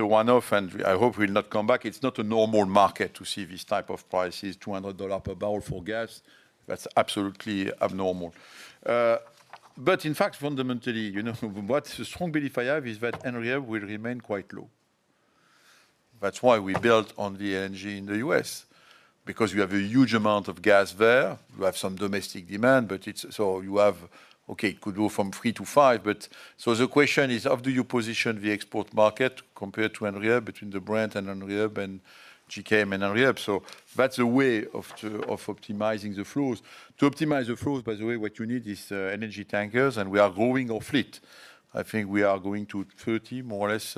one-off, and we, I hope will not come back. It's not a normal market to see this type of prices, $200 per barrel for gas. That's absolutely abnormal. But in fact, fundamentally, you know what? The strong belief I have is that Henry Hub will remain quite low. That's why we built on the LNG in the US, because you have a huge amount of gas there. You have some domestic demand, but it's... So you have, okay, it could go from three to five, but— So the question is, how do you position the export market compared to Henry Hub, between the Brent and Henry Hub and JKM and Henry Hub? So that's a way to optimize the flows. To optimize the flows, by the way, what you need is energy tankers, and we are growing our fleet. I think we are going to 30, more or less...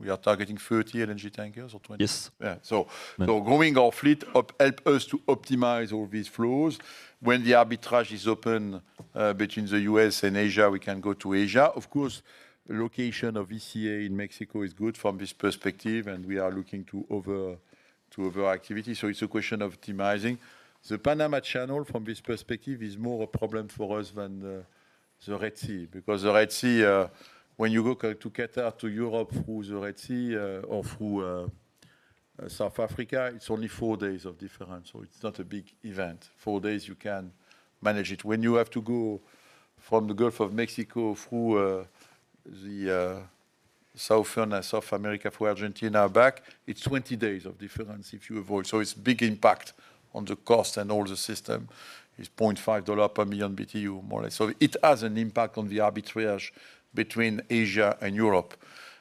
We are targeting 30 LNG tankers or 20? Yes. Yeah. So- Mm. Growing our fleet helps us to optimize all these flows. When the arbitrage is open between the US and Asia, we can go to Asia. Of course, the location of ECA in Mexico is good from this perspective, and we are looking to other activities, so it's a question of optimizing. The Panama Canal, from this perspective, is more a problem for us than the Red Sea. Because the Red Sea, when you go to Qatar to Europe through the Red Sea or through South Africa, it's only four days of difference, so it's not a big event. Four days, you can manage it. When you have to go from the Gulf of Mexico through the south of America, through Argentina and back, it's 20 days of difference if you avoid. So it's big impact on the cost and all the system. It's $0.5 per million BTU, more or less. So it has an impact on the arbitrage between Asia and Europe.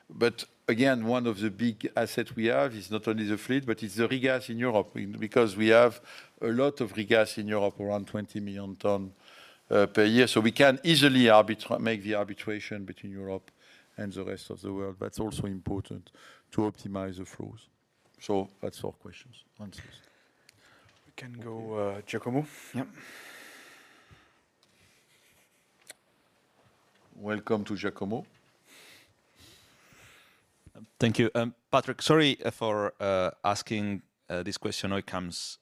But again, one of the big assets we have is not only the fleet, but it's the regas in Europe, because we have a lot of regas in Europe, around 20 million tons per year. So we can easily make the arbitrage between Europe and the rest of the world. That's also important to optimize the flows. So that's all questions, answers. We can go, Giacomo. Yep. Welcome to Giacomo. Thank you. Patrick, sorry for asking this question. It comes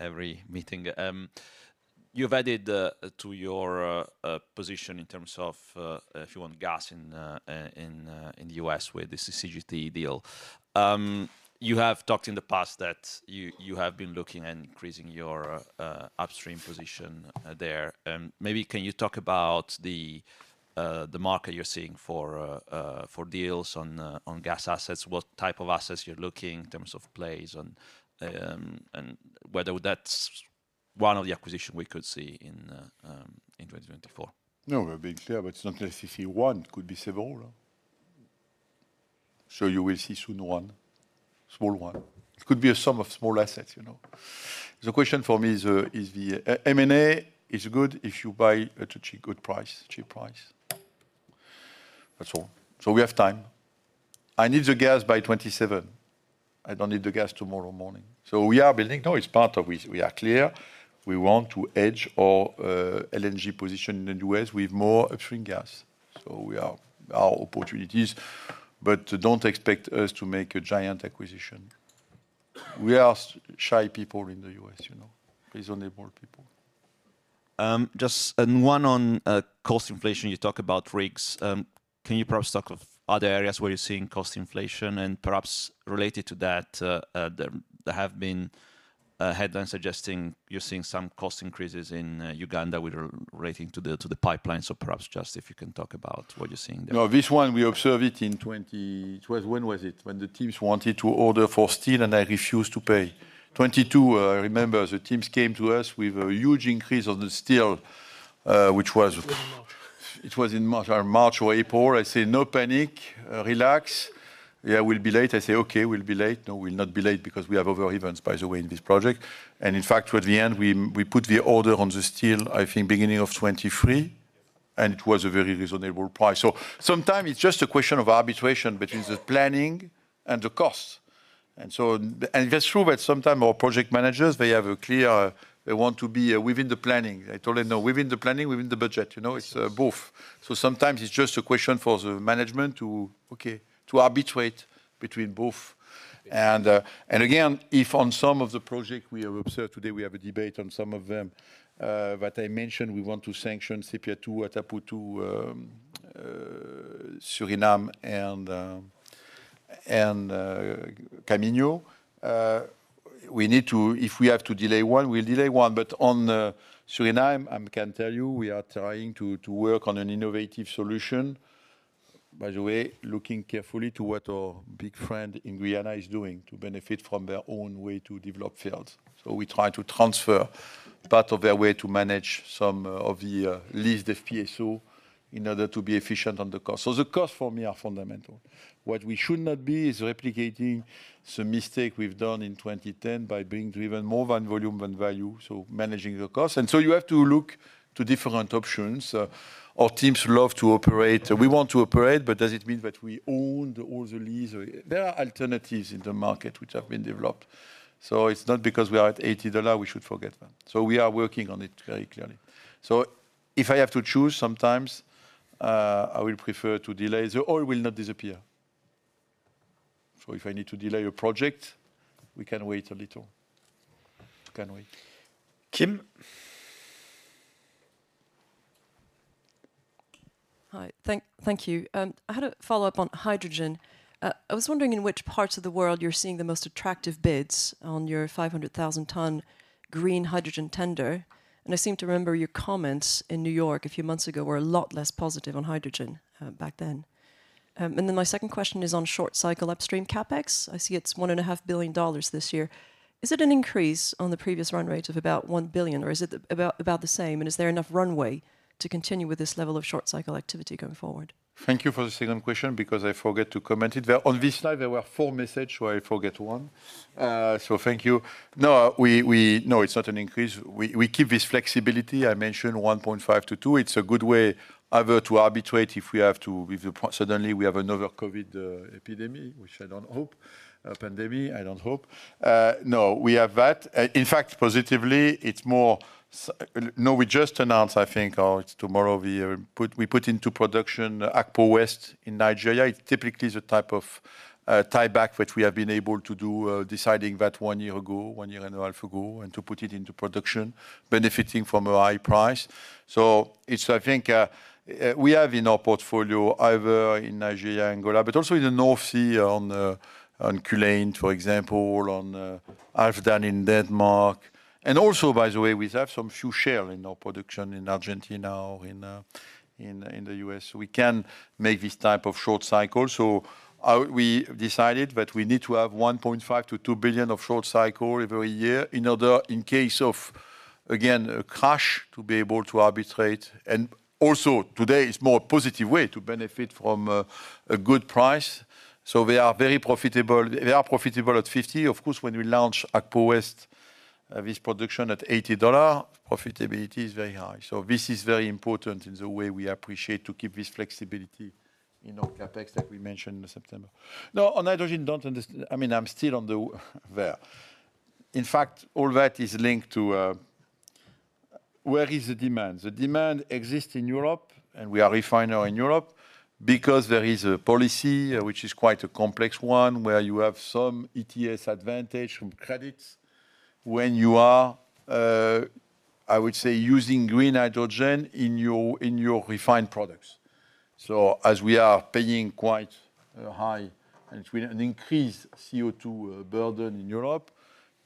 every meeting. You've added to your position in terms of if you want gas in the US with this CCGT deal. You have talked in the past that you have been looking at increasing your upstream position there. Maybe can you talk about the market you're seeing for deals on gas assets? What type of assets you're looking in terms of plays and whether that's one of the acquisition we could see in 2024? No, we're being clear, but it's not necessarily one, it could be several. So you will see soon one, small one. It could be a sum of small assets, you know. The question for me is the M&A is good if you buy at a cheap, good price, cheap price. That's all. So we have time. I need the gas by 2027. I don't need the gas tomorrow morning. So we are building. No, it's part of it. We, we are clear. We want to edge our LNG position in the U.S. with more upstream gas. So we are... Our opportunity is, but don't expect us to make a giant acquisition. We are s- shy people in the U.S., you know? Reasonably people. Just one on cost inflation, you talk about rigs. Can you perhaps talk of other areas where you're seeing cost inflation? And perhaps related to that, there have been headlines suggesting you're seeing some cost increases in Uganda relating to the pipeline. So perhaps just if you can talk about what you're seeing there. No, this one, we observe it in 20. It was, when was it? When the teams wanted to order for steel, and I refused to pay. 2022, I remember the teams came to us with a huge increase on the steel, which was- March. It was in March or April. I say, "No panic, relax. Yeah, we'll be late." I say, "Okay, we'll be late." No, we'll not be late because we have over events, by the way, in this project. And in fact, at the end, we put the order on the steel, I think, beginning of 2023, and it was a very reasonable price. So sometimes it's just a question of arbitration between the planning and the cost. And so... And that's true that sometimes our project managers, they have a clear... They want to be within the planning. I told them, "No, within the planning, within the budget, you know, it's both." So sometimes it's just a question for the management to, okay, to arbitrate between both. And again, if on some of the projects we have observed today, we have a debate on some of them that I mentioned, we want to sanction Sépia 2, Atapu 2, Suriname, and Kaminho. We need to—if we have to delay one, we'll delay one. But on Suriname, I can tell you, we are trying to work on an innovative solution. By the way, looking carefully to what our big friend in Guyana is doing to benefit from their own way to develop fields. So we try to transfer part of their way to manage some of the leased FPSO in order to be efficient on the cost. So the cost for me are fundamental. What we should not be is replicating the same mistake we've done in 2010 by being driven more by volume than value, so managing the cost. You have to look to different options. Our teams love to operate. We want to operate, but does it mean that we own all the lease? There are alternatives in the market which have been developed. So it's not because we are at $80, we should forget them. So we are working on it very clearly. So if I have to choose, sometimes, I will prefer to delay. The oil will not disappear. So if I need to delay a project, we can wait a little. Can wait. Kim? Hi. Thank you. I had a follow-up on hydrogen. I was wondering in which parts of the world you're seeing the most attractive bids on your 500,000-ton green hydrogen tender? And I seem to remember your comments in New York a few months ago were a lot less positive on hydrogen, back then. And then my second question is on short cycle upstream CapEx. I see it's $1.5 billion this year. Is it an increase on the previous run rate of about $1 billion, or is it about the same? And is there enough runway to continue with this level of short cycle activity going forward? Thank you for the second question, because I forgot to comment on it. Well, on this slide, there were four messages, so I forget one. So thank you. No, it's not an increase. We keep this flexibility. I mentioned 1.5-2. It's a good way either to arbitrate if we have to, if suddenly we have another COVID epidemic, which I don't hope, a pandemic, I don't hope. No, we have that. In fact, positively, it's more so. No, we just announced, I think, or it's tomorrow, we put into production Akpo West in Nigeria. It's typically the type of tieback which we have been able to do, deciding that one year ago, one year and a half ago, and to put it into production, benefiting from a high price. So it's, I think, we have in our portfolio, either in Nigeria, Angola, but also in the North Sea, on Culzean, for example, and in Denmark. And also, by the way, we have some few share in our production in Argentina or in the U.S. We can make this type of short cycle. So we decided that we need to have $1.5 billion-$2 billion of short cycle every year in order, in case of, again, a crash, to be able to arbitrate. And also, today is more positive way to benefit from a good price. So we are very profitable. We are profitable at $50. Of course, when we launch Akpo West, this production at $80, profitability is very high. So this is very important in the way we appreciate to keep this flexibility in our CapEx, that we mentioned in September. Now, on hydrogen, I mean, I'm still on the there. In fact, all that is linked to, where is the demand? The demand exists in Europe, and we are refiner in Europe because there is a policy, which is quite a complex one, where you have some ETS advantage from credits when you are, I would say, using green hydrogen in your, in your refined products. So as we are paying quite, high and it will an increase CO2 burden in Europe,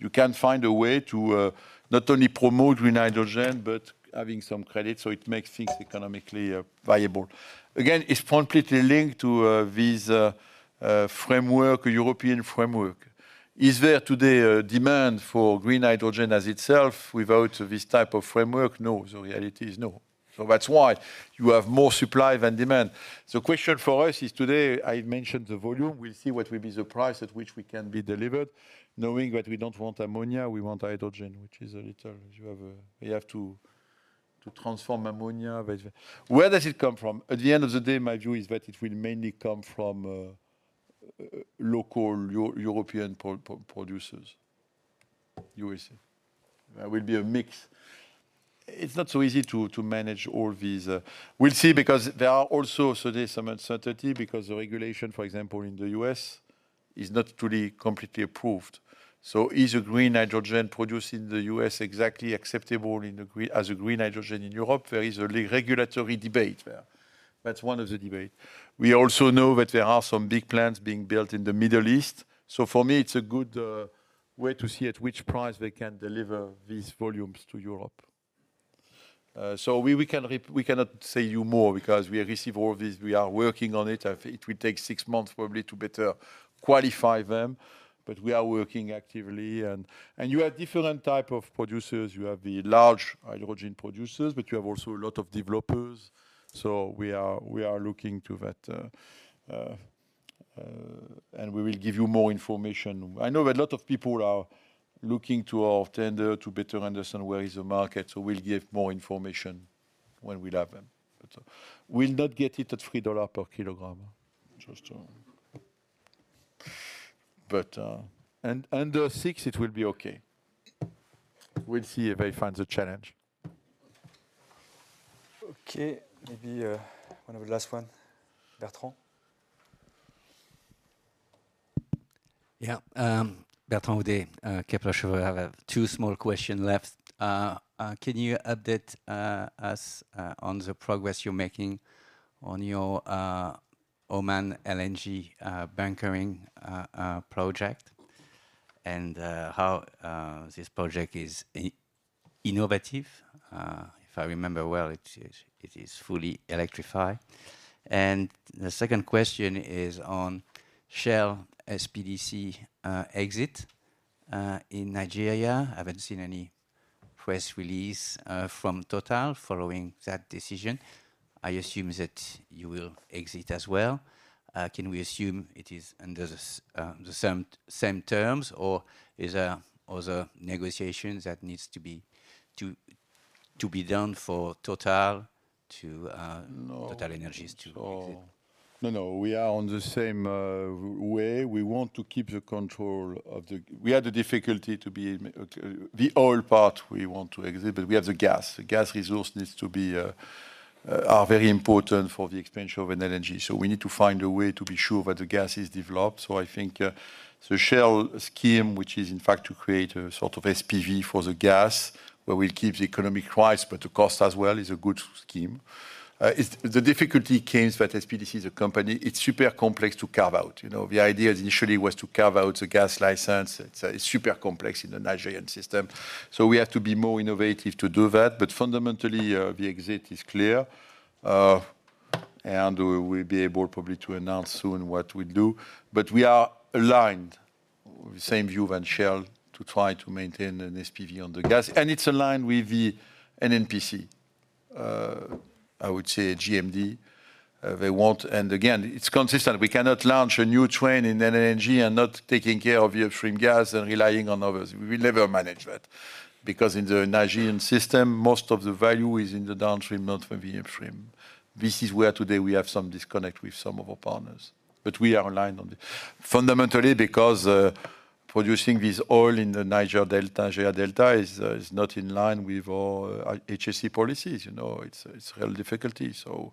you can find a way to, not only promote green hydrogen, but having some credit, so it makes things economically, viable. Again, it's completely linked to, this, framework, European framework. Is there today a demand for green hydrogen as itself without this type of framework? No, the reality is no. So that's why you have more supply than demand. The question for us is today, I mentioned the volume. We'll see what will be the price at which we can be delivered, knowing that we don't want ammonia, we want hydrogen, which is a little... You have, you have to, to transform ammonia, but where does it come from? At the end of the day, my view is that it will mainly come from, local European producers. USA. There will be a mix. It's not so easy to, to manage all these... We'll see, because there are also, so there's some uncertainty because the regulation, for example, in the U.S., is not totally, completely approved. So is a green hydrogen produced in the US exactly acceptable as a green hydrogen in Europe? There is a regulatory debate there. That's one of the debate. We also know that there are some big plants being built in the Middle East. So for me, it's a good way to see at which price they can deliver these volumes to Europe. So we cannot say you more because we receive all this, we are working on it. It will take six months, probably, to better qualify them, but we are working actively and you have different type of producers. You have the large hydrogen producers, but you have also a lot of developers. So we are looking to that and we will give you more information. I know that a lot of people are looking to our tender to better understand where is the market, so we'll give more information when we'll have them. But, we'll not get it at $3 per kilogram, just to... But, and under $6, it will be okay. We'll see if I find the challenge. Okay, maybe, one of the last one. Bertrand? Yeah, Bertrand with the Kepler Cheuvreux. I have two small question left. Can you update us on the progress you're making on your Oman LNG bunkering project, and how this project is innovative? If I remember well, it is fully electrified. And the second question is on Shell SPDC exit in Nigeria. I haven't seen any press release from Total following that decision. I assume that you will exit as well. Can we assume it is under the same terms, or is there other negotiations that needs to be done for Total to? No... TotalEnergies to exit? No, no, we are on the same way. We want to keep the control of the... We had a difficulty to be okay, the oil part we want to exit, but we have the gas. The gas resource needs to be are very important for the expansion of an energy, so we need to find a way to be sure that the gas is developed. So I think the Shell scheme, which is in fact to create a sort of SPV for the gas, where we keep the economic price, but the cost as well, is a good scheme. It's the difficulty comes that SPDC as a company, it's super complex to carve out. You know, the idea initially was to carve out the gas license. It's, it's super complex in the Nigerian system, so we have to be more innovative to do that. But fundamentally, the exit is clear. And we will be able probably to announce soon what we do. But we are aligned with the same view than Shell to try to maintain an SPV on the gas, and it's aligned with the NNPC. I would say GMD, they want... And again, it's consistent. We cannot launch a new train in LNG and not taking care of the upstream gas and relying on others. We will never manage that because in the Nigerian system, most of the value is in the downstream, not from the upstream. This is where today we have some disconnect with some of our partners, but we are aligned on it. Fundamentally, because producing this oil in the Niger Delta is not in line with our HSC policies. You know, it's real difficulty. So,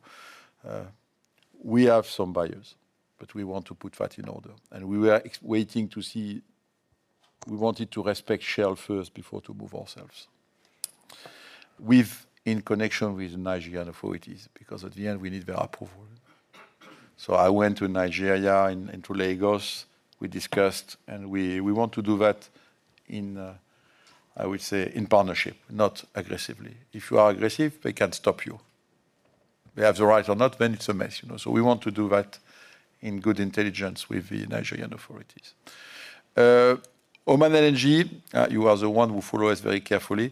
we have some buyers, but we want to put that in order, and we were ex-waiting to see. We wanted to respect Shell first before to move ourselves. In connection with Nigerian authorities, because at the end, we need their approval. So I went to Nigeria and to Lagos. We discussed, and we want to do that in, I would say, in partnership, not aggressively. If you are aggressive, they can stop you. They have the right or not, then it's a mess, you know, so we want to do that in good intelligence with the Nigerian authorities. Oman LNG, you are the one who follow us very carefully.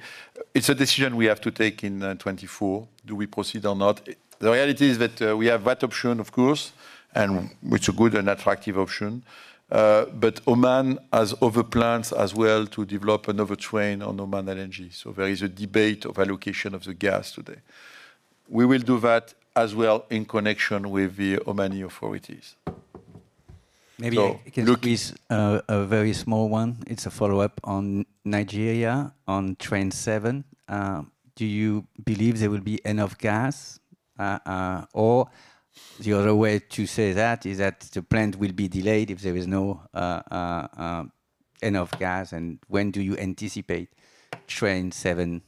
It's a decision we have to take in 2024. Do we proceed or not? The reality is that we have that option, of course, and which a good and attractive option, but Oman has other plans as well to develop another train on Oman LNG. So there is a debate of allocation of the gas today. We will do that as well in connection with the Omani authorities. Maybe- So look- I can please a very small one. It's a follow-up on Nigeria, on Train Seven. Do you believe there will be enough gas? Or the other way to say that is that the plant will be delayed if there is no enough gas, and when do you anticipate Train Seven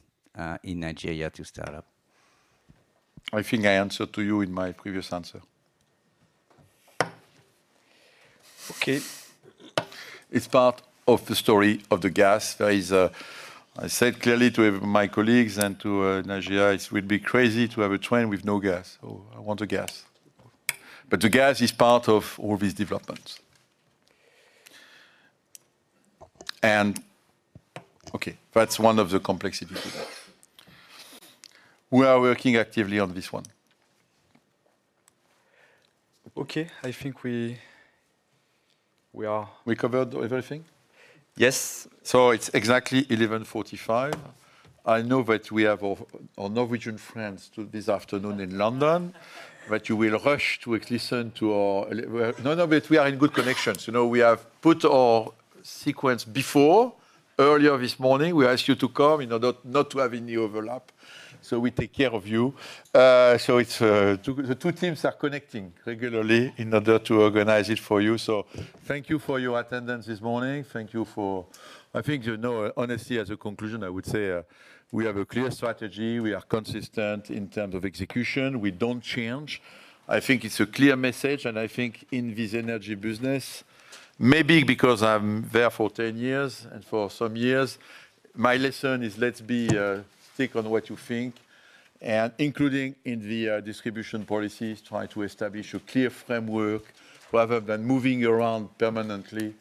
in Nigeria to start up? I think I answered to you in my previous answer. Okay. It's part of the story of the gas. There is a... I said clearly to my colleagues and to Nigeria, it would be crazy to have a train with no gas. So I want the gas. But the gas is part of all these developments. And... Okay, that's one of the complexities with that. We are working actively on this one. Okay, I think we are... We covered everything? Yes. So it's exactly 11:45 A.M. I know that we have our Norwegian friends to this afternoon in London, but you will rush to listen to our... No, no, but we are in good connections. You know, we have put our sequence before. Earlier this morning, we asked you to come, you know, not, not to have any overlap, so we take care of you. So it's the two teams are connecting regularly in order to organize it for you. So thank you for your attendance this morning. Thank you for... I think you know, honestly, as a conclusion, I would say, we have a clear strategy. We are consistent in terms of execution. We don't change. I think it's a clear message, and I think in this energy business, maybe because I'm there for 10 years and for some years, my lesson is, let's be stick on what you think, and including in the distribution policies, try to establish a clear framework rather than moving around permanently.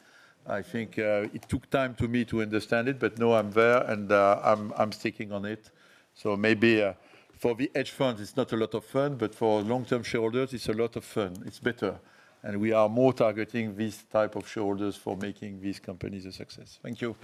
I think it took time to me to understand it, but now I'm there, and I'm sticking on it. So maybe for the hedge funds, it's not a lot of fun, but for long-term shareholders, it's a lot of fun. It's better. And we are more targeting these type of shareholders for making these companies a success. Thank you.